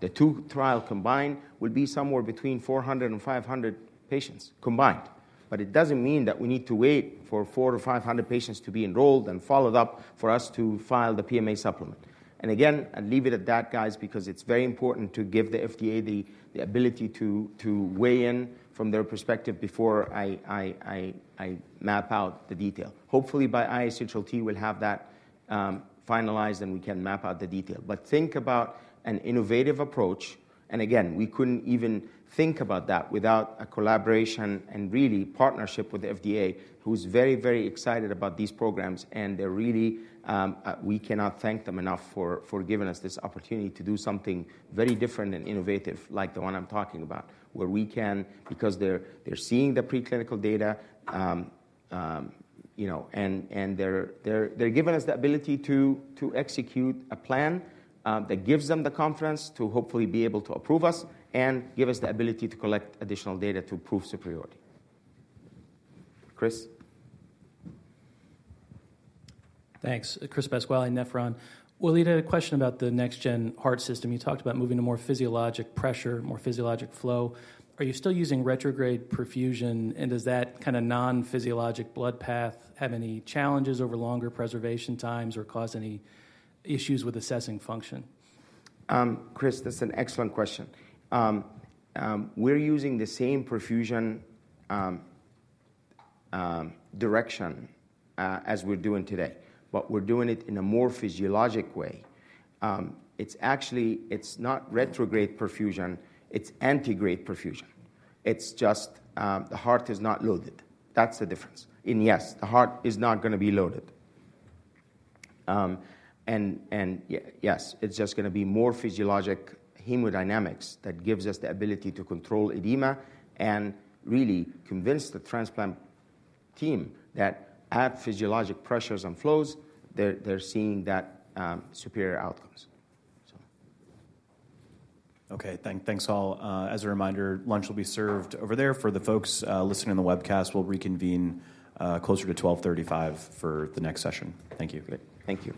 the two trials combined will be somewhere between 400 and 500 patients combined. But it doesn't mean that we need to wait for 400 or 500 patients to be enrolled and followed up for us to file the PMA supplement. And again, I'll leave it at that, guys, because it's very important to give the FDA the ability to weigh in from their perspective before I map out the detail. Hopefully, by ISHLT, we'll have that finalized and we can map out the detail. But think about an innovative approach. And again, we couldn't even think about that without a collaboration and really partnership with the FDA, who's very, very excited about these programs. And we cannot thank them enough for giving us this opportunity to do something very different and innovative like the one I'm talking about, where we can, because they're seeing the preclinical data, and they're giving us the ability to execute a plan that gives them the confidence to hopefully be able to approve us and give us the ability to collect additional data to prove superiority. Chris. Thanks. Chris Pasquale, Nephron. Waleed, I had a question about the next-gen heart system. You talked about moving to more physiologic pressure, more physiologic flow. Are you still using retrograde perfusion, and does that kind of non-physiologic blood path have any challenges over longer preservation times or cause any issues with assessing function? Chris, that's an excellent question. We're using the same perfusion direction as we're doing today, but we're doing it in a more physiologic way. It's not retrograde perfusion. It's antegrade perfusion. It's just the heart is not loaded. That's the difference. And yes, the heart is not going to be loaded. And yes, it's just going to be more physiologic hemodynamics that gives us the ability to control edema and really convince the transplant team that at physiologic pressures and flows, they're seeing superior outcomes. Okay. Thanks, all. As a reminder, lunch will be served over there. For the folks listening on the webcast, we'll reconvene closer to 12:35 P.M. for the next session. Thank you. Thank you.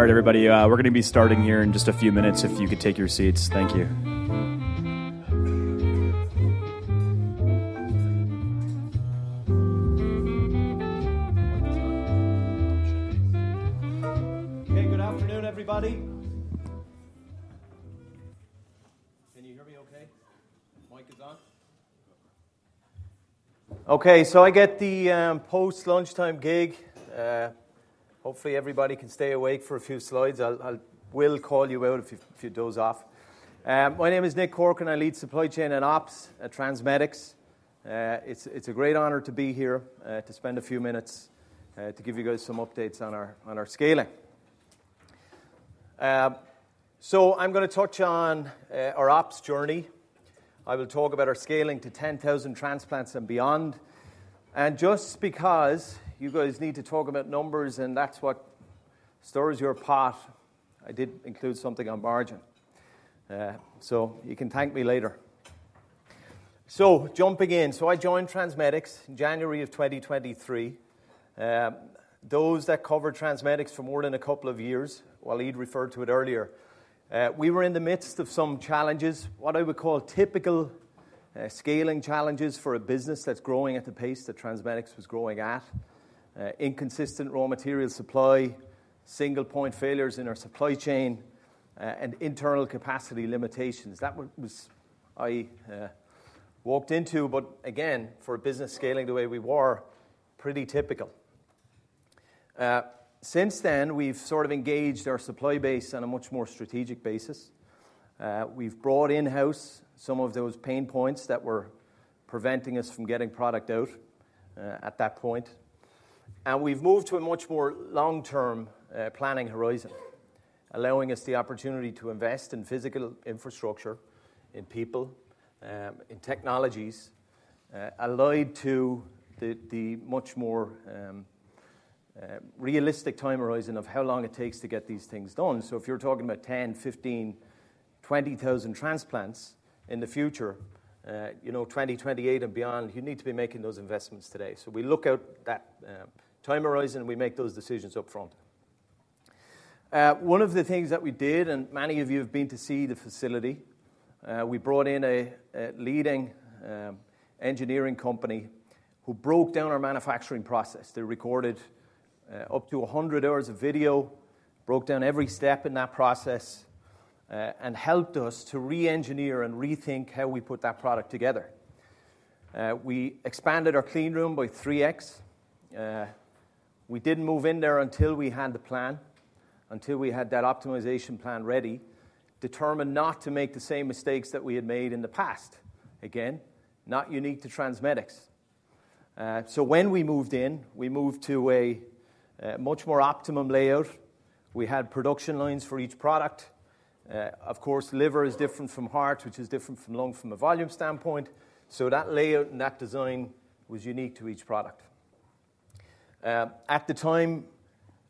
All right, everybody, we're going to be starting here in just a few minutes. If you could take your seats. Thank you. Okay. Good afternoon, everybody. Can you hear me okay? Mic is on. Okay. So I get the post-lunchtime gig. Hopefully, everybody can stay awake for a few slides. I will call you out if you doze off. My name is Nick Corcoran. I lead Supply Chain and Ops at TransMedics. It's a great honor to be here, to spend a few minutes to give you guys some updates on our scaling. So I'm going to touch on our ops journey. I will talk about our scaling to 10,000 transplants and beyond. And just because you guys need to talk about numbers and that's what stirs your pot, I did include something on margin. You can thank me later. Jumping in. I joined TransMedics in January of 2023. Those that cover TransMedics for more than a couple of years, Waleed referred to it earlier. We were in the midst of some challenges, what I would call typical scaling challenges for a business that's growing at the pace that TransMedics was growing at: inconsistent raw material supply, single-point failures in our supply chain, and internal capacity limitations. That was what I walked into. But again, for a business scaling the way we were, pretty typical. Since then, we've sort of engaged our supply base on a much more strategic basis. We've brought in-house some of those pain points that were preventing us from getting product out at that point. We've moved to a much more long-term planning horizon, allowing us the opportunity to invest in physical infrastructure, in people, in technologies, allowing for the much more realistic time horizon of how long it takes to get these things done. If you're talking about 10, 15, 20,000 transplants in the future, 2028 and beyond, you need to be making those investments today. We look at that time horizon and we make those decisions upfront. One of the things that we did, and many of you have been to see the facility, we brought in a leading engineering company who broke down our manufacturing process. They recorded up to 100 hours of video, broke down every step in that process, and helped us to re-engineer and rethink how we put that product together. We expanded our clean room by 3x. We didn't move in there until we had the plan, until we had that optimization plan ready, determined not to make the same mistakes that we had made in the past. Again, not unique to TransMedics. So when we moved in, we moved to a much more optimum layout. We had production lines for each product. Of course, liver is different from heart, which is different from lung from a volume standpoint. So that layout and that design was unique to each product. At the time,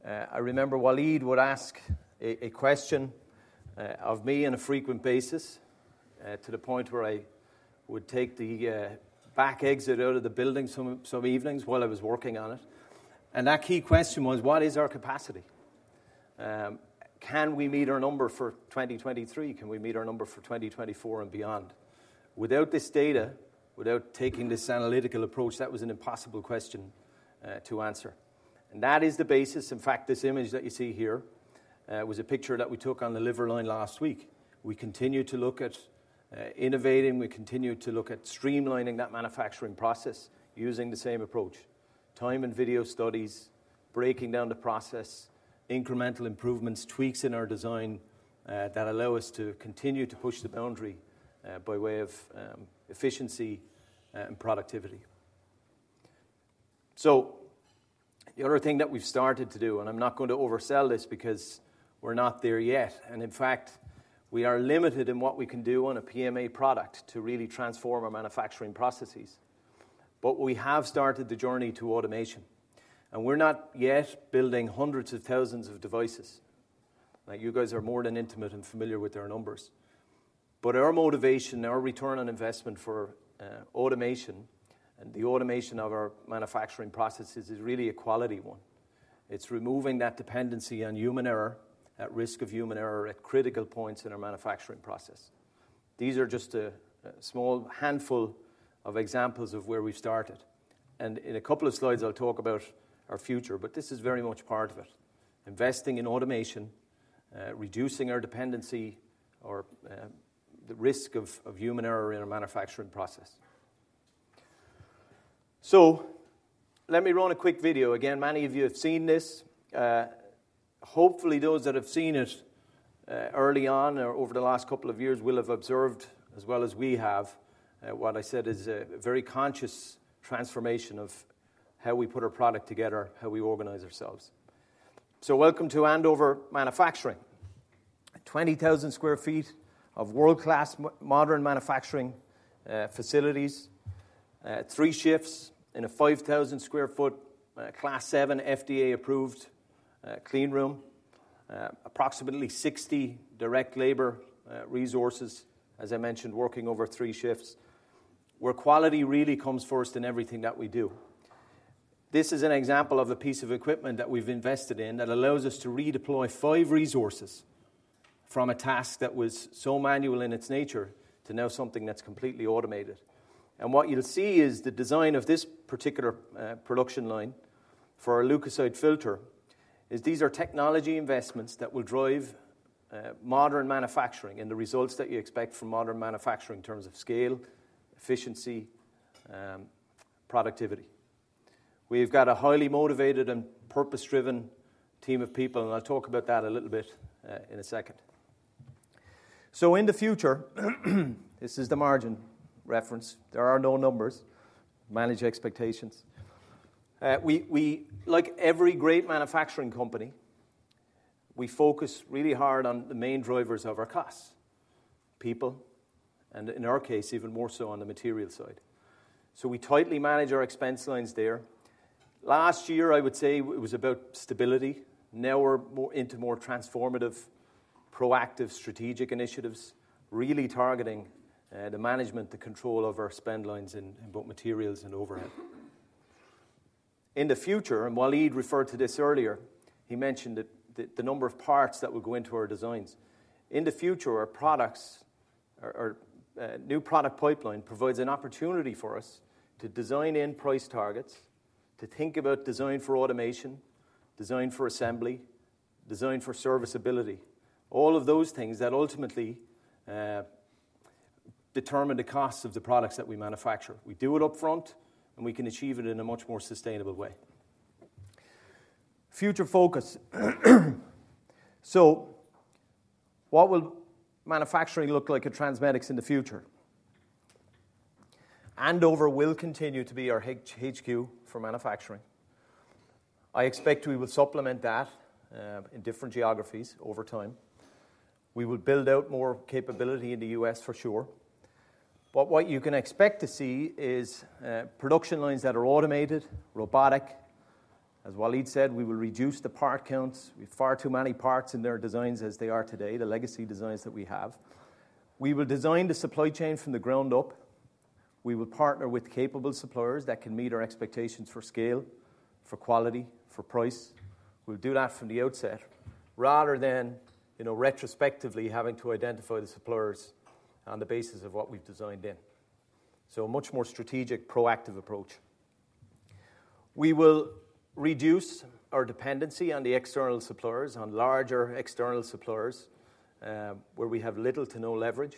I remember Waleed would ask a question of me on a frequent basis to the point where I would take the back exit out of the building some evenings while I was working on it. And that key question was, what is our capacity? Can we meet our number for 2023? Can we meet our number for 2024 and beyond? Without this data, without taking this analytical approach, that was an impossible question to answer. And that is the basis. In fact, this image that you see here was a picture that we took on the liver line last week. We continue to look at innovating. We continue to look at streamlining that manufacturing process using the same approach: time and video studies, breaking down the process, incremental improvements, tweaks in our design that allow us to continue to push the boundary by way of efficiency and productivity. So the other thing that we've started to do, and I'm not going to oversell this because we're not there yet. And in fact, we are limited in what we can do on a PMA product to really transform our manufacturing processes. But we have started the journey to automation. And we're not yet building hundreds of thousands of devices. You guys are more than intimately and familiar with our numbers. But our motivation, our return on investment for automation and the automation of our manufacturing processes is really a quality one. It's removing that dependency on human error, the risk of human error at critical points in our manufacturing process. These are just a small handful of examples of where we've started, and in a couple of slides, I'll talk about our future, but this is very much part of it: investing in automation, reducing our dependency or the risk of human error in our manufacturing process, so let me run a quick video. Again, many of you have seen this. Hopefully, those that have seen it early on or over the last couple of years will have observed, as well as we have, what I said is a very conscious transformation of how we put our product together, how we organize ourselves, so welcome to Andover Manufacturing: 20,000 sq ft of world-class modern manufacturing facilities, three shifts in a 5,000 sq ft Class 7 FDA-approved clean room, approximately 60 direct labor resources, as I mentioned, working over three shifts, where quality really comes first in everything that we do. This is an example of a piece of equipment that we've invested in that allows us to redeploy five resources from a task that was so manual in its nature to now something that's completely automated, and what you'll see is the design of this particular production line for our leukocyte filter. These are technology investments that will drive modern manufacturing and the results that you expect from modern manufacturing in terms of scale, efficiency, productivity. We've got a highly motivated and purpose-driven team of people, and I'll talk about that a little bit in a second, so in the future, this is the margin reference. There are no numbers. Manage expectations. Like every great manufacturing company, we focus really hard on the main drivers of our costs: people, and in our case, even more so on the material side, so we tightly manage our expense lines there. Last year, I would say it was about stability. Now we're into more transformative, proactive strategic initiatives, really targeting the management, the control of our spend lines in both materials and overhead. In the future, and Waleed referred to this earlier, he mentioned the number of parts that will go into our designs. In the future, our products, our new product pipeline provides an opportunity for us to design in price targets, to think about design for automation, design for assembly, design for serviceability, all of those things that ultimately determine the costs of the products that we manufacture. We do it upfront, and we can achieve it in a much more sustainable way. Future focus. So what will manufacturing look like at TransMedics in the future? Andover will continue to be our HQ for manufacturing. I expect we will supplement that in different geographies over time. We will build out more capability in the U.S., for sure. But what you can expect to see is production lines that are automated, robotic. As Waleed said, we will reduce the part counts. We have far too many parts in their designs as they are today, the legacy designs that we have. We will design the supply chain from the ground up. We will partner with capable suppliers that can meet our expectations for scale, for quality, for price. We'll do that from the outset rather than retrospectively having to identify the suppliers on the basis of what we've designed in. So a much more strategic, proactive approach. We will reduce our dependency on the external suppliers, on larger external suppliers where we have little to no leverage.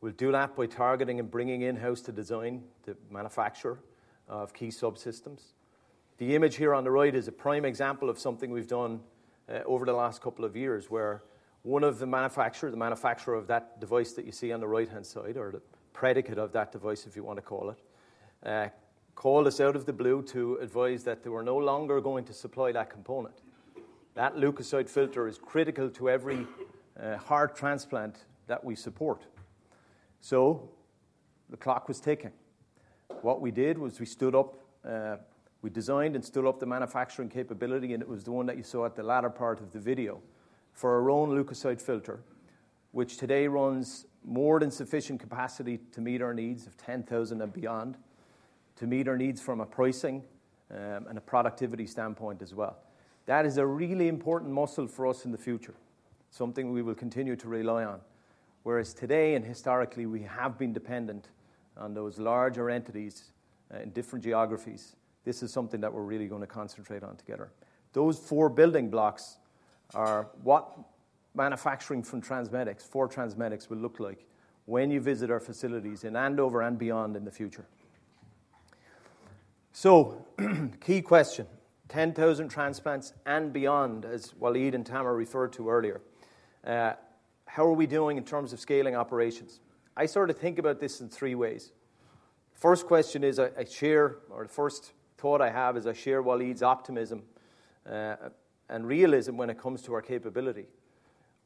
We'll do that by targeting and bringing in-house to design the manufacturer of key subsystems. The image here on the right is a prime example of something we've done over the last couple of years where one of the manufacturers, the manufacturer of that device that you see on the right-hand side or the predicate of that device, if you want to call it, called us out of the blue to advise that they were no longer going to supply that component. That leukocyte filter is critical to every heart transplant that we support. So the clock was ticking. What we did was we stood up, we designed and stood up the manufacturing capability, and it was the one that you saw at the latter part of the video for our own leukocyte filter, which today runs more than sufficient capacity to meet our needs of 10,000 and beyond, to meet our needs from a pricing and a productivity standpoint as well. That is a really important muscle for us in the future, something we will continue to rely on. Whereas today and historically, we have been dependent on those larger entities in different geographies, this is something that we're really going to concentrate on together. Those four building blocks are what manufacturing from TransMedics, for TransMedics, will look like when you visit our facilities in Andover and beyond in the future. So key question: 10,000 transplants and beyond, as Waleed and Tamer referred to earlier. How are we doing in terms of scaling operations? I sort of think about this in three ways. The first thought I have is I share Waleed's optimism and realism when it comes to our capability.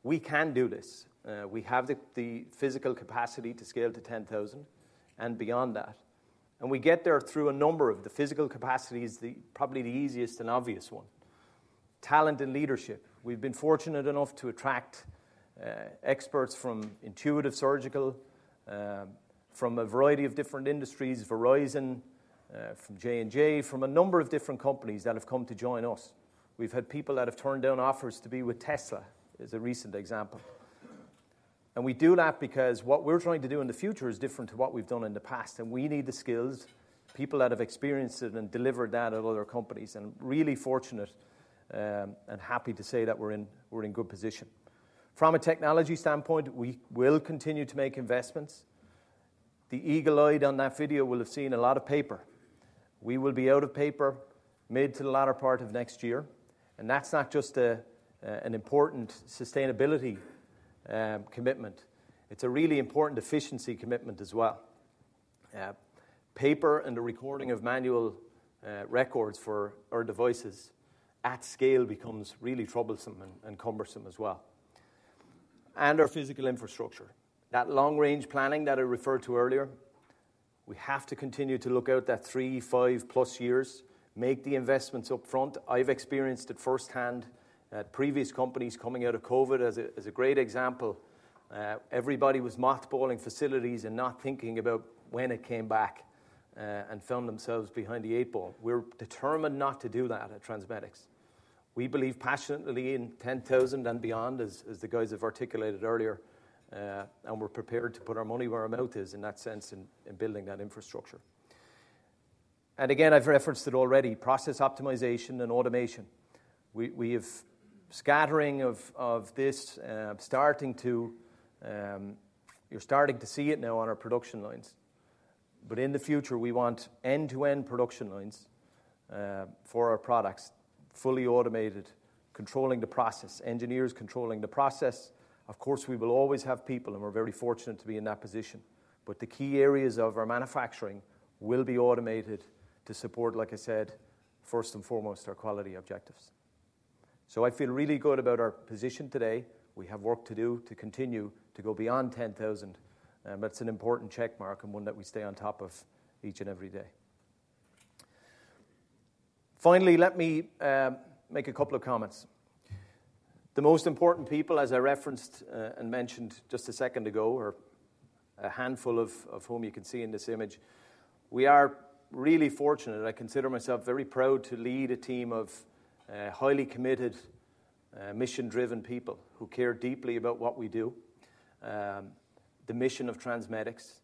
We can do this. We have the physical capacity to scale to 10,000 and beyond that. We get there through a number of the physical capacities, probably the easiest and obvious one: talent and leadership. We've been fortunate enough to attract experts from Intuitive Surgical, from a variety of different industries, Verizon, from J&J, from a number of different companies that have come to join us. We've had people that have turned down offers to be with Tesla as a recent example. We do that because what we're trying to do in the future is different to what we've done in the past. We need the skills, people that have experienced it and delivered that at other companies. Really fortunate and happy to say that we're in good position. From a technology standpoint, we will continue to make investments. The eagle-eyed on that video will have seen a lot of paper. We will be out of paper mid to the latter part of next year, and that's not just an important sustainability commitment. It's a really important efficiency commitment as well. Paper and the recording of manual records for our devices at scale becomes really troublesome and cumbersome as well, and our physical infrastructure, that long-range planning that I referred to earlier, we have to continue to look out that three, five-plus years, make the investments upfront. I've experienced it firsthand at previous companies coming out of COVID as a great example. Everybody was mothballing facilities and not thinking about when it came back and found themselves behind the eight ball. We're determined not to do that at TransMedics. We believe passionately in 10,000 and beyond, as the guys have articulated earlier, and we're prepared to put our money where our mouth is in that sense in building that infrastructure. And again, I've referenced it already: process optimization and automation. We have scattering of this starting to - you're starting to see it now on our production lines. But in the future, we want end-to-end production lines for our products, fully automated, controlling the process, engineers controlling the process. Of course, we will always have people, and we're very fortunate to be in that position. But the key areas of our manufacturing will be automated to support, like I said, first and foremost, our quality objectives. So I feel really good about our position today. We have work to do to continue to go beyond 10,000. That's an important checkmark and one that we stay on top of each and every day. Finally, let me make a couple of comments. The most important people, as I referenced and mentioned just a second ago, are a handful of whom you can see in this image. We are really fortunate. I consider myself very proud to lead a team of highly committed, mission-driven people who care deeply about what we do, the mission of TransMedics,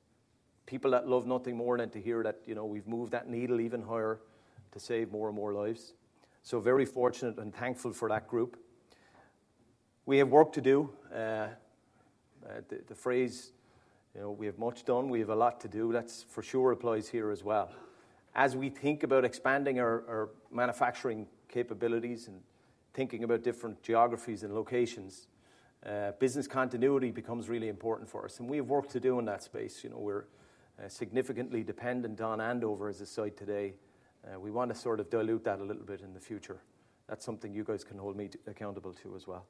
people that love nothing more than to hear that we've moved that needle even higher to save more and more lives. So very fortunate and thankful for that group. We have work to do. The phrase, "We have much done, we have a lot to do," that's for sure applies here as well. As we think about expanding our manufacturing capabilities and thinking about different geographies and locations, business continuity becomes really important for us, and we have work to do in that space. We're significantly dependent on Andover as a site today. We want to sort of dilute that a little bit in the future. That's something you guys can hold me accountable to as well,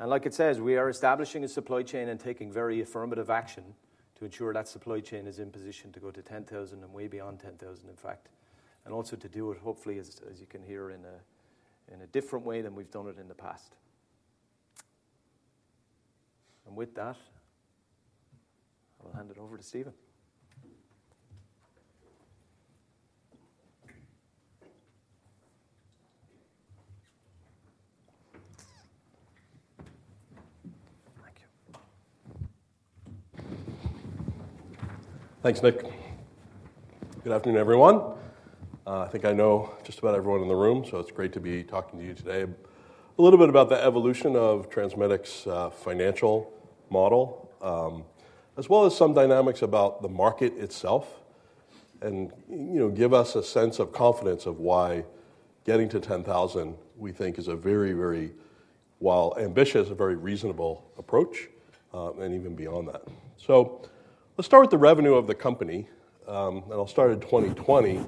and like I said, we are establishing a supply chain and taking very affirmative action to ensure that supply chain is in position to go to 10,000 and way beyond 10,000, in fact, and also to do it, hopefully, as you can hear, in a different way than we've done it in the past, and with that, I will hand it over to Stephen. Thank you. Thanks, Nick. Good afternoon, everyone. I think I know just about everyone in the room, so it's great to be talking to you today. A little bit about the evolution of TransMedics' financial model, as well as some dynamics about the market itself, and give us a sense of confidence of why getting to 10,000 we think is a very, very, well, ambitious, a very reasonable approach, and even beyond that. So let's start with the revenue of the company. And I'll start in 2020.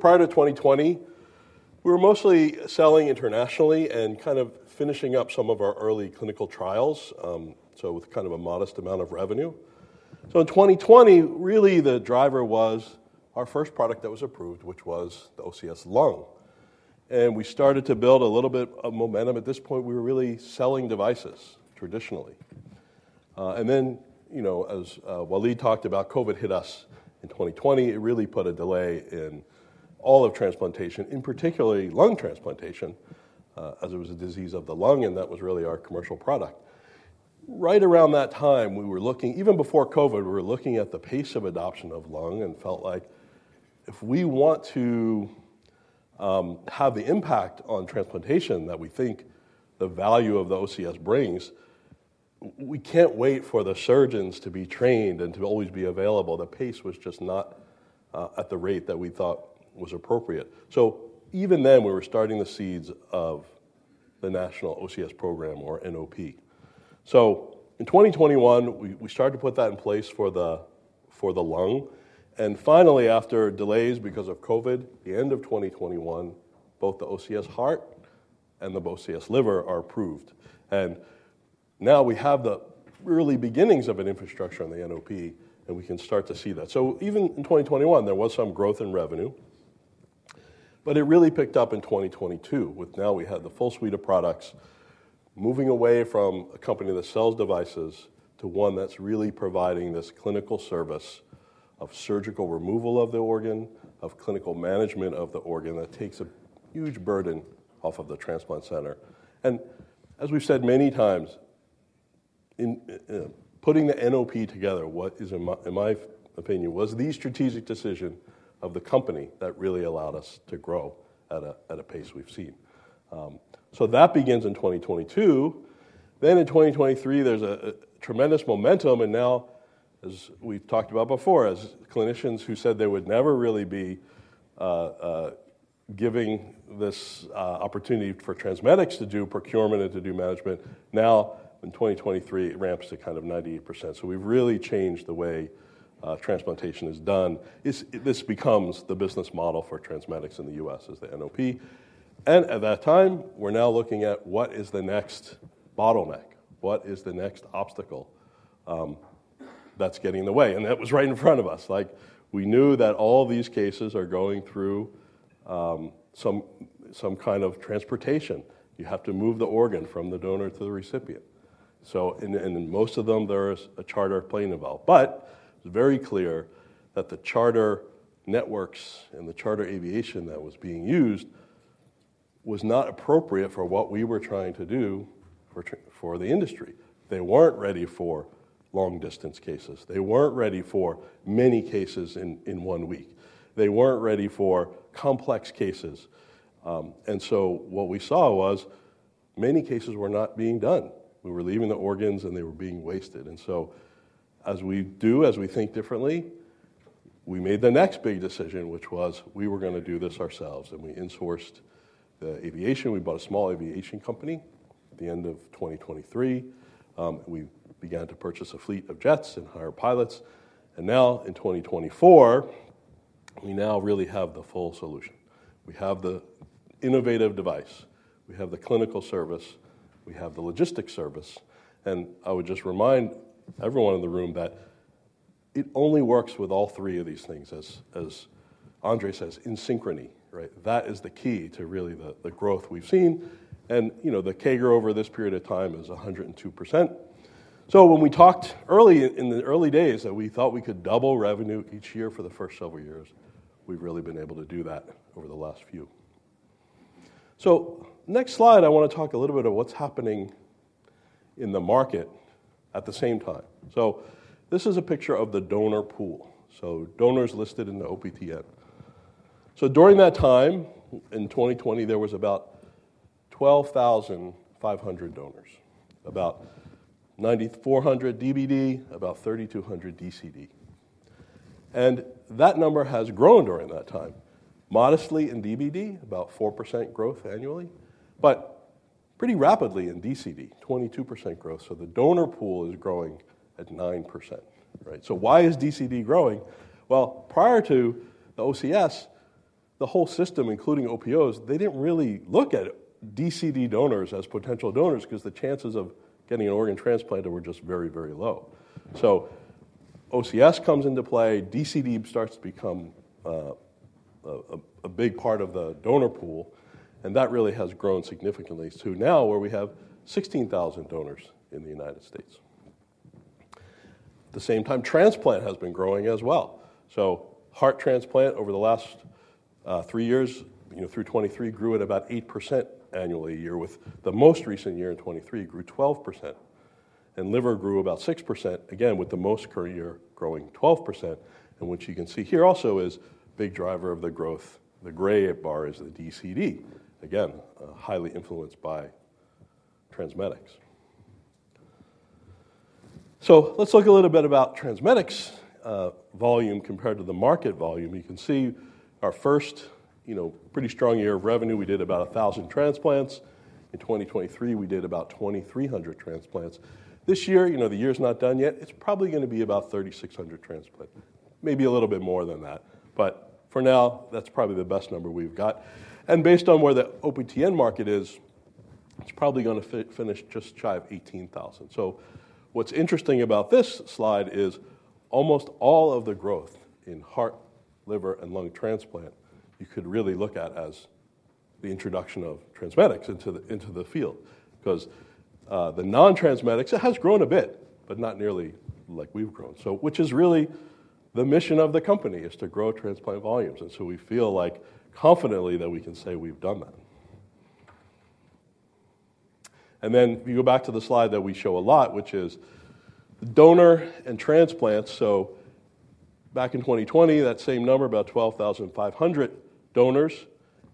Prior to 2020, we were mostly selling internationally and kind of finishing up some of our early clinical trials, so with kind of a modest amount of revenue. So in 2020, really, the driver was our first product that was approved, which was the OCS Lung. And we started to build a little bit of momentum. At this point, we were really selling devices traditionally. As Waleed talked about, COVID hit us in 2020. It really put a delay in all of transplantation, in particular lung transplantation, as it was a disease of the lung, and that was really our commercial product. Right around that time, we were looking, even before COVID, we were looking at the pace of adoption of lung and felt like if we want to have the impact on transplantation that we think the value of the OCS brings, we can't wait for the surgeons to be trained and to always be available. The pace was just not at the rate that we thought was appropriate. Even then, we were starting the seeds of the National OCS Program, or NOP. In 2021, we started to put that in place for the lung. Finally, after delays because of COVID, the end of 2021, both the OCS Heart and the OCS Liver are approved. Now we have the early beginnings of an infrastructure on the NOP, and we can start to see that. Even in 2021, there was some growth in revenue. It really picked up in 2022 with now we had the full suite of products moving away from a company that sells devices to one that's really providing this clinical service of surgical removal of the organ, of clinical management of the organ that takes a huge burden off of the transplant center. As we've said many times, putting the NOP together, in my opinion, was the strategic decision of the company that really allowed us to grow at a pace we've seen. That begins in 2022. In 2023, there's a tremendous momentum. And now, as we've talked about before, as clinicians who said they would never really be giving this opportunity for TransMedics to do procurement and to do management, now in 2023, it ramps to kind of 98%. So we've really changed the way transplantation is done. This becomes the business model for TransMedics in the U.S. as the NOP. And at that time, we're now looking at what is the next bottleneck, what is the next obstacle that's getting in the way. And that was right in front of us. We knew that all these cases are going through some kind of transportation. You have to move the organ from the donor to the recipient. And in most of them, there is a charter plane involved. But it was very clear that the charter networks and the charter aviation that was being used was not appropriate for what we were trying to do for the industry. They weren't ready for long-distance cases. They weren't ready for many cases in one week. They weren't ready for complex cases. And so what we saw was many cases were not being done. We were leaving the organs, and they were being wasted. And so as we do, as we think differently, we made the next big decision, which was we were going to do this ourselves. And we insourced the aviation. We bought a small aviation company at the end of 2023. We began to purchase a fleet of jets and hire pilots. And now in 2024, we now really have the full solution. We have the innovative device. We have the clinical service. We have the logistics service. I would just remind everyone in the room that it only works with all three of these things, as Andre says, in synchrony. That is the key to really the growth we've seen. The CAGR over this period of time is 102%. When we talked early in the early days that we thought we could double revenue each year for the first several years, we've really been able to do that over the last few. Next slide, I want to talk a little bit about what's happening in the market at the same time. This is a picture of the donor pool. Donors listed in the OPTN. During that time, in 2020, there was about 12,500 donors, about 9,400 DBD, about 3,200 DCD. That number has grown during that time. Modestly in DBD, about 4% growth annually, but pretty rapidly in DCD, 22% growth. The donor pool is growing at 9%. Why is DCD growing? Prior to the OCS, the whole system, including OPOs, they didn't really look at DCD donors as potential donors because the chances of getting an organ transplanted were just very, very low. OCS comes into play. DCD starts to become a big part of the donor pool. That really has grown significantly to now where we have 16,000 donors in the United States. At the same time, transplant has been growing as well. Heart transplant over the last three years through 2023 grew at about 8% annually a year, with the most recent year in 2023 growing 12%. Liver grew about 6%, again, with the most recent year growing 12%. What you can see here also is a big driver of the growth. The gray bar is the DCD, again, highly influenced by TransMedics. Let's look a little bit about TransMedics' volume compared to the market volume. You can see our first pretty strong year of revenue. We did about 1,000 transplants. In 2023, we did about 2,300 transplants. This year, the year's not done yet. It's probably going to be about 3,600 transplants, maybe a little bit more than that. But for now, that's probably the best number we've got. Based on where the OPTN market is, it's probably going to finish just shy of 18,000. So what's interesting about this slide is almost all of the growth in heart, liver, and lung transplant. You could really look at it as the introduction of TransMedics into the field because the non-TransMedics, it has grown a bit, but not nearly like we've grown, which is really the mission of the company is to grow transplant volumes. And then if you go back to the slide that we show a lot, which is donor and transplants. So back in 2020, that same number, about 12,500 donors.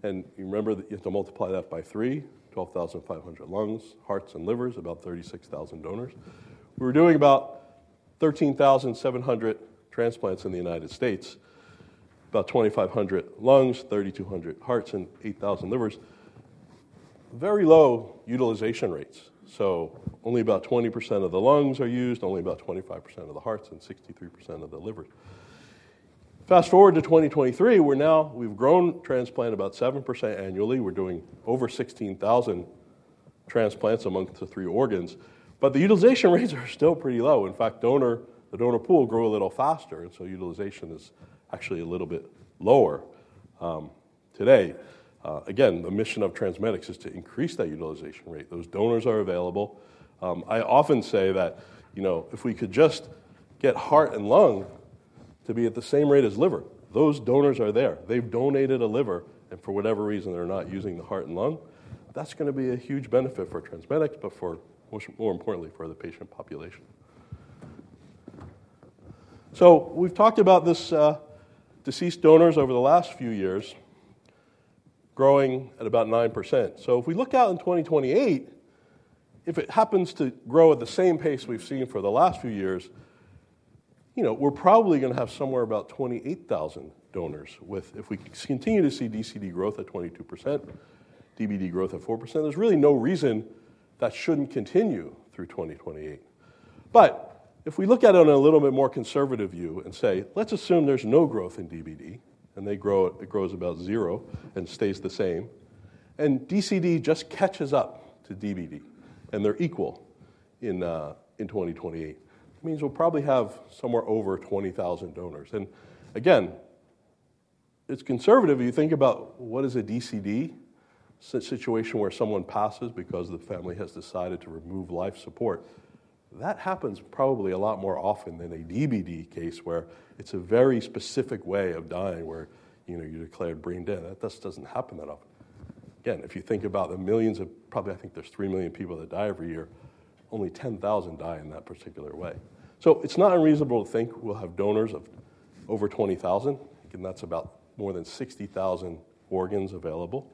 And you remember that you have to multiply that by three, 12,500 lungs, hearts, and livers, about 36,000 donors. We were doing about 13,700 transplants in the United States, about 2,500 lungs, 3,200 hearts, and 8,000 livers, very low utilization rates. So only about 20% of the lungs are used, only about 25% of the hearts, and 63% of the livers. Fast forward to 2023, we've grown transplant about 7% annually. We're doing over 16,000 transplants among the three organs. But the utilization rates are still pretty low. In fact, the donor pool grew a little faster, and so utilization is actually a little bit lower today. Again, the mission of TransMedics is to increase that utilization rate. Those donors are available. I often say that if we could just get heart and lung to be at the same rate as liver, those donors are there. They've donated a liver, and for whatever reason, they're not using the heart and lung. That's going to be a huge benefit for TransMedics, but more importantly, for the patient population. We've talked about these deceased donors over the last few years growing at about 9%. If we look out in 2028, if it happens to grow at the same pace we've seen for the last few years, we're probably going to have somewhere about 28,000 donors if we continue to see DCD growth at 22%, DBD growth at 4%. There's really no reason that shouldn't continue through 2028. If we look at it on a little bit more conservative view and say, let's assume there's no growth in DBD, and it grows about zero and stays the same, and DCD just catches up to DBD, and they're equal in 2028, it means we'll probably have somewhere over 20,000 donors. Again, it's conservative. You think about what is a DCD situation where someone passes because the family has decided to remove life support. That happens probably a lot more often than a DBD case where it's a very specific way of dying, where you declare brain dead. That just doesn't happen that often. Again, if you think about the millions of probably, I think there's 3 million people that die every year, only 10,000 die in that particular way. So it's not unreasonable to think we'll have donors of over 20,000. Again, that's about more than 60,000 organs available.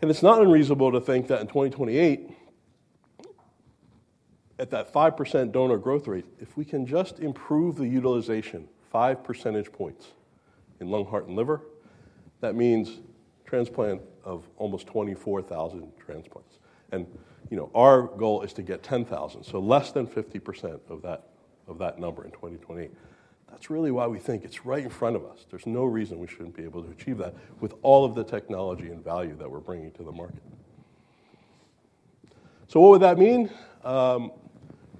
And it's not unreasonable to think that in 2028, at that 5% donor growth rate, if we can just improve the utilization 5 percentage points in lung, heart, and liver, that means transplant of almost 24,000 transplants. And our goal is to get 10,000, so less than 50% of that number in 2028. That's really why we think it's right in front of us. There's no reason we shouldn't be able to achieve that with all of the technology and value that we're bringing to the market. So what would that mean?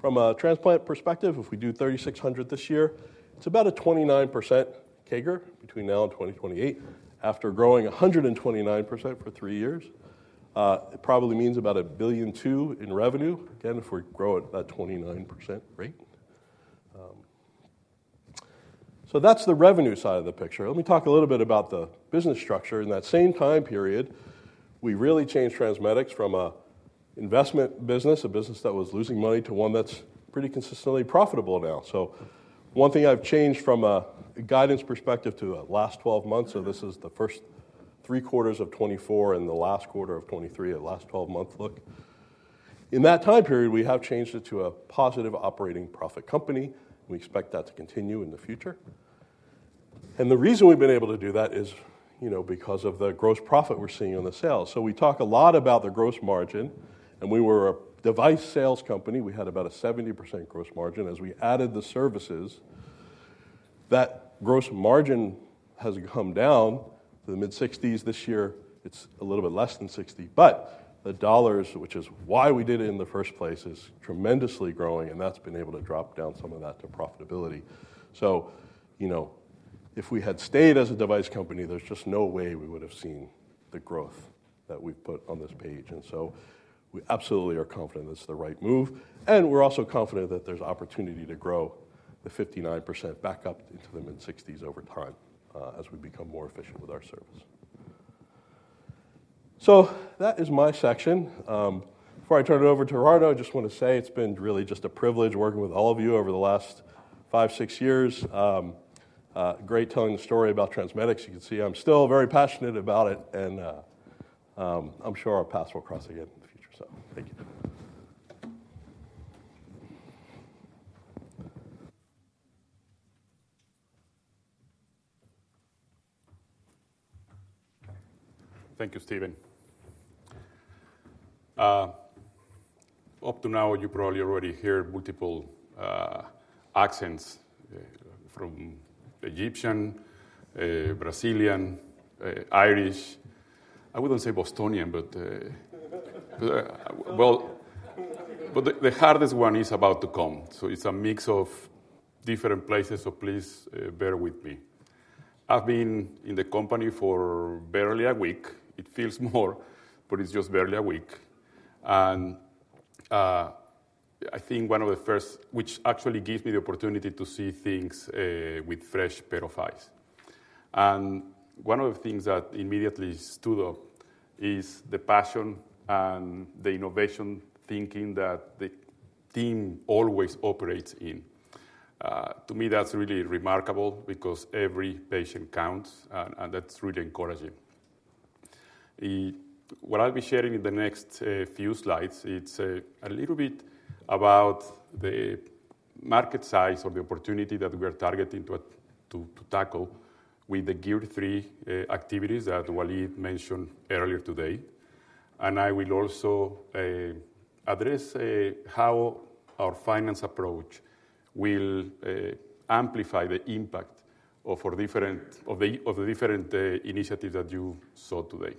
From a transplant perspective, if we do 3,600 this year, it's about a 29% CAGR between now and 2028 after growing 129% for three years. It probably means about $1.2 billion in revenue, again, if we grow at that 29% rate. So that's the revenue side of the picture. Let me talk a little bit about the business structure. In that same time period, we really changed TransMedics from an investment business, a business that was losing money, to one that's pretty consistently profitable now. So one thing I've changed from a guidance perspective to the last 12 months, so this is the first three quarters of 2024 and the last quarter of 2023, a last 12-month look. In that time period, we have changed it to a positive operating profit company. We expect that to continue in the future, and the reason we've been able to do that is because of the gross profit we're seeing on the sales, so we talk a lot about the gross margin, and we were a device sales company. We had about a 70% gross margin. As we added the services, that gross margin has come down to the mid-60s%. This year, it's a little bit less than 60%. But the dollars, which is why we did it in the first place, is tremendously growing, and that's been able to drop down some of that to profitability, so if we had stayed as a device company, there's just no way we would have seen the growth that we've put on this page. We absolutely are confident that's the right move. We're also confident that there's opportunity to grow the 59% back up into the mid-60s over time as we become more efficient with our service. That is my section. Before I turn it over to Gerardo, I just want to say it's been really just a privilege working with all of you over the last five, six years. Great telling the story about TransMedics. You can see I'm still very passionate about it, and I'm sure our paths will cross again in the future. So thank you. Thank you, Stephen. Up to now, you probably already hear multiple accents from Egyptian, Brazilian, Irish. I wouldn't say Bostonian, but the hardest one is about to come. It's a mix of different places, so please bear with me. I've been in the company for barely a week. It feels more, but it's just barely a week. I think one of the first things, which actually gives me the opportunity to see things with fresh pair of eyes. One of the things that immediately stood out is the passion and the innovative thinking that the team always operates in. To me, that's really remarkable because every patient counts, and that's really encouraging. What I'll be sharing in the next few slides is a little bit about the market size or the opportunity that we are targeting to tackle with the Gear 3 activities that Waleed mentioned earlier today. I will also address how our finance approach will amplify the impact of the different initiatives that you saw today.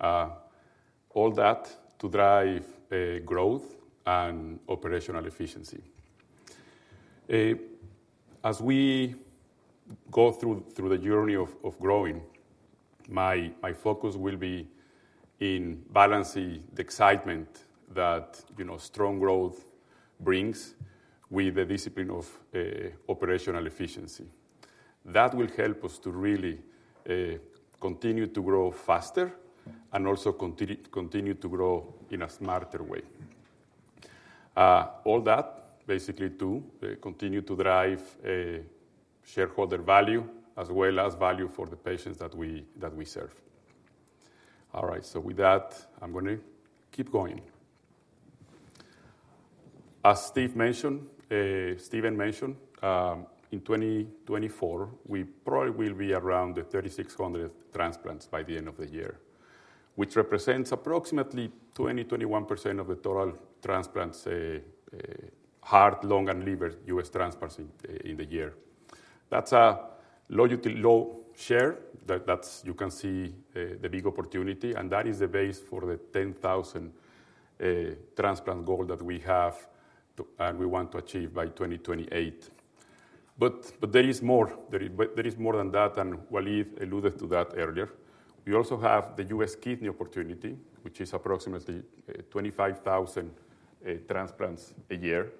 All that to drive growth and operational efficiency. As we go through the journey of growing, my focus will be in balancing the excitement that strong growth brings with the discipline of operational efficiency. That will help us to really continue to grow faster and also continue to grow in a smarter way. All that basically to continue to drive shareholder value as well as value for the patients that we serve. All right. So with that, I'm going to keep going. As Stephen mentioned, in 2024, we probably will be around the 3,600 transplants by the end of the year, which represents approximately 20%-21% of the total transplants, heart, lung, and liver U.S. transplants in the year. That's a low share. You can see the big opportunity, and that is the base for the 10,000 transplant goal that we have and we want to achieve by 2028. But there is more. There is more than that, and Waleed alluded to that earlier. We also have the U.S. kidney opportunity, which is approximately 25,000 transplants a year,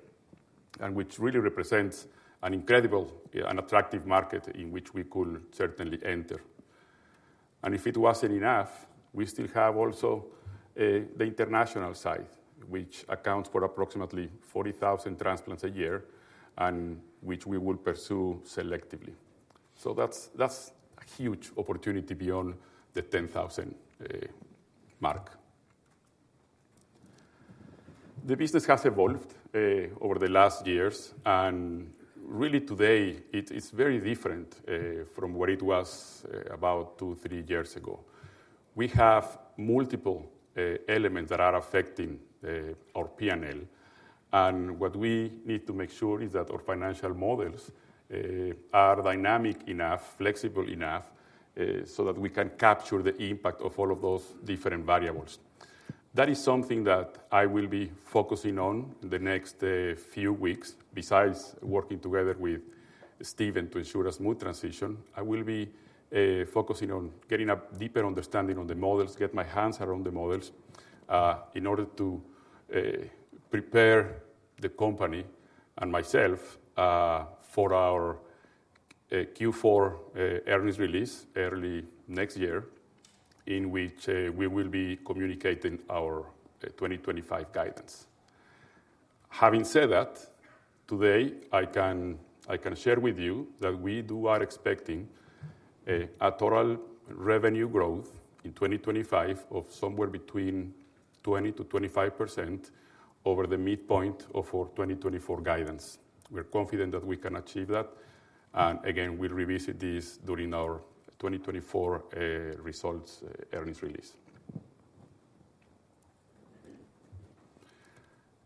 and which really represents an incredible and attractive market in which we could certainly enter, and if it wasn't enough, we still have also the international side, which accounts for approximately 40,000 transplants a year, and which we will pursue selectively, so that's a huge opportunity beyond the 10,000 mark. The business has evolved over the last years, and really today, it's very different from what it was about two, three years ago. We have multiple elements that are affecting our P&L, and what we need to make sure is that our financial models are dynamic enough, flexible enough, so that we can capture the impact of all of those different variables. That is something that I will be focusing on in the next few weeks. Besides working together with Stephen to ensure a smooth transition, I will be focusing on getting a deeper understanding of the models, get my hands around the models in order to prepare the company and myself for our Q4 earnings release early next year, in which we will be communicating our 2025 guidance. Having said that, today, I can share with you that we do are expecting a total revenue growth in 2025 of somewhere between 20%-25% over the midpoint of our 2024 guidance. We're confident that we can achieve that. And again, we'll revisit this during our 2024 results earnings release.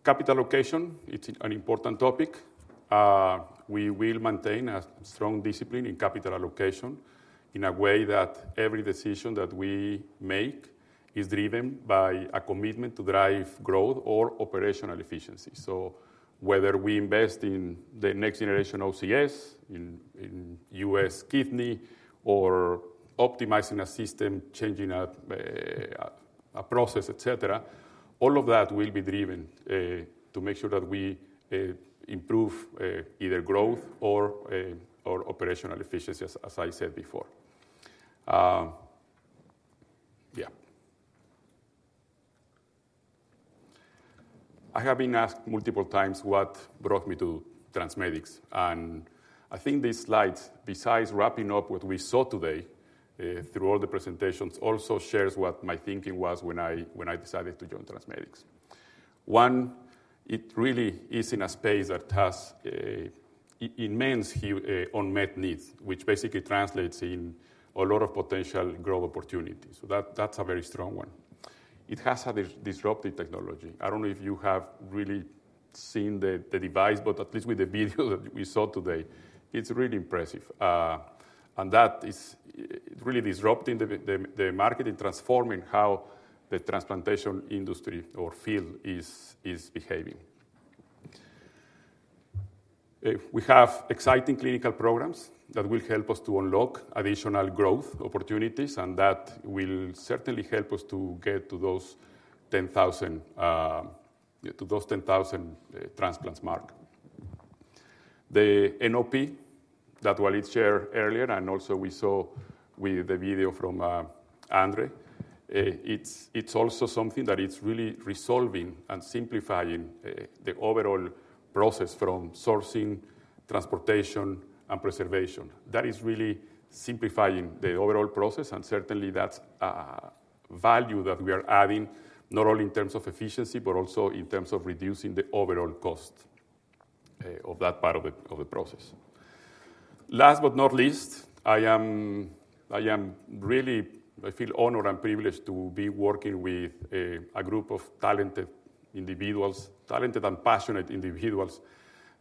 Capital allocation, it's an important topic. We will maintain a strong discipline in capital allocation in a way that every decision that we make is driven by a commitment to drive growth or operational efficiency. So whether we invest in the next generation OCS, in U.S. kidney, or optimizing a system, changing a process, et cetera, all of that will be driven to make sure that we improve either growth or operational efficiency, as I said before. Yeah. I have been asked multiple times what brought me to TransMedics, and I think these slides, besides wrapping up what we saw today through all the presentations, also shares what my thinking was when I decided to join TransMedics. One, it really is in a space that has immense unmet needs, which basically translates in a lot of potential growth opportunities. So that's a very strong one. It has had a disruptive technology. I don't know if you have really seen the device, but at least with the video that we saw today, it's really impressive, and that is really disrupting the market and transforming how the transplantation industry or field is behaving. We have exciting clinical programs that will help us to unlock additional growth opportunities, and that will certainly help us to get to those 10,000 transplants mark. The NOP that Waleed shared earlier, and also we saw with the video from Andre, it's also something that is really resolving and simplifying the overall process from sourcing, transportation, and preservation. That is really simplifying the overall process, and certainly that's a value that we are adding, not only in terms of efficiency, but also in terms of reducing the overall cost of that part of the process. Last but not least, I am really. I feel honored and privileged to be working with a group of talented individuals, talented and passionate individuals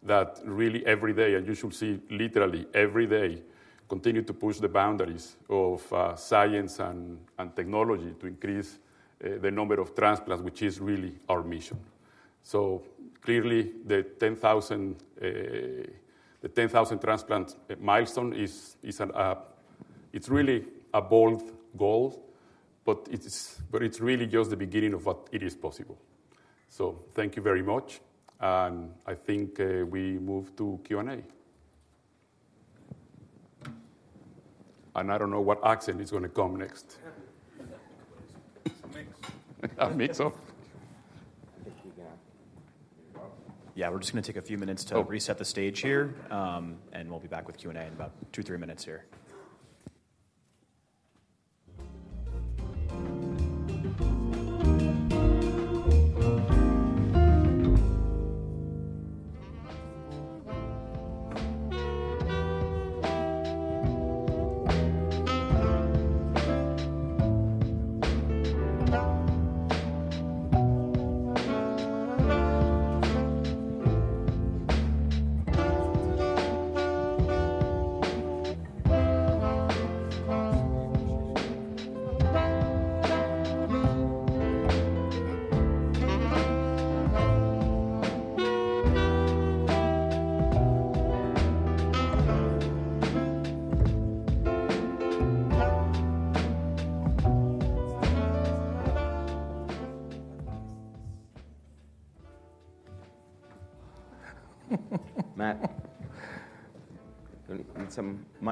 that really every day, and you should see literally every day, continue to push the boundaries of science and technology to increase the number of transplants, which is really our mission. So clearly, the 10,000 transplant milestone is really a bold goal, but it's really just the beginning of what it is possible. So thank you very much, and I think we move to Q&A. And I don't know what accent is going to come next. A mix of. Yeah, we're just going to take a few minutes to reset the stage here, and we'll be back with Q&A in about two, three minutes here.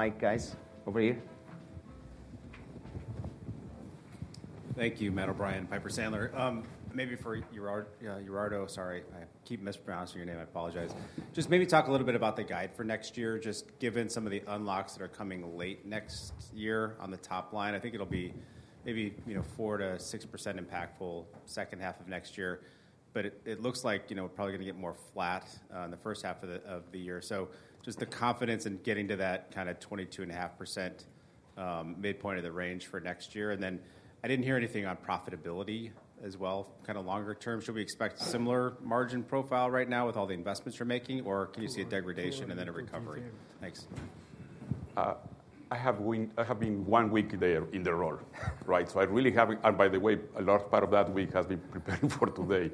Matt. You need some mic, guys, over here. Thank you, Matt O'Brien, Piper Sandler. Maybe for Gerardo, sorry, I keep mispronouncing your name. I apologize. Just maybe talk a little bit about the guide for next year, just given some of the unlocks that are coming late next year on the top line. I think it'll be maybe 4%-6% impactful second half of next year, but it looks like we're probably going to get more flat in the first half of the year. So just the confidence in getting to that kind of 22.5% midpoint of the range for next year. And then I didn't hear anything on profitability as well. Kind of longer term, should we expect a similar margin profile right now with all the investments you're making, or can you see a degradation and then a recovery? Thanks. I have been one week there in the role, right? So I really haven't, and by the way, a large part of that week has been preparing for today.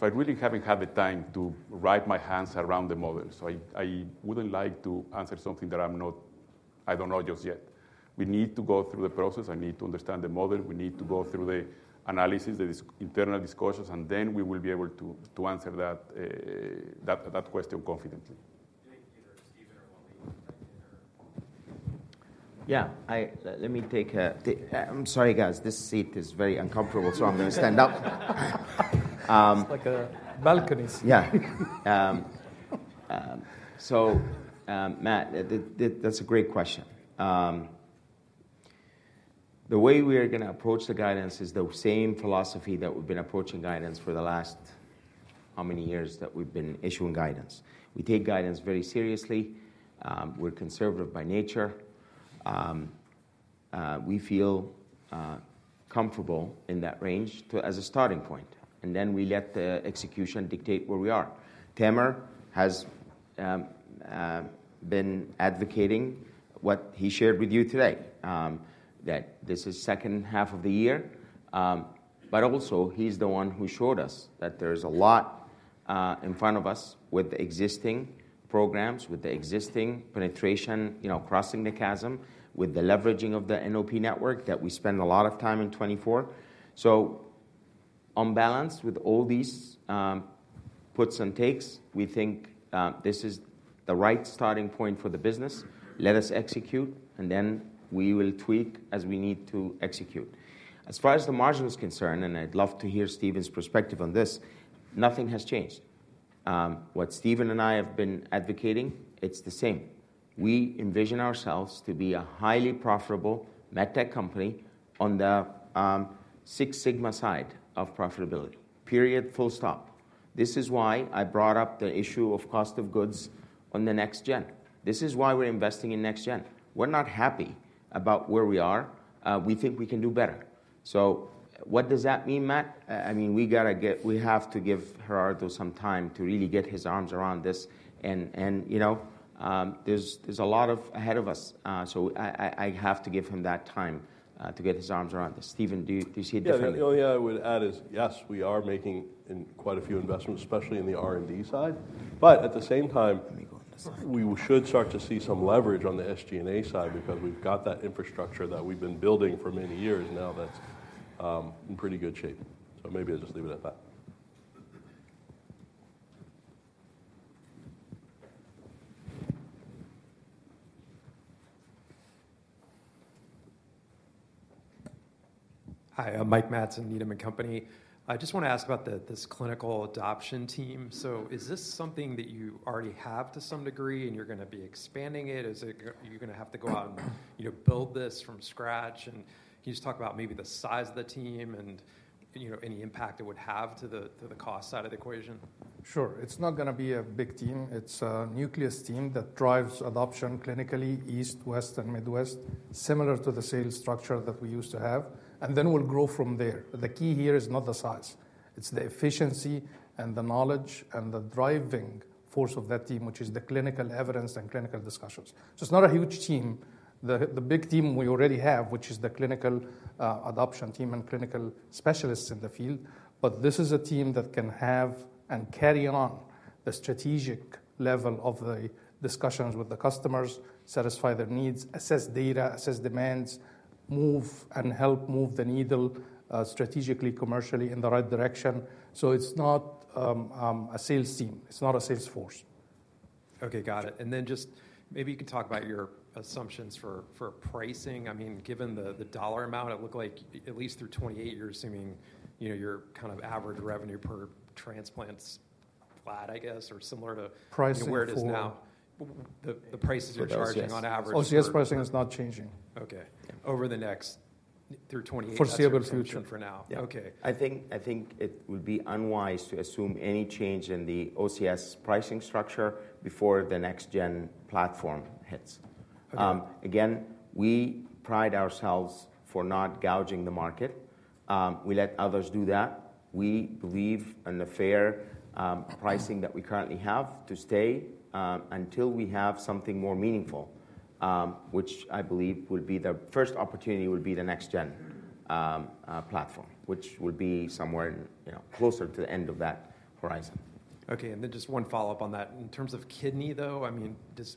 So I really haven't had the time to wrap my hands around the model. So I wouldn't like to answer something that I'm not. I don't know just yet. We need to go through the process. I need to understand the model. We need to go through the analysis, the internal discussions, and then we will be able to answer that question confidently. Yeah. I'm sorry, guys. This seat is very uncomfortable, so I'm going to stand up. It's like a balcony. Yeah. Matt, that's a great question. The way we are going to approach the guidance is the same philosophy that we've been approaching guidance for the last how many years that we've been issuing guidance. We take guidance very seriously. We're conservative by nature. We feel comfortable in that range as a starting point, and then we let the execution dictate where we are. Tamer has been advocating what he shared with you today, that this is the second half of the year. But also, he's the one who showed us that there is a lot in front of us with the existing programs, with the existing penetration, crossing the chasm, with the leveraging of the NOP network that we spend a lot of time in 2024. So on balance, with all these puts and takes, we think this is the right starting point for the business. Let us execute, and then we will tweak as we need to execute. As far as the margin is concerned, and I'd love to hear Stephen's perspective on this, nothing has changed. What Stephen and I have been advocating, it's the same. We envision ourselves to be a highly profitable medtech company on the Six Sigma side of profitability. Period. Full stop. This is why I brought up the issue of cost of goods on the next gen. This is why we're investing in next gen. We're not happy about where we are. We think we can do better. So what does that mean, Matt? I mean, we have to give Gerardo some time to really get his arms around this, and there's a lot ahead of us, so I have to give him that time to get his arms around this. Stephen, do you see it differently? Yeah, the only thing I would add is, yes, we are making quite a few investments, especially in the R&D side. But at the same time, we should start to see some leverage on the SG&A side because we've got that infrastructure that we've been building for many years now that's in pretty good shape. So maybe I'll just leave it at that. Hi, I'm Mike Matson, Needham & Company. I just want to ask about this clinical adoption team. So is this something that you already have to some degree, and you're going to be expanding it? Are you going to have to go out and build this from scratch? And can you just talk about maybe the size of the team and any impact it would have to the cost side of the equation? Sure. It's not going to be a big team. It's a nucleus team that drives adoption clinically, East, West, and Midwest, similar to the sales structure that we used to have. Then we'll grow from there. The key here is not the size. It's the efficiency and the knowledge and the driving force of that team, which is the clinical evidence and clinical discussions. It's not a huge team. The big team we already have, which is the clinical adoption team and clinical specialists in the field. This is a team that can have and carry on the strategic level of the discussions with the customers, satisfy their needs, assess data, assess demands, move, and help move the needle strategically, commercially in the right direction. It's not a sales team. It's not a sales force. Okay, got it. Then just maybe you can talk about your assumptions for pricing. I mean, given the dollar amount, it looked like at least through 2028, you're assuming your kind of average revenue per transplant's flat, I guess, or similar to where it is now. The prices you're charging on average. OCS pricing is not changing. Okay. Over the next through 2028. Foreseeable future. For now. Okay. I think it would be unwise to assume any change in the OCS pricing structure before the next gen platform hits. Again, we pride ourselves for not gouging the market. We let others do that. We believe in the fair pricing that we currently have to stay until we have something more meaningful, which I believe will be the first opportunity would be the next gen platform, which will be somewhere closer to the end of that horizon. Okay. And then just one follow-up on that. In terms of kidney, though, I mean,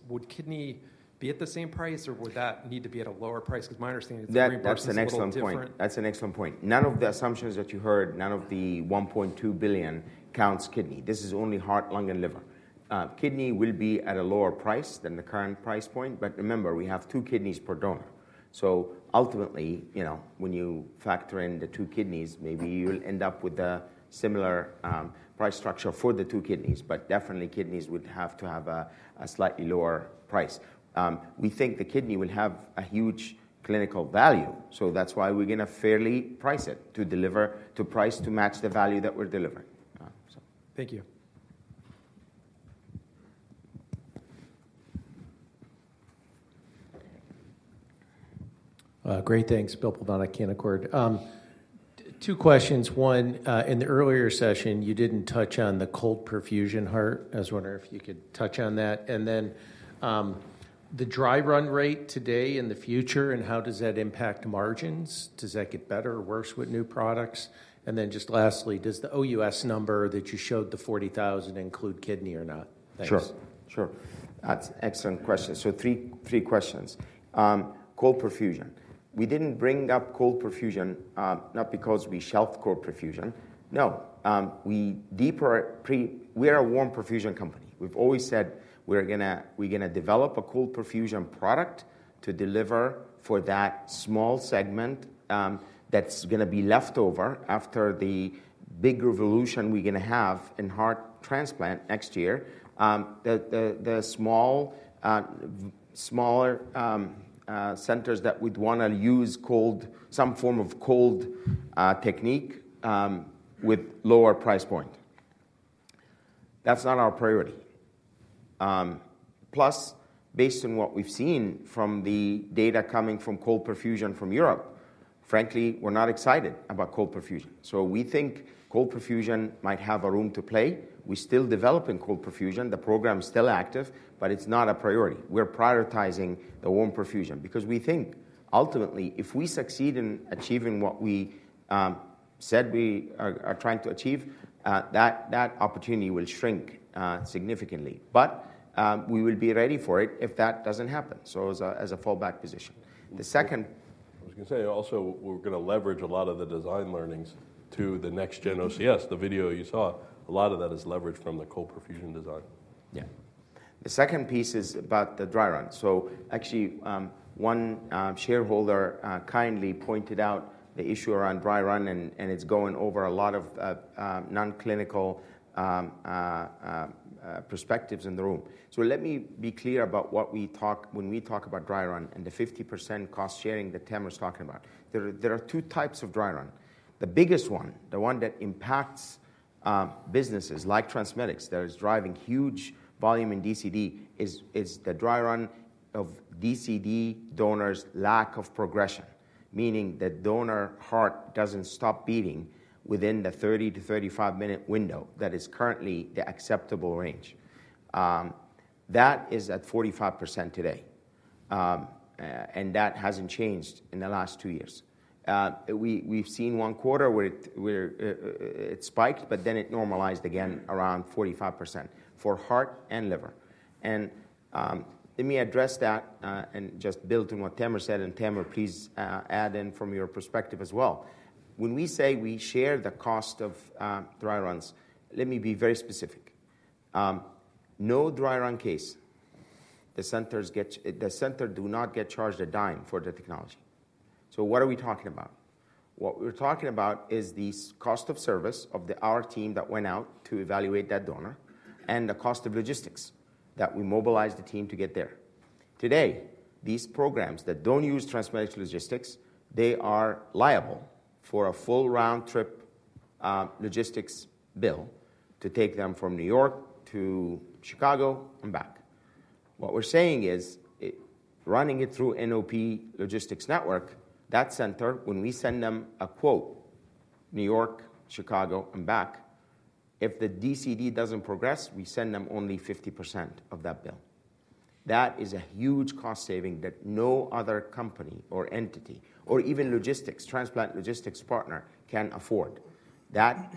would kidney be at the same price, or would that need to be at a lower price? Because my understanding is very much different. That's an excellent point. That's an excellent point. None of the assumptions that you heard, none of the $1.2 billion counts kidney. This is only heart, lung, and liver. Kidney will be at a lower price than the current price point. But remember, we have two kidneys per donor. So ultimately, when you factor in the two kidneys, maybe you'll end up with a similar price structure for the two kidneys. But definitely, kidneys would have to have a slightly lower price. We think the kidney will have a huge clinical value. So that's why we're going to fairly price it to deliver to price to match the value that we're delivering. Thank you. Great. Thanks. Bill Plovanic, Canaccord. Two questions. One, in the earlier session, you didn't touch on the cold perfusion heart. I was wondering if you could touch on that. And then the dry run rate today in the future, and how does that impact margins? Does that get better or worse with new products? And then just lastly, does the OUS number that you showed, the 40,000, include kidney or not? Sure. Sure. That's an excellent question. So three questions. Cold perfusion. We didn't bring up cold perfusion not because we shelve cold perfusion. No. We are a warm perfusion company. We've always said we're going to develop a cold perfusion product to deliver for that small segment that's going to be left over after the big revolution we're going to have in heart transplant next year, the smaller centers that we'd want to use some form of cold technique with lower price point. That's not our priority. Plus, based on what we've seen from the data coming from cold perfusion from Europe, frankly, we're not excited about cold perfusion. So we think cold perfusion might have a role to play. We're still developing cold perfusion. The program is still active, but it's not a priority. We're prioritizing the warm perfusion because we think ultimately, if we succeed in achieving what we said we are trying to achieve, that opportunity will shrink significantly. But we will be ready for it if that doesn't happen. So as a fallback position. The second. I was going to say, also, we're going to leverage a lot of the design learnings to the next gen OCS, the video you saw. A lot of that is leveraged from the cold perfusion design. Yeah. The second piece is about the dry run. So actually, one shareholder kindly pointed out the issue around dry run, and it's going over a lot of non-clinical perspectives in the room. So let me be clear about what we talk when we talk about dry run and the 50% cost sharing that Tamer's talking about. There are two types of dry run. The biggest one, the one that impacts businesses like TransMedics that is driving huge volume in DCD, is the dry run of DCD donors' lack of progression, meaning that donor heart doesn't stop beating within the 30-35-minute window that is currently the acceptable range. That is at 45% today, and that hasn't changed in the last two years. We've seen one quarter where it spiked, but then it normalized again around 45% for heart and liver, and let me address that and just build on what Tamer said, and Tamer, please add in from your perspective as well. When we say we share the cost of dry runs, let me be very specific. No dry run case. The centers do not get charged a dime for the technology. So what are we talking about? What we're talking about is the cost of service of our team that went out to evaluate that donor and the cost of logistics that we mobilized the team to get there. Today, these programs that don't use TransMedics logistics, they are liable for a full round-trip logistics bill to take them from New York to Chicago and back. What we're saying is running it through NOP logistics network, that center, when we send them a quote, New York, Chicago, and back, if the DCD doesn't progress, we send them only 50% of that bill. That is a huge cost saving that no other company or entity or even logistics, transplant logistics partner can afford. That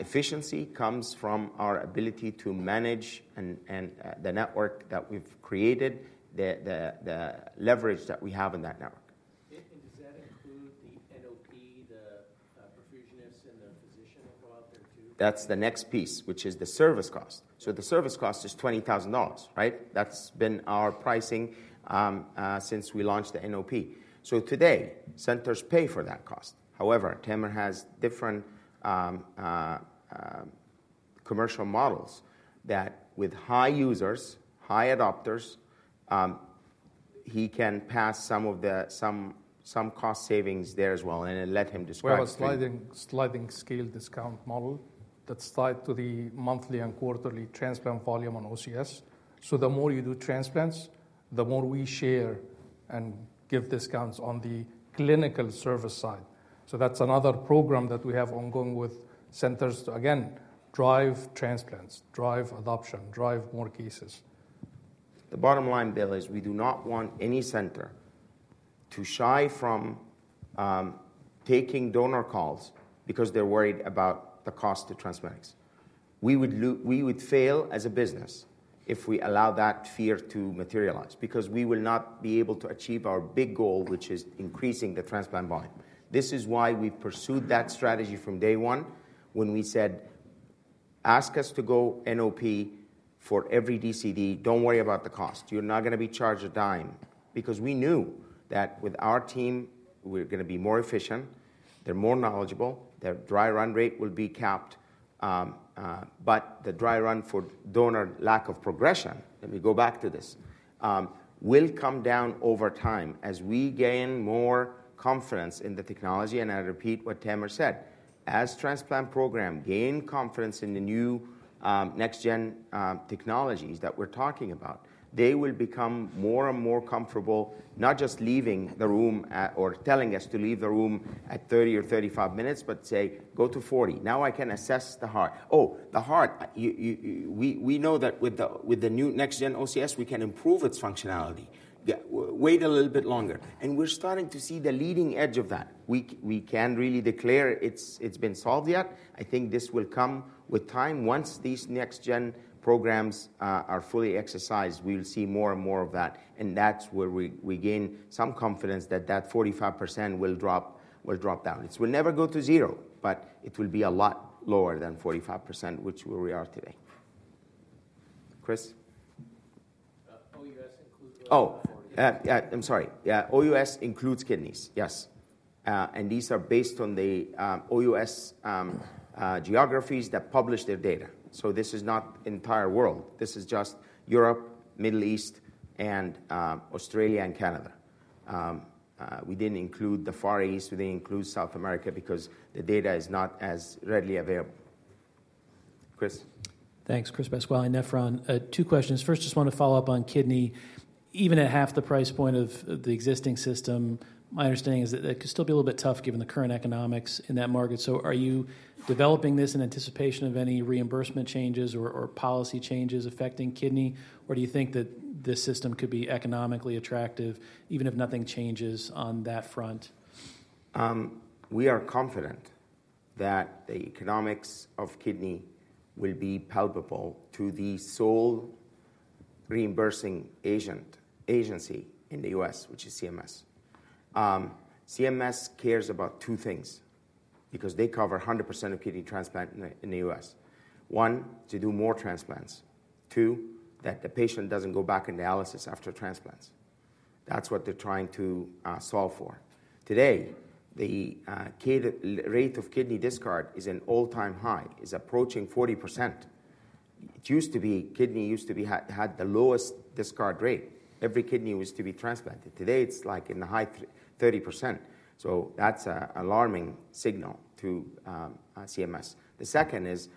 efficiency comes from our ability to manage the network that we've created, the leverage that we have in that network. That's the next piece, which is the service cost. So the service cost is $20,000, right? That's been our pricing since we launched the NOP. So today, centers pay for that cost. However, Tamer has different commercial models that, with high users, high adopters, he can pass some cost savings there as well and let him describe them. We have a sliding scale discount model that's tied to the monthly and quarterly transplant volume on OCS. So the more you do transplants, the more we share and give discounts on the clinical service side. So that's another program that we have ongoing with centers to, again, drive transplants, drive adoption, drive more cases. The bottom line there is we do not want any center to shy from taking donor calls because they're worried about the cost to TransMedics. We would fail as a business if we allow that fear to materialize because we will not be able to achieve our big goal, which is increasing the transplant volume. This is why we pursued that strategy from day one when we said, "Ask us to go NOP for every DCD. Don't worry about the cost. You're not going to be charged a dime." Because we knew that with our team, we're going to be more efficient. They're more knowledgeable. Their dry run rate will be capped. But the dry run for donor lack of progression, let me go back to this, will come down over time as we gain more confidence in the technology. And I repeat what Tamer said. As transplant programs gain confidence in the new next-gen technologies that we're talking about, they will become more and more comfortable not just leaving the room or telling us to leave the room at 30 or 35 minutes, but say, "Go to 40. Now I can assess the heart." Oh, the heart. We know that with the new next-gen OCS, we can improve its functionality. Wait a little bit longer, and we're starting to see the leading edge of that. We can't really declare it's been solved yet. I think this will come with time. Once these next-gen programs are fully exercised, we'll see more and more of that, and that's where we gain some confidence that that 45% will drop down. It will never go to zero, but it will be a lot lower than 45%, which is where we are today. Chris? OUS includes kidneys. Oh, I'm sorry. OUS includes kidneys, yes, and these are based on the OUS geographies that publish their data. So this is not the entire world. This is just Europe, Middle East, Australia, and Canada. We didn't include the Far East. We didn't include South America because the data is not as readily available. Chris, thanks. Chris Pasquale and Nephron. Two questions. First, just want to follow up on kidney. Even at half the price point of the existing system, my understanding is that it could still be a little bit tough given the current economics in that market. So are you developing this in anticipation of any reimbursement changes or policy changes affecting kidney? Or do you think that this system could be economically attractive even if nothing changes on that front? We are confident that the economics of kidney will be palpable to the sole reimbursing agency in the U.S., which is CMS. CMS cares about two things because they cover 100% of kidney transplant in the U.S. One, to do more transplants. Two, that the patient doesn't go back in dialysis after transplants. That's what they're trying to solve for. Today, the rate of kidney discard is an all-time high. It's approaching 40%. It used to be kidney used to have the lowest discard rate. Every kidney was to be transplanted. Today, it's like in the high 30%. So that's an alarming signal to CMS. The second is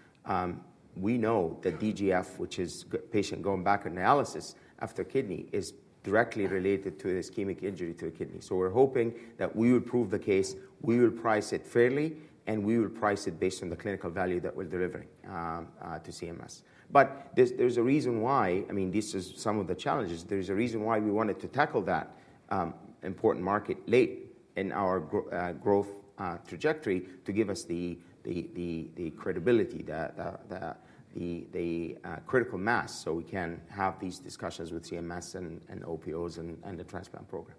we know that DGF, which is patient going back in dialysis after kidney, is directly related to the ischemic injury to the kidney. So we're hoping that we will prove the case. We will price it fairly, and we will price it based on the clinical value that we're delivering to CMS. But there's a reason why. I mean, these are some of the challenges. There's a reason why we wanted to tackle that important market late in our growth trajectory to give us the credibility, the critical mass, so we can have these discussions with CMS and OPOs and the transplant program.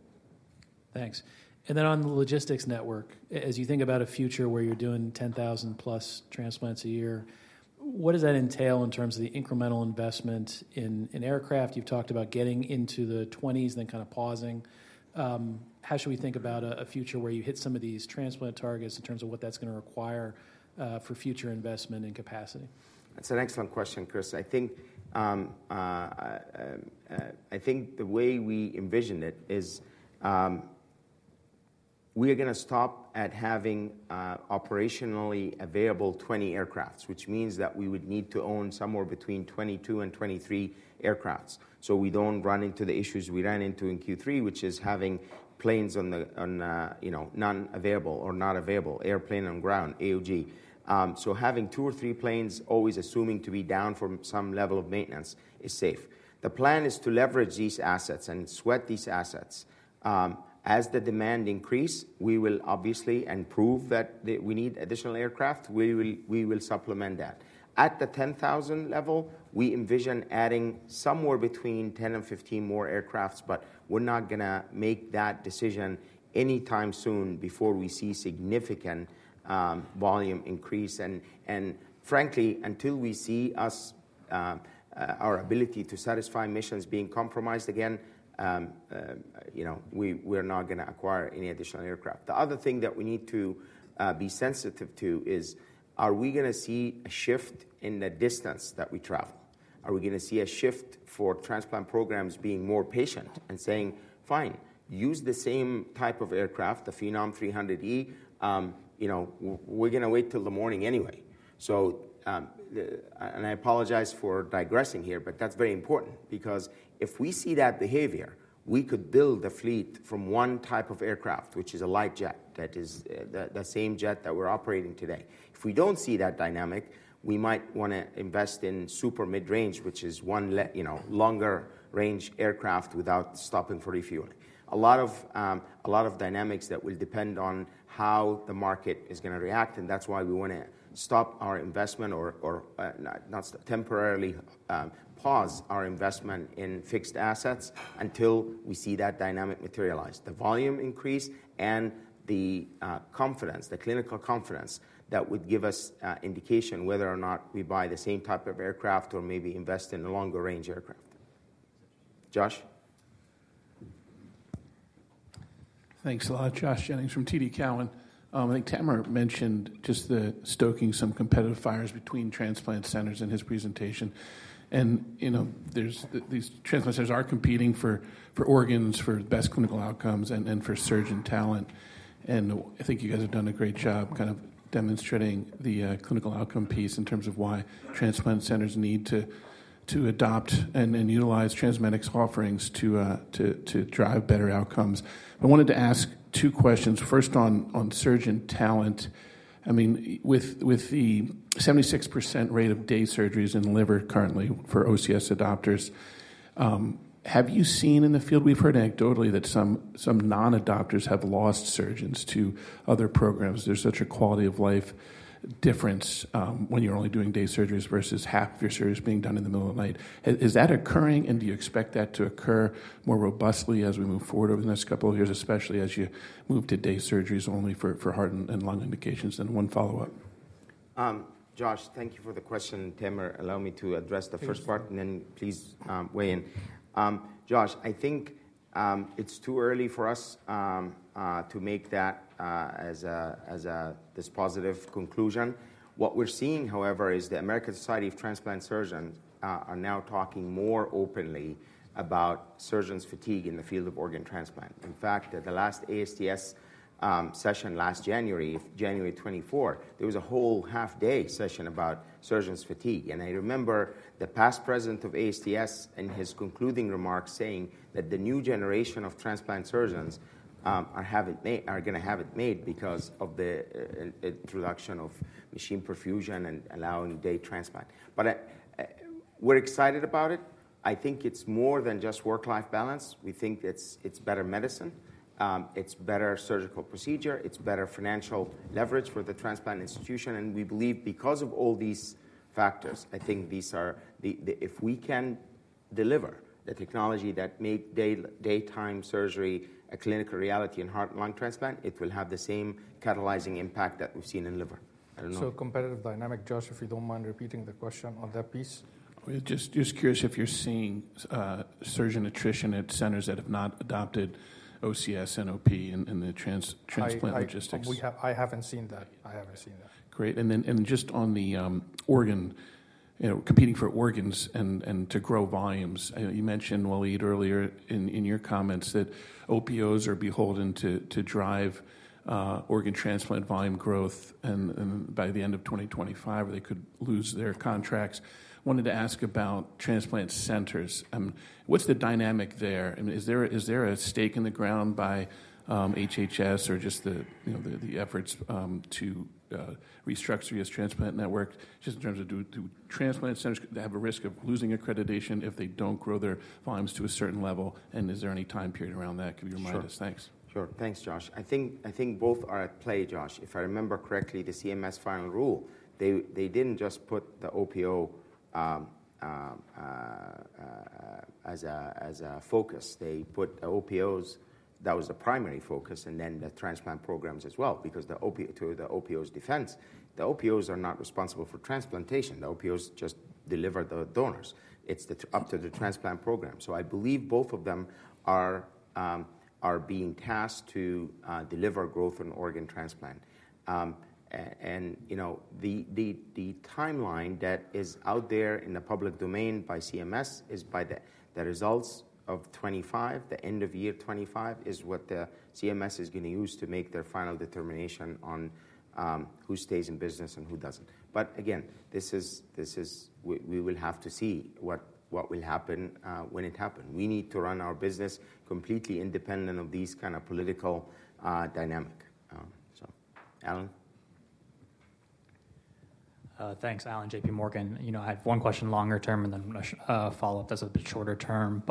Thanks. And then on the logistics network, as you think about a future where you're doing 10,000-plus transplants a year, what does that entail in terms of the incremental investment in aircraft? You've talked about getting into the 20s and then kind of pausing. How should we think about a future where you hit some of these transplant targets in terms of what that's going to require for future investment and capacity? That's an excellent question, Chris. I think the way we envision it is we are going to stop at having operationally available 20 aircraft, which means that we would need to own somewhere between 22 and 23 aircraft. So we don't run into the issues we ran into in Q3, which is having planes non-available or not available, airplane on ground, AOG. Having two or three planes, always assuming to be down for some level of maintenance, is safe. The plan is to leverage these assets and sweat these assets. As the demand increases, we will obviously improve that we need additional aircraft. We will supplement that. At the 10,000 level, we envision adding somewhere between 10 and 15 more aircraft, but we're not going to make that decision anytime soon before we see significant volume increase. Frankly, until we see our ability to satisfy missions being compromised again, we're not going to acquire any additional aircraft. The other thing that we need to be sensitive to is, are we going to see a shift in the distance that we travel? Are we going to see a shift for transplant programs being more patient and saying, "Fine, use the same type of aircraft, the Phenom 300E"? We're going to wait till the morning anyway." And I apologize for digressing here, but that's very important because if we see that behavior, we could build a fleet from one type of aircraft, which is a light jet, that is the same jet that we're operating today. If we don't see that dynamic, we might want to invest in super mid-range, which is one longer-range aircraft without stopping for refueling. A lot of dynamics that will depend on how the market is going to react. And that's why we want to stop our investment or temporarily pause our investment in fixed assets until we see that dynamic materialize. The volume increase and the confidence, the clinical confidence that would give us indication whether or not we buy the same type of aircraft or maybe invest in a longer-range aircraft. Josh? Thanks a lot. Josh Jennings from TD Cowen. I think Tamer mentioned just stoking some competitive fires between transplant centers in his presentation. And these transplant centers are competing for organs, for best clinical outcomes, and for surgeon talent. And I think you guys have done a great job kind of demonstrating the clinical outcome piece in terms of why transplant centers need to adopt and utilize TransMedics's offerings to drive better outcomes. I wanted to ask two questions. First, on surgeon talent. I mean, with the 76% rate of day surgeries in the liver currently for OCS adopters, have you seen in the field? We've heard anecdotally that some non-adopters have lost surgeons to other programs. There's such a quality of life difference when you're only doing day surgeries versus half of your surgeries being done in the middle of the night. Is that occurring, and do you expect that to occur more robustly as we move forward over the next couple of years, especially as you move to day surgeries only for heart and lung indications? And one follow-up. Josh, thank you for the question. Tamer, allow me to address the first part, and then please weigh in. Josh, I think it's too early for us to make that as this positive conclusion. What we're seeing, however, is the American Society of Transplant Surgeons are now talking more openly about surgeons' fatigue in the field of organ transplant. In fact, at the last ASTS session last January, January 24, there was a whole half-day session about surgeons' fatigue. And I remember the past president of ASTS in his concluding remarks saying that the new generation of transplant surgeons are going to have it made because of the introduction of machine perfusion and allowing day transplant. But we're excited about it. I think it's more than just work-life balance. We think it's better medicine. It's better surgical procedure. It's better financial leverage for the transplant institution. And we believe because of all these factors, I think if we can deliver the technology that makes daytime surgery a clinical reality in heart and lung transplant, it will have the same catalyzing impact that we've seen in liver. I don't know. So competitive dynamic, Josh, if you don't mind repeating the question on that piece. Just curious if you're seeing surgeon attrition at centers that have not adopted OCS, NOP, and the transplant logistics. I haven't seen that. I haven't seen that. Great. And then just on the organ, competing for organs and to grow volumes. You mentioned a Waleed earlier in your comments that OPOs are beholden to drive organ transplant volume growth. And by the end of 2025, they could lose their contracts. I wanted to ask about transplant centers. What's the dynamic there? I mean, is there a stake in the ground by HHS or just the efforts to restructure this transplant network just in terms of do transplant centers have a risk of losing accreditation if they don't grow their volumes to a certain level? And is there any time period around that? Could you remind us? Thanks. Sure. Thanks, Josh. I think both are at play, Josh. If I remember correctly, the CMS final rule, they didn't just put the OPO as a focus. They put OPOs that was the primary focus and then the transplant programs as well because to the OPO's defense, the OPOs are not responsible for transplantation. The OPOs just deliver the donors. It's up to the transplant program. So I believe both of them are being tasked to deliver growth and organ transplant. And the timeline that is out there in the public domain by CMS is by the results of 2025, the end of year 2025, is what the CMS is going to use to make their final determination on who stays in business and who doesn't. But again, we will have to see what will happen when it happens. We need to run our business completely independent of these kind of political dynamics. So, Allen. Thanks, Allen, J.P. Morgan. I have one question longer term, and then I'm going to follow up as a bit shorter term.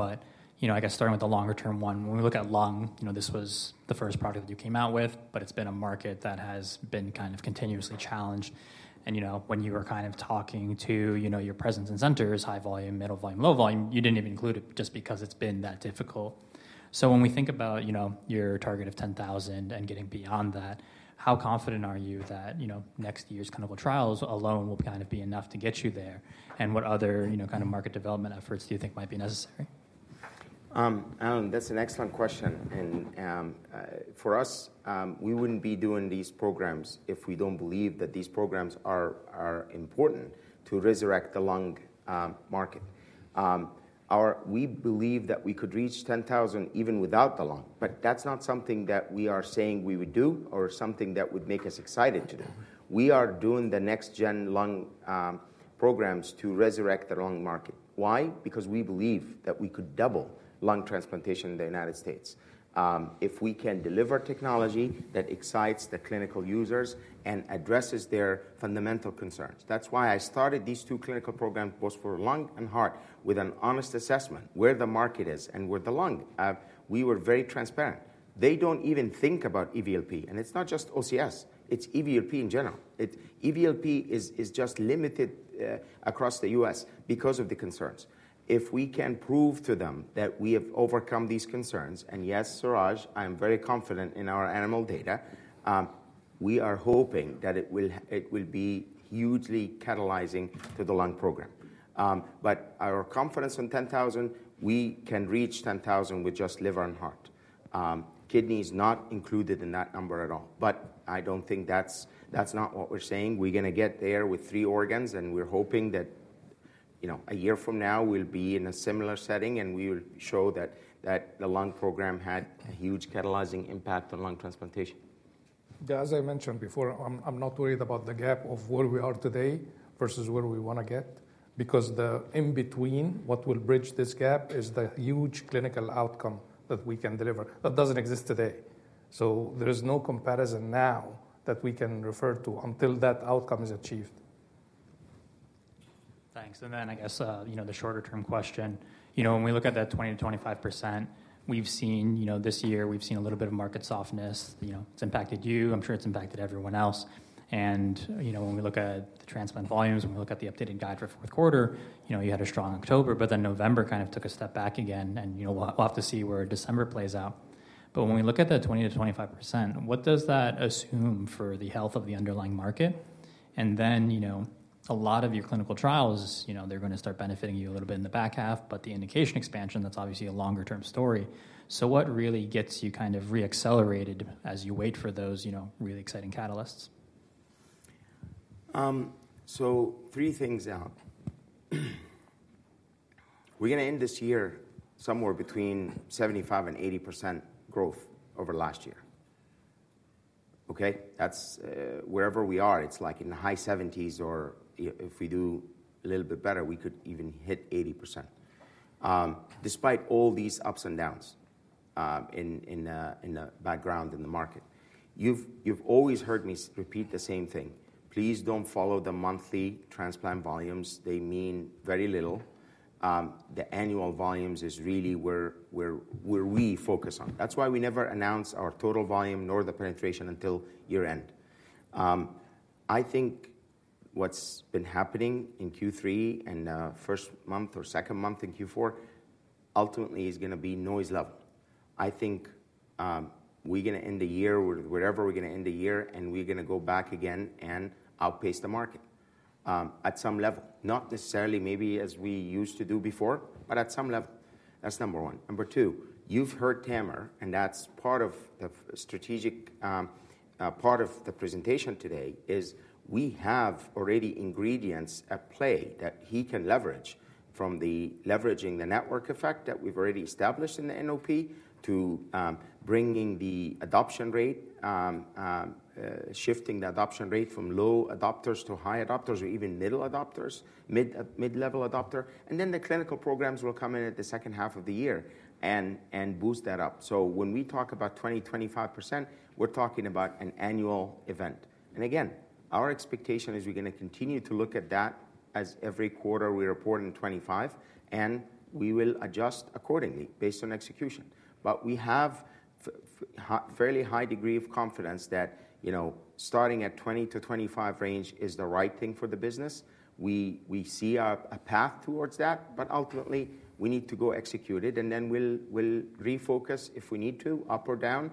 But I guess starting with the longer-term one, when we look at lung, this was the first product that you came out with, but it's been a market that has been kind of continuously challenged. And when you were kind of talking to your presence in centers, high volume, middle volume, low volume, you didn't even include it just because it's been that difficult. So when we think about your target of 10,000 and getting beyond that, how confident are you that next year's kind of trials alone will kind of be enough to get you there? And what other kind of market development efforts do you think might be necessary? Allen, that's an excellent question. And for us, we wouldn't be doing these programs if we don't believe that these programs are important to resurrect the lung market. We believe that we could reach 10,000 even without the lung. But that's not something that we are saying we would do or something that would make us excited to do. We are doing the next-gen lung programs to resurrect the lung market. Why? Because we believe that we could double lung transplantation in the United States. If we can deliver technology that excites the clinical users and addresses their fundamental concerns. That's why I started these two clinical programs both for lung and heart with an honest assessment where the market is and where the lung. We were very transparent. They don't even think about EVLP. And it's not just OCS. It's EVLP in general. EVLP is just limited across the U.S. because of the concerns. If we can prove to them that we have overcome these concerns, and yes, Suraj, I am very confident in our animal data, we are hoping that it will be hugely catalyzing to the lung program, but our confidence in 10,000, we can reach 10,000 with just liver and heart. Kidney is not included in that number at all, but I don't think that's not what we're saying. We're going to get there with three organs, and we're hoping that a year from now, we'll be in a similar setting, and we will show that the lung program had a huge catalyzing impact on lung transplantation. As I mentioned before, I'm not worried about the gap of where we are today versus where we want to get because the in-between, what will bridge this gap, is the huge clinical outcome that we can deliver that doesn't exist today. So there is no comparison now that we can refer to until that outcome is achieved. Thanks. And then I guess the shorter-term question, when we look at that 20%-25%, we've seen this year, we've seen a little bit of market softness. It's impacted you. I'm sure it's impacted everyone else. And when we look at the transplant volumes, when we look at the updated guide for fourth quarter, you had a strong October, but then November kind of took a step back again. And we'll have to see where December plays out. But when we look at that 20%-25%, what does that assume for the health of the underlying market? And then a lot of your clinical trials, they're going to start benefiting you a little bit in the back half, but the indication expansion, that's obviously a longer-term story. So what really gets you kind of reaccelerated as you wait for those really exciting catalysts? So three things Allen. We're going to end this year somewhere between 75%-80% growth over last year. Okay? Wherever we are, it's like in the high 70s. Or if we do a little bit better, we could even hit 80%. Despite all these ups and downs in the background in the market, you've always heard me repeat the same thing. Please don't follow the monthly transplant volumes. They mean very little. The annual volumes is really where we focus on. That's why we never announce our total volume nor the penetration until year-end. I think what's been happening in Q3 and first month or second month in Q4 ultimately is going to be noise level. I think we're going to end the year wherever we're going to end the year, and we're going to go back again and outpace the market at some level. Not necessarily maybe as we used to do before, but at some level. That's number one. Number two, you've heard Tamer, and that's part of the strategic part of the presentation today is we have already ingredients at play that he can leverage from leveraging the network effect that we've already established in the NOP to bringing the adoption rate, shifting the adoption rate from low adopters to high adopters or even middle adopters, mid-level adopter. And then the clinical programs will come in at the second half of the year and boost that up. So when we talk about 20%-25%, we're talking about an annual event. And again, our expectation is we're going to continue to look at that as every quarter we report in 2025, and we will adjust accordingly based on execution. But we have a fairly high degree of confidence that starting at 20-25 range is the right thing for the business. We see a path towards that, but ultimately, we need to go execute it. And then we'll refocus if we need to up or down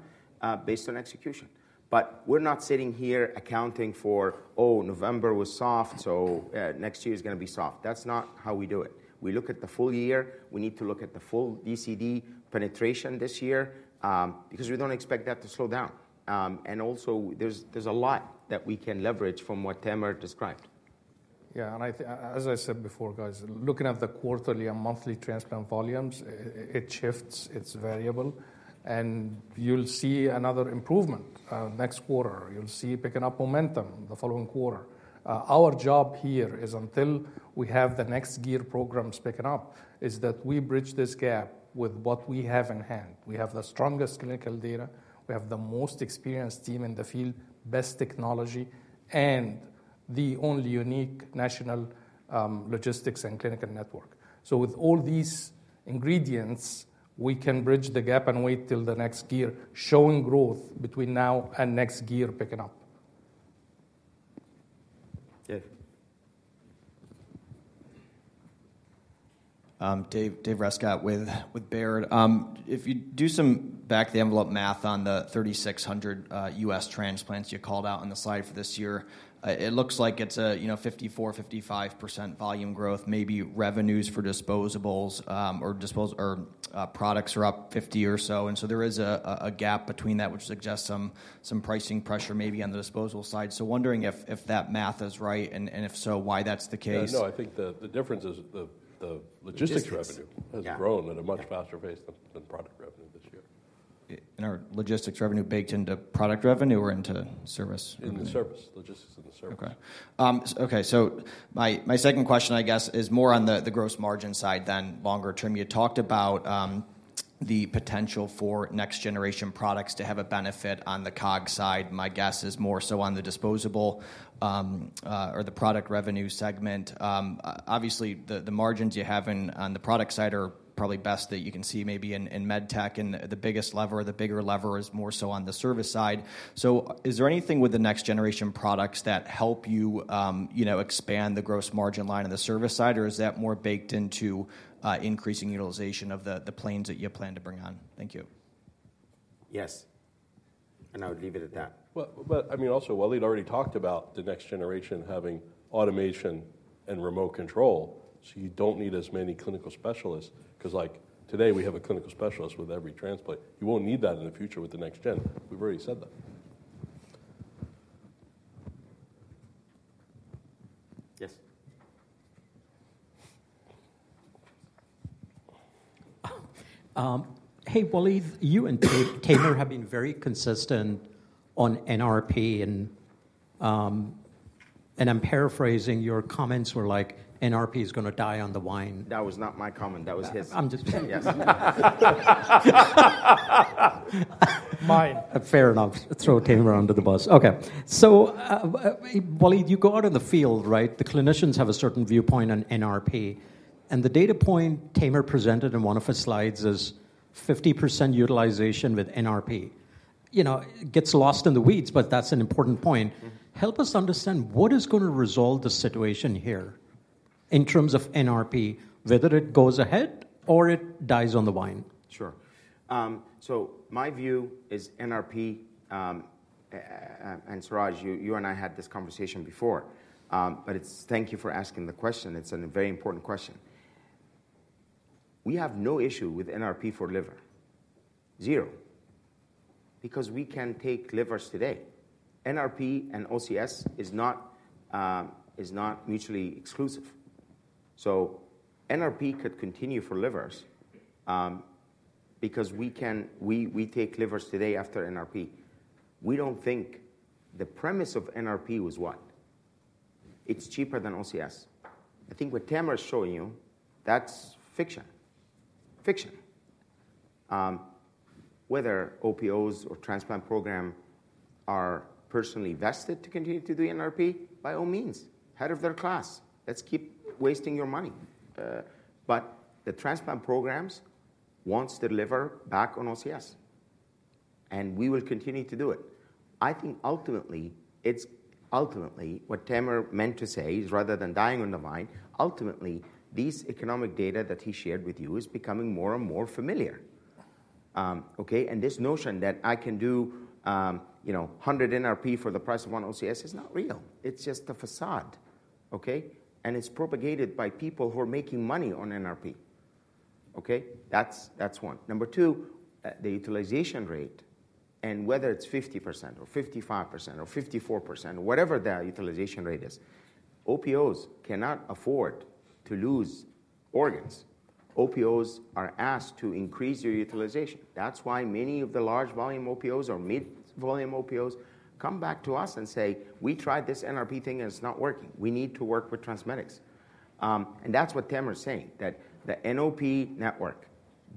based on execution. But we're not sitting here accounting for, "Oh, November was soft, so next year is going to be soft." That's not how we do it. We look at the full year. We need to look at the full DCD penetration this year because we don't expect that to slow down. And also, there's a lot that we can leverage from what Tamer described. Yeah. As I said before, guys, looking at the quarterly and monthly transplant volumes, it shifts. It's variable. You'll see another improvement next quarter. You'll see picking up momentum the following quarter. Our job here is until we have the next gear programs picking up is that we bridge this gap with what we have in hand. We have the strongest clinical data. We have the most experienced team in the field, best technology, and the only unique national logistics and clinical network. So with all these ingredients, we can bridge the gap and wait till the next gear, showing growth between now and next gear picking up. Dave Rescott with Baird. If you do some back-the-envelope math on the 3,600 U.S. transplants you called out on the slide for this year, it looks like it's a 54%-55% volume growth. Maybe revenues for disposables or products are up 50 or so, and so there is a gap between that, which suggests some pricing pressure maybe on the disposable side, so wondering if that math is right, and if so, why that's the case. No, I think the difference is the logistics revenue has grown at a much faster pace than product revenue this year, and are logistics revenue baked into product revenue or into service? Into service. Logistics into service. Okay, so my second question, I guess, is more on the gross margin side than longer-term. You talked about the potential for next-generation products to have a benefit on the COGS side. My guess is more so on the disposable or the product revenue segment. Obviously, the margins you have on the product side are probably best that you can see maybe in medtech. And the biggest lever, the bigger lever, is more so on the service side. So is there anything with the next-generation products that help you expand the gross margin line on the service side, or is that more baked into increasing utilization of the planes that you plan to bring on? Thank you. Yes. And I would leave it at that. Well, I mean, also, Waleed already talked about the next generation having automation and remote control, so you don't need as many clinical specialists because today we have a clinical specialist with every transplant. You won't need that in the future with the next gen. We've already said that. Yes. Hey, Waleed, you and Tamer have been very consistent on NRP. And I'm paraphrasing your comments were like, "NRP is going to die on the vine." That was not my comment. That was his. I'm just kidding. Mine. Fair enough. Throw Tamer under the bus. Okay. So Waleed, you go out in the field, right? The clinicians have a certain viewpoint on NRP. And the data point Tamer presented in one of his slides is 50% utilization with NRP. It gets lost in the weeds, but that's an important point. Help us understand what is going to resolve the situation here in terms of NRP, whether it goes ahead or it dies on the vine. Sure. So my view is NRP and Suraj, you and I had this conversation before, but thank you for asking the question. It's a very important question. We have no issue with NRP for liver. Zero. Because we can take livers today. NRP and OCS is not mutually exclusive. So NRP could continue for livers because we take livers today after NRP. We don't think the premise of NRP was one. It's cheaper than OCS. I think what Tamer is showing you, that's fiction. Fiction. Whether OPOs or transplant programs are personally vested to continue to do NRP, by all means, head of the class. Let's keep wasting your money. But the transplant programs want to double down on OCS. And we will continue to do it. I think ultimately, what Tamer meant to say is rather than dying on the vine, ultimately, these economic data that he shared with you is becoming more and more familiar. Okay? And this notion that I can do 100 NRP for the price of one OCS is not real. It's just a facade. Okay? And it's propagated by people who are making money on NRP. Okay? That's one. Number two, the utilization rate. And whether it's 50% or 55% or 54% or whatever the utilization rate is, OPOs cannot afford to lose organs. OPOs are asked to increase your utilization. That's why many of the large volume OPOs or mid-volume OPOs come back to us and say, "We tried this NRP thing, and it's not working. We need to work with TransMedics." That's what Tamer is saying, that the NOP network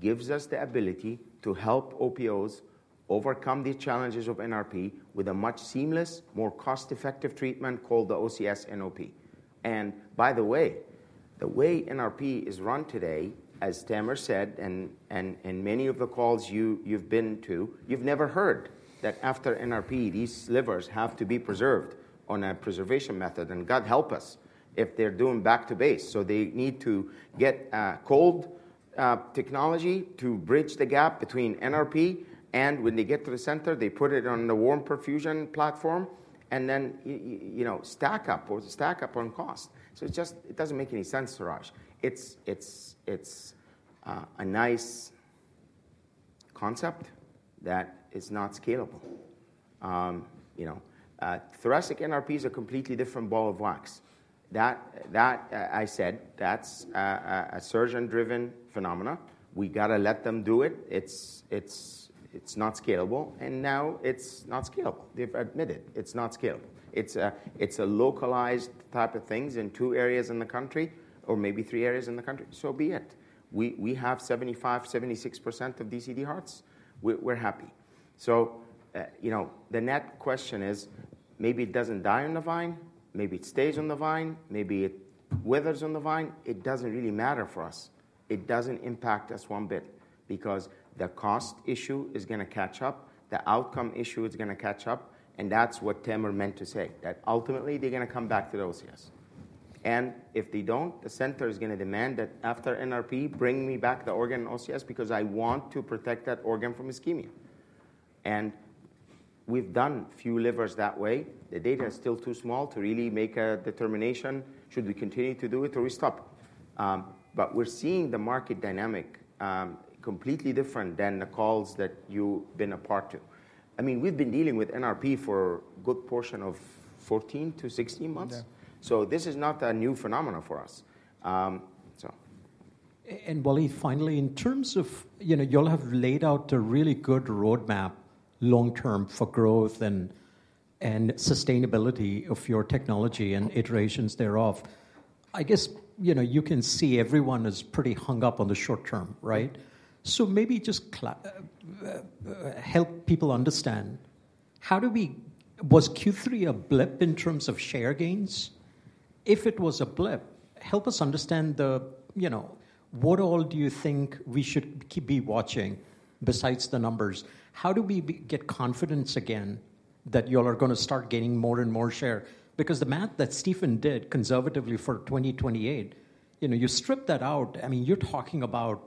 gives us the ability to help OPOs overcome the challenges of NRP with a much more seamless, more cost-effective treatment called the OCS NOP. By the way, the way NRP is run today, as Tamer said, and in many of the calls you've been to, you've never heard that after NRP, these livers have to be preserved on a preservation method. God help us if they're doing back to base. They need to get cold technology to bridge the gap between NRP. When they get to the center, they put it on the warm perfusion platform and then stack up or stack up on cost. So it doesn't make any sense, Suraj. It's a nice concept that is not scalable. Thoracic NRPs are a completely different ball of wax. I said that's a surgeon-driven phenomenon. We got to let them do it. It's not scalable. And now it's not scalable. They've admitted it's not scalable. It's a localized type of things in two areas in the country or maybe three areas in the country. So be it. We have 75%-76% of DCD hearts. We're happy. So the net question is maybe it doesn't die on the vine. Maybe it stays on the vine. Maybe it withers on the vine. It doesn't really matter for us. It doesn't impact us one bit because the cost issue is going to catch up. The outcome issue is going to catch up. And that's what Tamer meant to say, that ultimately, they're going to come back to the OCS. And if they don't, the center is going to demand that after NRP, bring me back the organ and OCS because I want to protect that organ from ischemia. And we've done few livers that way. The data is still too small to really make a determination should we continue to do it or we stop. But we're seeing the market dynamic completely different than the calls that you've been a part of. I mean, we've been dealing with NRP for a good portion of 14-16 months. So this is not a new phenomenon for us. Waleed, finally, in terms of you'll have laid out a really good roadmap long-term for growth and sustainability of your technology and iterations thereof. I guess you can see everyone is pretty hung up on the short-term, right? So maybe just help people understand. Was Q3 a blip in terms of share gains? If it was a blip, help us understand what all do you think we should be watching besides the numbers? How do we get confidence again that you all are going to start gaining more and more share? Because the math that Stephen did conservatively for 2028, you stripped that out. I mean, you're talking about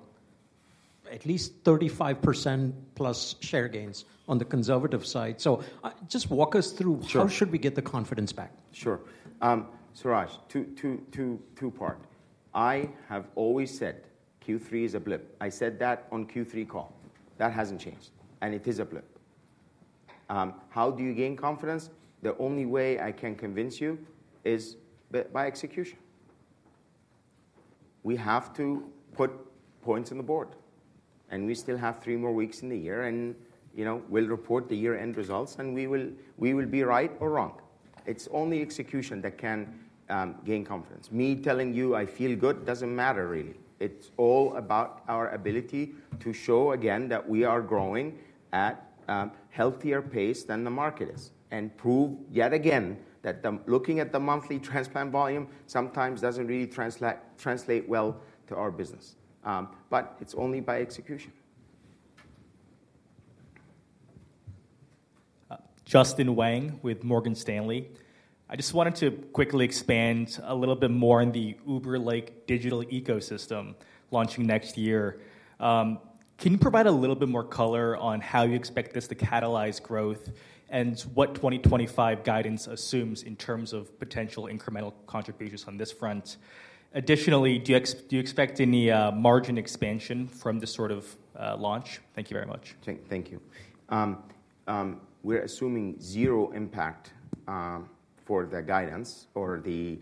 at least 35%+ share gains on the conservative side. So just walk us through how should we get the confidence back? Sure. Suraj, two-part. I have always said Q3 is a blip. I said that on Q3 call. That hasn't changed, and it is a blip. How do you gain confidence? The only way I can convince you is by execution. We have to put points on the board, and we still have three more weeks in the year. We'll report the year-end results, and we will be right or wrong. It's only execution that can gain confidence. Me telling you I feel good doesn't matter really. It's all about our ability to show again that we are growing at a healthier pace than the market is and prove yet again that looking at the monthly transplant volume sometimes doesn't really translate well to our business. It's only by execution. Justin Wang with Morgan Stanley. I just wanted to quickly expand a little bit more on the Uber-like digital system launching next year. Can you provide a little bit more color on how you expect this to catalyze growth and what 2025 guidance assumes in terms of potential incremental contributions on this front? Additionally, do you expect any margin expansion from this sort of launch? Thank you very much. Thank you. We're assuming zero impact for the guidance or the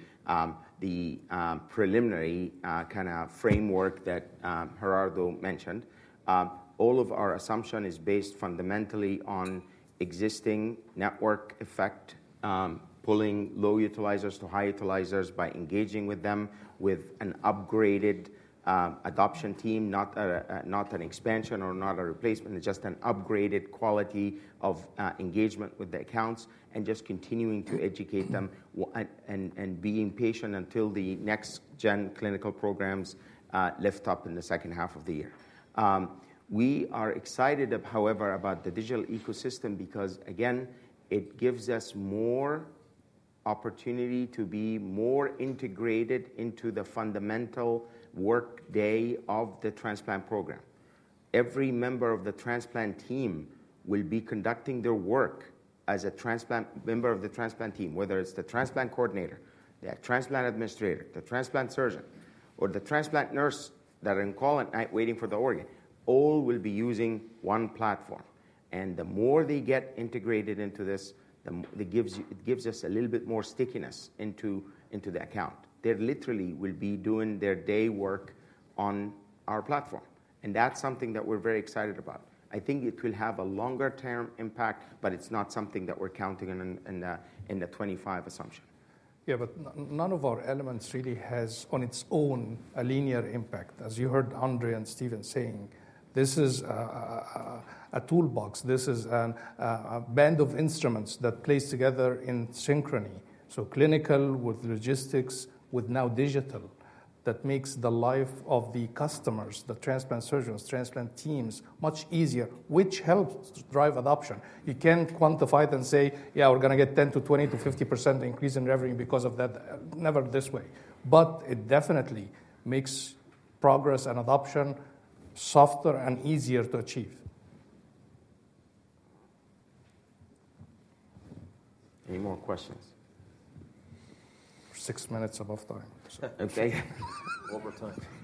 preliminary kind of framework that Gerardo mentioned. All of our assumption is based fundamentally on existing network effect, pulling low utilizers to high utilizers by engaging with them with an upgraded adoption team, not an expansion or not a replacement, just an upgraded quality of engagement with the accounts and just continuing to educate them and being patient until the next-gen clinical programs lift up in the second half of the year. We are excited, however, about the digital ecosystem because, again, it gives us more opportunity to be more integrated into the fundamental workday of the transplant program. Every member of the transplant team will be conducting their work as a member of the transplant team, whether it's the transplant coordinator, the transplant administrator, the transplant surgeon, or the transplant nurse that are on call at night waiting for the organ. All will be using one platform. And the more they get integrated into this, it gives us a little bit more stickiness into the account. They literally will be doing their day work on our platform. And that's something that we're very excited about. I think it will have a longer-term impact, but it's not something that we're counting in the 25 assumption. Yeah, but none of our elements really has on its own a linear impact. As you heard Andre and Stephen saying, this is a toolbox. This is a band of instruments that plays together in synchrony. So clinical with logistics with now digital that makes the life of the customers, the transplant surgeons, transplant teams much easier, which helps drive adoption. You can't quantify it and say, "Yeah, we're going to get 10% to 20% to 50% increase in revenue because of that." Never this way. But it definitely makes progress and adoption softer and easier to achieve. Any more questions? Six minutes above time. Okay. One more time.